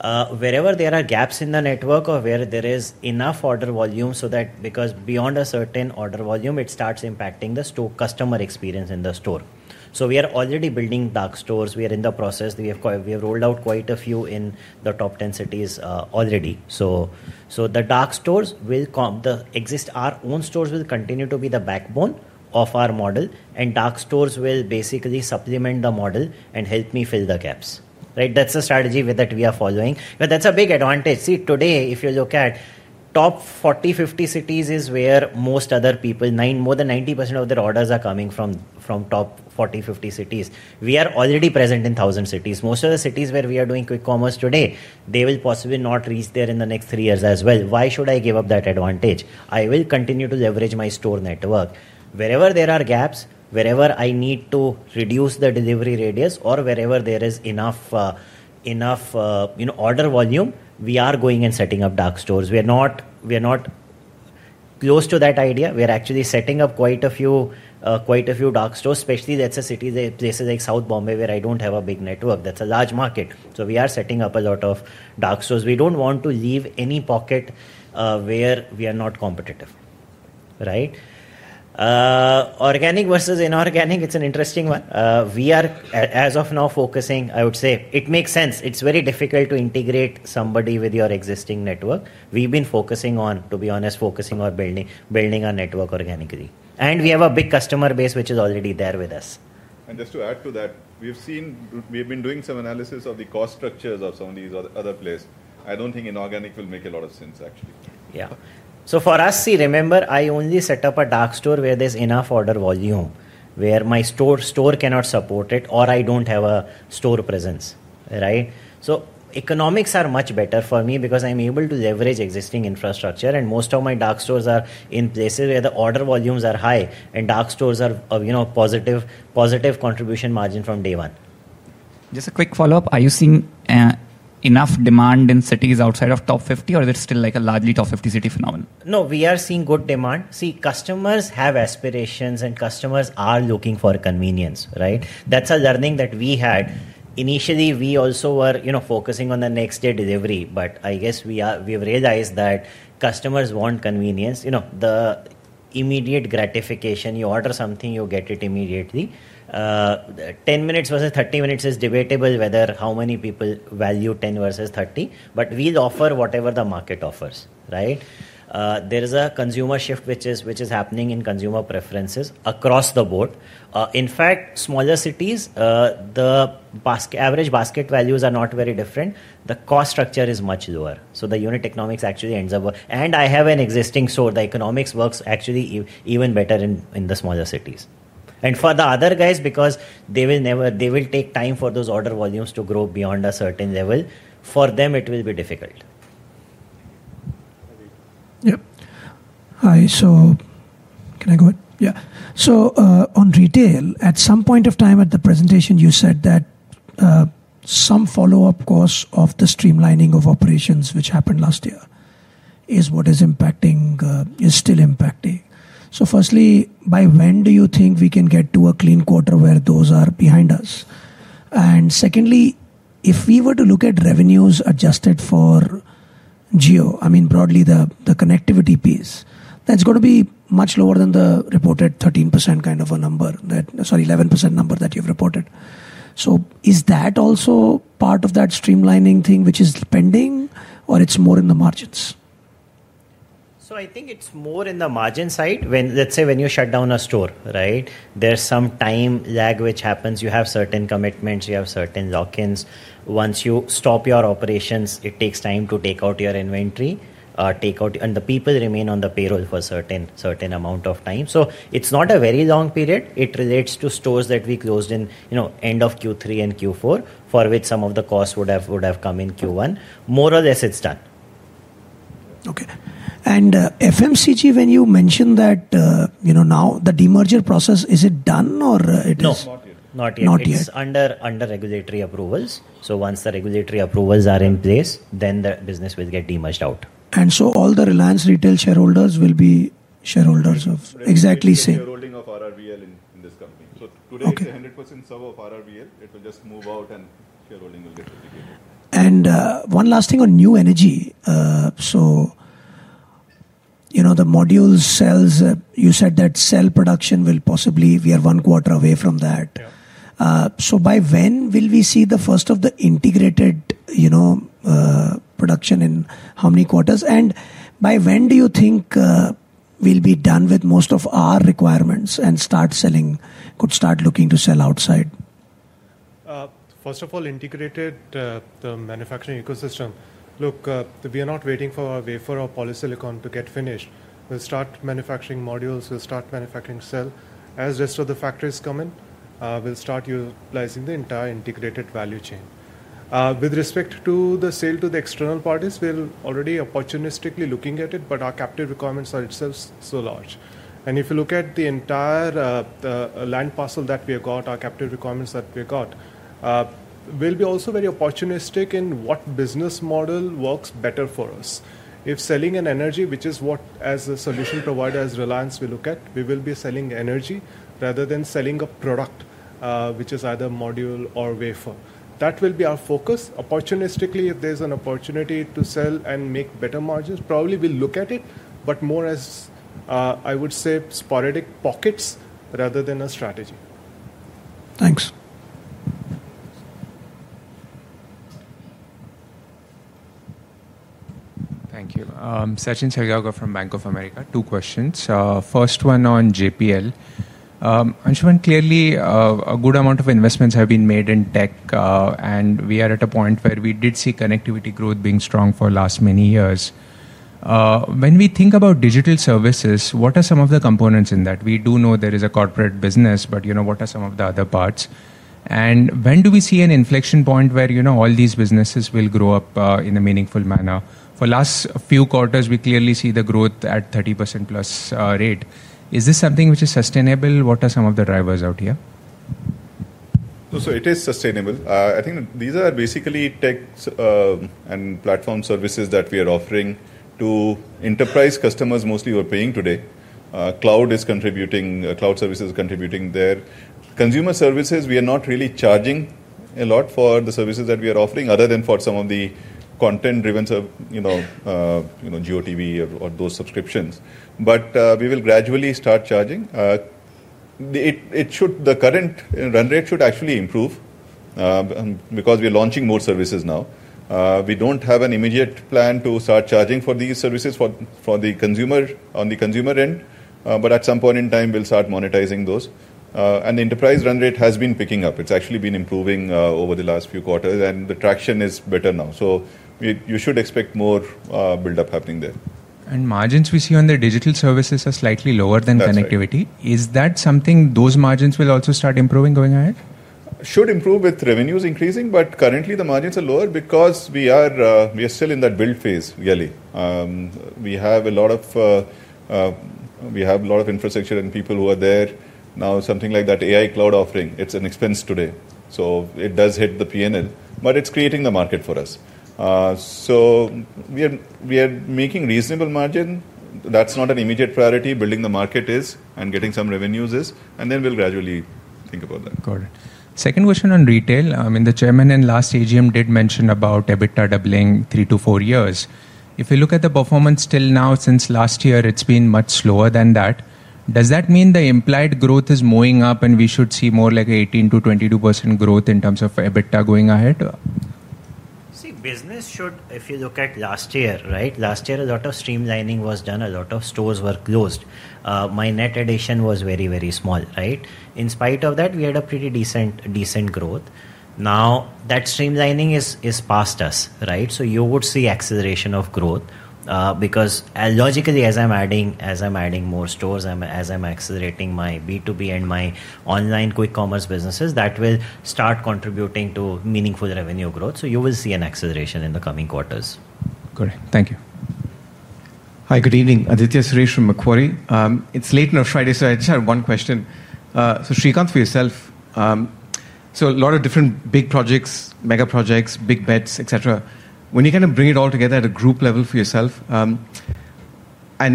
Wherever there are gaps in the network or where there is enough order volume so that because beyond a certain order volume, it starts impacting the customer experience in the store. We are already building Dark stores. We are in the process. We have rolled out quite a few in the top 10 cities already. The Dark stores will exist. Our own stores will continue to be the backbone of our model. Dark stores will basically supplement the model and help me fill the gaps, right? That is the strategy that we are following. That is a big advantage. See, today, if you look at top 40-50 cities, it is where most other people, more than 90% of their orders are coming from top 40-50 cities. We are already present in 1,000 cities. Most of the cities where we are doing Quick Commerce today, they will possibly not reach there in the next three years as well. Why should I give up that advantage? I will continue to leverage my store network. Wherever there are gaps, wherever I need to reduce the delivery radius, or wherever there is enough order volume, we are going and setting up Dark stores. We are not close to that idea. We are actually setting up quite a few Dark stores, especially in a city like South Bombay where I do not have a big network. That is a large market. We are setting up a lot of Dark stores. We don't want to leave any pocket where we are not competitive, right? Organic versus inorganic, it's an interesting one. We are, as of now, focusing, I would say, it makes sense. It's very difficult to integrate somebody with your existing network. We've been focusing on, to be honest, focusing on building our network organically. We have a big customer base which is already there with us. Just to add to that, we've been doing some analysis of the cost structures of some of these other players. I don't think inorganic will make a lot of sense, actually. Yeah. For us, see, remember, I only set up a Dark store where there's enough order volume, where my store cannot support it, or I don't have a store presence, right? Economics are much better for me because I'm able to leverage existing infrastructure. Most of my Dark stores are in places where the order volumes are high. Dark stores are a positive contribution margin from day one. Just a quick follow-up. Are you seeing enough demand in cities outside of top 50, or is it still like a largely top 50 city phenomenon? No, we are seeing good demand. See, customers have aspirations and customers are looking for convenience, right? That is a learning that we had. Initially, we also were focusing on the next-day delivery. I guess we have realized that customers want convenience. The immediate gratification, you order something, you get it immediately. 10 minutes versus 30 minutes is debatable whether how many people value 10 versus 30. We will offer whatever the market offers, right? There is a consumer shift which is happening in consumer preferences across the board. In fact, smaller citiesthe average basket values are not very different. The cost structure is much lower. The unit economics actually ends up. I have an existing store. The economics works actually even better in the smaller cities. For the other guys, because they will take time for those order volumes to grow beyond a certain level, for them, it will be difficult. Yep. Hi. Can I go? Yeah. On retail, at some point of time at the presentation, you said that some follow-up course of the streamlining of operations, which happened last year, is what is impacting, is still impacting. Firstly, by when do you think we can get to a clean quarter where those are behind us? Secondly, if we were to look at revenues adjusted for Jio, I mean, broadly the connectivity piece, that's going to be much lower than the reported 13% kind of a number, sorry, 11% number that you've reported. Is that also part of that streamlining thing which is pending, or it's more in the margins? I think it's more in the margin side. Let's say when you shut down a store, right, there's some time lag which happens. You have certain commitments. You have certain lock-ins. Once you stop your operations, it takes time to take out your inventory, take out, and the people remain on the payroll for a certain amount of time. It's not a very long period. It relates to stores that we closed in end of Q3 and Q4, for which some of the costs would have come in Q1. More or less, it's done. Okay. And FMCG, when you mentioned that now the demerger process, is it done or it is? No, not yet. Not yet. It's under regulatory approvals. Once the regulatory approvals are in place, then the business will get demerged out. All the Reliance Retail shareholders will be shareholders of exactly same shareholding of RRVL in this company. Today, it's 100% sub of RRVL. It will just move out and shareholding will get replicated. One last thing on new energy. The module cells, you said that cell production will possibly, we are one quarter away from that. By when will we see the first of the integrated production in how many quarters? By when do you think we'll be done with most of our requirements and start selling, could start looking to sell outside? First of all, integrated the manufacturing ecosystem. Look, we are not waiting for a wafer or polysilicon to get finished. We'll start manufacturing modules. We'll start manufacturing cell. As the rest of the factories come in, we'll start utilizing the entire integrated value chain. With respect to the sale to the external parties, we're already opportunistically looking at it, but our captive requirements are itself so large. If you look at the entire land parcel that we have got, our captive requirements that we have got, we'll be also very opportunistic in what business model works better for us. If selling an energy, which is what as a solution provider as Reliance we look at, we will be selling energy rather than selling a product which is either module or wafer. That will be our focus. Opportunistically, if there's an opportunity to sell and make better margins, probably we'll look at it, but more as I would say sporadic pockets rather than a strategy. Thanks. Thank you. Sachin Sehgal from Bank of America. Two questions. First one on Jio Platforms. Anshuman, clearly a good amount of investments have been made in tech. And we are at a point where we did see connectivity growth being strong for the last many years. When we think about digital services, what are some of the components in that? We do know there is a corporate business, but what are some of the other parts? When do we see an inflection point where all these businesses will grow up in a meaningful manner? For the last few quarters, we clearly see the growth at 30%+ rate. Is this something which is sustainable? What are some of the drivers out here? It is sustainable. I think these are basically tech and platform services that we are offering to enterprise customers mostly who are paying today. Cloud is contributing. Cloud services are contributing there. Consumer services, we are not really charging a lot for the services that we are offering other than for some of the content-driven GeoTV or those subscriptions. We will gradually start charging. The current run rate should actually improve because we are launching more services now. We do not have an immediate plan to start charging for these services on the consumer end. At some point in time, we will start monetizing those. The enterprise run rate has been picking up. It has actually been improving over the last few quarters. The traction is better now. You should expect more buildup happening there. Margins we see on the digital services are slightly lower than connectivity. Is that something those margins will also start improving going ahead? Should improve with revenues increasing. Currently, the margins are lower because we are still in that build phase, really. We have a lot of infrastructure and people who are there. Now, something like that AI cloud offering, it's an expense today. It does hit the P&L, but it's creating the market for us. We are making reasonable margin. That's not an immediate priority. Building the market is and getting some revenues is. Then we'll gradually think about that. Got it. Second question on retail. I mean, the Chairman in last AGM did mention about EBITDA doubling three to four years. If you look at the performance till now since last year, it's been much slower than that. Does that mean the implied growth is mooring up and we should see more like 18-22% growth in terms of EBITDA going ahead? See, business should, if you look at last year, right, last year, a lot of streamlining was done. A lot of stores were closed. My net addition was very, very small, right? In spite of that, we had a pretty decent growth. Now, that streamlining is past us, right? You would see acceleration of growth because logically, as I'm adding more stores, as I'm accelerating my B2B and my online Quick Commerce businesses, that will start contributing to meaningful revenue growth. You will see an acceleration in the coming quarters. Got it. Thank you. Hi, good evening. Aditya Suresh from Macquarie. It's late in our Friday, so I just have one question. Srikanth, for yourself, a lot of different big projects, mega projects, big bets, etc. When you kind of bring it all together at a group level for yourself, and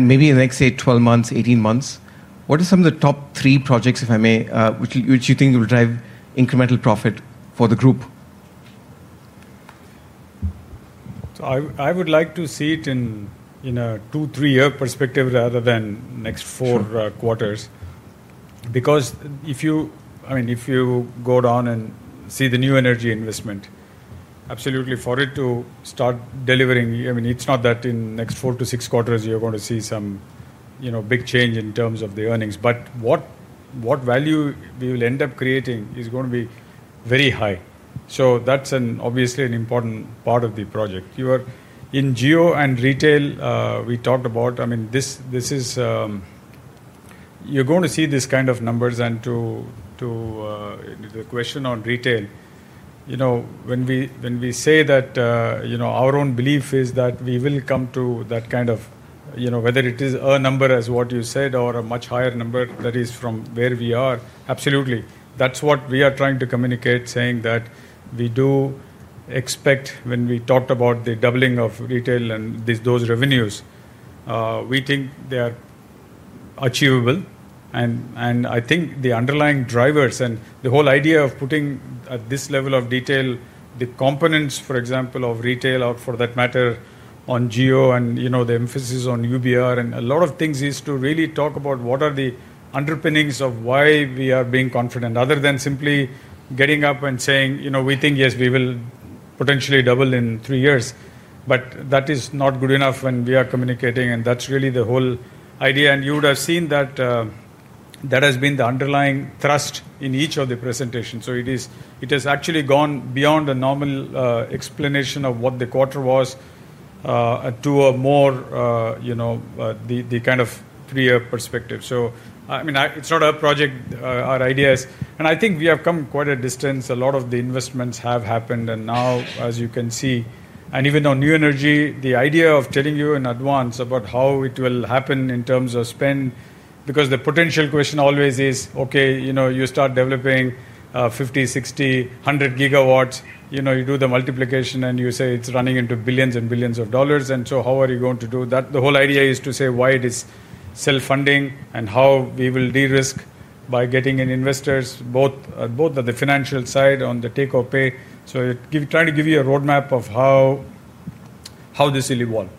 maybe in the next, say, 12 months, 18 months, what are some of the top three projects, if I may, which you think will drive incremental profit for the group? I would like to see it in a two, three-year perspective rather than next four quarters. Because if you, I mean, if you go down and see the new energy investment, absolutely for it to start delivering, I mean, it's not that in next four to six quarters, you're going to see some big change in terms of the earnings. What value we will end up creating is going to be very high. That's obviously an important part of the project. In Jio and Retail, we talked about, I mean, you're going to see this kind of numbers. To the question on Retail, when we say that our own belief is that we will come to that kind of, whether it is a number as what you said or a much higher number that is from where we are, absolutely. That's what we are trying to communicate, saying that we do expect when we talked about the doubling of Retail and those revenues, we think they are achievable. I think the underlying drivers and the whole idea of putting at this level of detail, the components, for example, of Retail or for that matter on Jio and the emphasis on UBR and a lot of things is to really talk about what are the underpinnings of why we are being confident other than simply getting up and saying, "We think, yes, we will potentially double in three years." That is not good enough when we are communicating. That is really the whole idea. You would have seen that that has been the underlying thrust in each of the presentations. It has actually gone beyond a normal explanation of what the quarter was to a more the kind of three-year perspective. I mean, it is not our project, our ideas. I think we have come quite a distance. A lot of the investments have happened. Now, as you can see, and even on new energy, the idea of telling you in advance about how it will happen in terms of spend, because the potential question always is, "Okay, you start developing 50, 60, 100 gigawatts. You do the multiplication and you say it's running into billions and billions of dollars. How are you going to do that?" The whole idea is to say why it is self-funding and how we will de-risk by getting in investors, both at the financial side on the take-up pay. Trying to give you a roadmap of how this will evolve.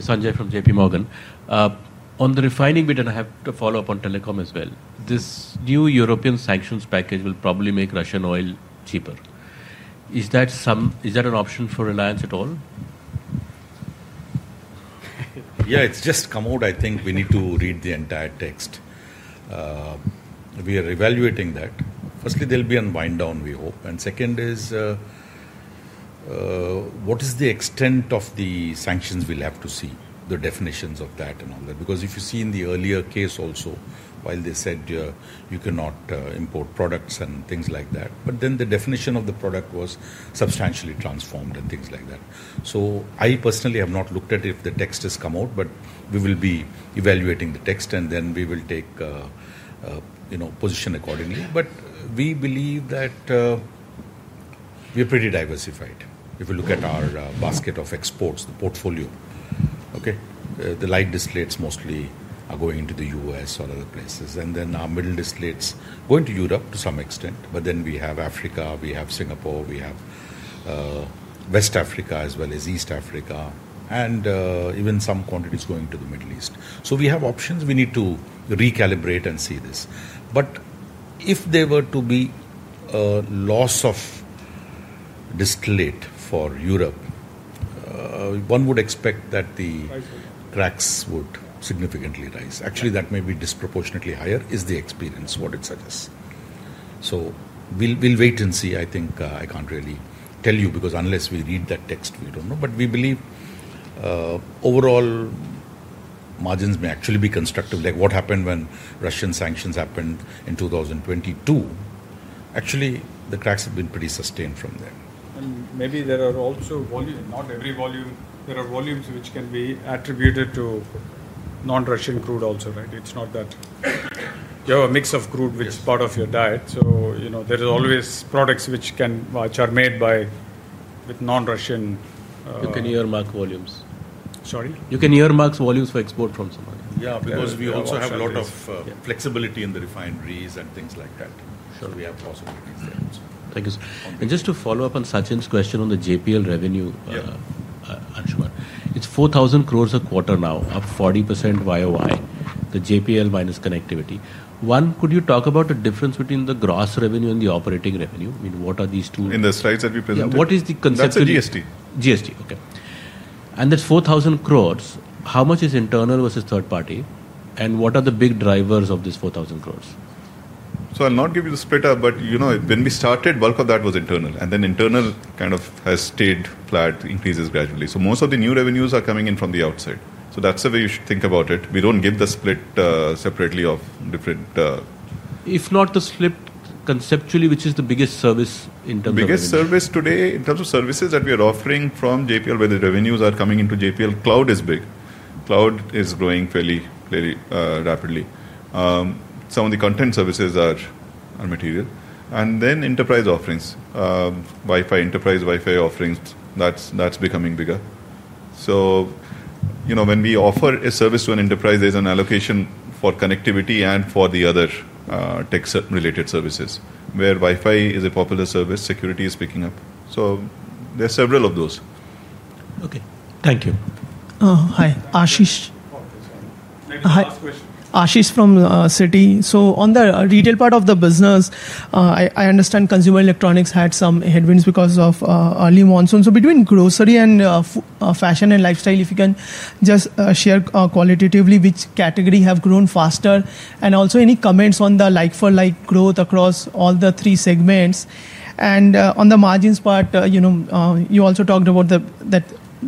Thanks. Sanjay from JPMorgan. Sorry, Sanjay from JPMorgan. On the refining bit, and I have to follow up on telecom as well. This new European sanctions package will probably make Russian oil cheaper. Is that an option for Reliance at all? Yeah, it's just come out, I think we need to read the entire text. We are evaluating that. Firstly, there'll be a wind down, we hope. Second is, what is the extent of the sanctions? We'll have to see the definitions of that and all that. Because if you see in the earlier case also, while they said you cannot import products and things like that, the definition of the product was substantially transformed and things like that. I personally have not looked at it if the text has come out, but we will be evaluating the text and then we will take position accordingly. We believe that we're pretty diversified. If you look at our basket of exports, the portfolio, the light distillates mostly are going into the US or other places. Our middle distillates go into Europe to some extent. We have Africa, we have Singapore, we have West Africa as well as East Africa, and even some quantities going to the Middle East. We have options. We need to recalibrate and see this. If there were to be a loss of distillate for Europe, one would expect that the cracks would significantly rise. Actually, that may be disproportionately higher is the experience, what it suggests. We'll wait and see. I think I can't really tell you because unless we read that text, we don't know. We believe overall margins may actually be constructive. Like what happened when Russian sanctions happened in 2022, actually the cracks have been pretty sustained from there. Maybe there are also volume, not every volume, there are volumes which can be attributed to non-Russian crude also, right? You can earmark volumes. Sorry? You can earmark volumes for export from somewhere. Yeah, because we also have a lot of flexibility in the refineries and things like that. We have possibilities there. Thank you. Just to follow up on Sachin's question on the JPL revenue, Anshuman, it's 4,000 crore a quarter now, up 40% YOY, the JPL minus connectivity. One, could you talk about the difference between the gross revenue and the operating revenue? I mean, what are these two? In the slides that we presented? What is the concept? That's the GST. GST, okay. That's 4,000 crore. How much is internal versus third party? What are the big drivers of this 4,000 crore? I'll not give you the split up, but when we started, bulk of that was internal. Internal kind of has stayed flat, increases gradually. Most of the new revenues are coming in from the outside. That's the way you should think about it. We don't give the split separately of different. If not the split conceptually, which is the biggest service in terms of? Biggest service today in terms of services that we are offering from JPL, where the revenues are coming into JPL, cloud is big. Cloud is growing fairly rapidly. Some of the content services are material. Enterprise offerings, Wi-Fi enterprise, Wi-Fi offerings, that's becoming bigger. When we offer a service to an enterprise, there's an allocation for connectivity and for the other tech-related services, where Wi-Fi is a popular service, security is picking up. There are several of those. Okay. Thank you. Hi, Ashish. Hi. Maybe the last question. Ashish from Citi. On the retail part of the business, I understand consumer electronics had some headwinds because of early monsoon. Between grocery and fashion and lifestyle, if you can just share qualitatively which category has grown faster and also any comments on the like-for-like growth across all the three segments. On the margins part, you also talked about that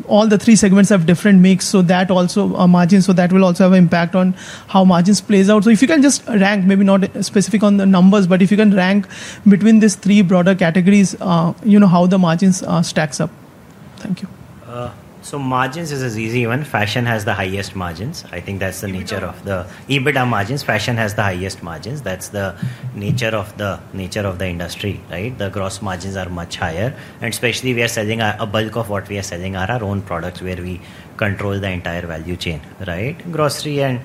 all the three segments have different mix. That also impacts how margins play out. If you can just rank, maybe not specific on the numbers, but if you can rank between these three broader categories, how the margins stack up. Thank you. Margins is a ZZ1. Fashion has the highest margins. I think that's the nature of the EBITDA margins. Fashion has the highest margins. That's the nature of the industry, right? The gross margins are much higher. Especially we are selling a bulk of what we are selling are our own products where we control the entire value chain, right? Grocery and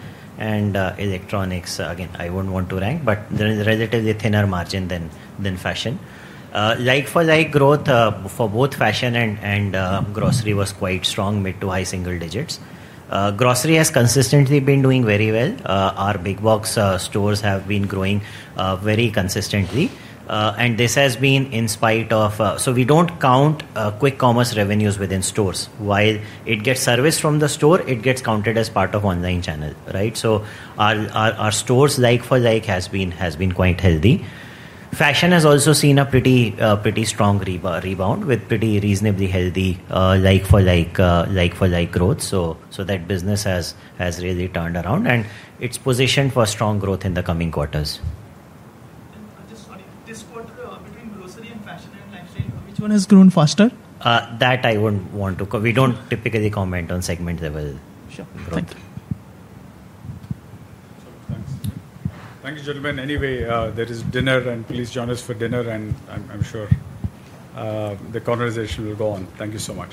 electronics, again, I wouldn't want to rank, but there is a relatively thinner margin than fashion. Like-for-like growth for both fashion and grocery was quite strong, mid to high single digits. Grocery has consistently been doing very well. Our big box stores have been growing very consistently. This has been in spite of, we don't count Quick Commerce revenues within stores. While it gets serviced from the store, it gets counted as part of online channel, right? Our stores like-for-like has been quite healthy. Fashion has also seen a pretty strong rebound with pretty reasonably healthy like-for-like growth. That business has really turned around and it's positioned for strong growth in the coming quarters. This quarter between grocery and fashion and lifestyle, which one has grown faster? That I wouldn't want to. We don't typically comment on segment level growth. Sure. Thank you. Thank you, gentlemen. Anyway, there is dinner, and please join us for dinner, and I'm sure the conversation will go on. Thank you so much.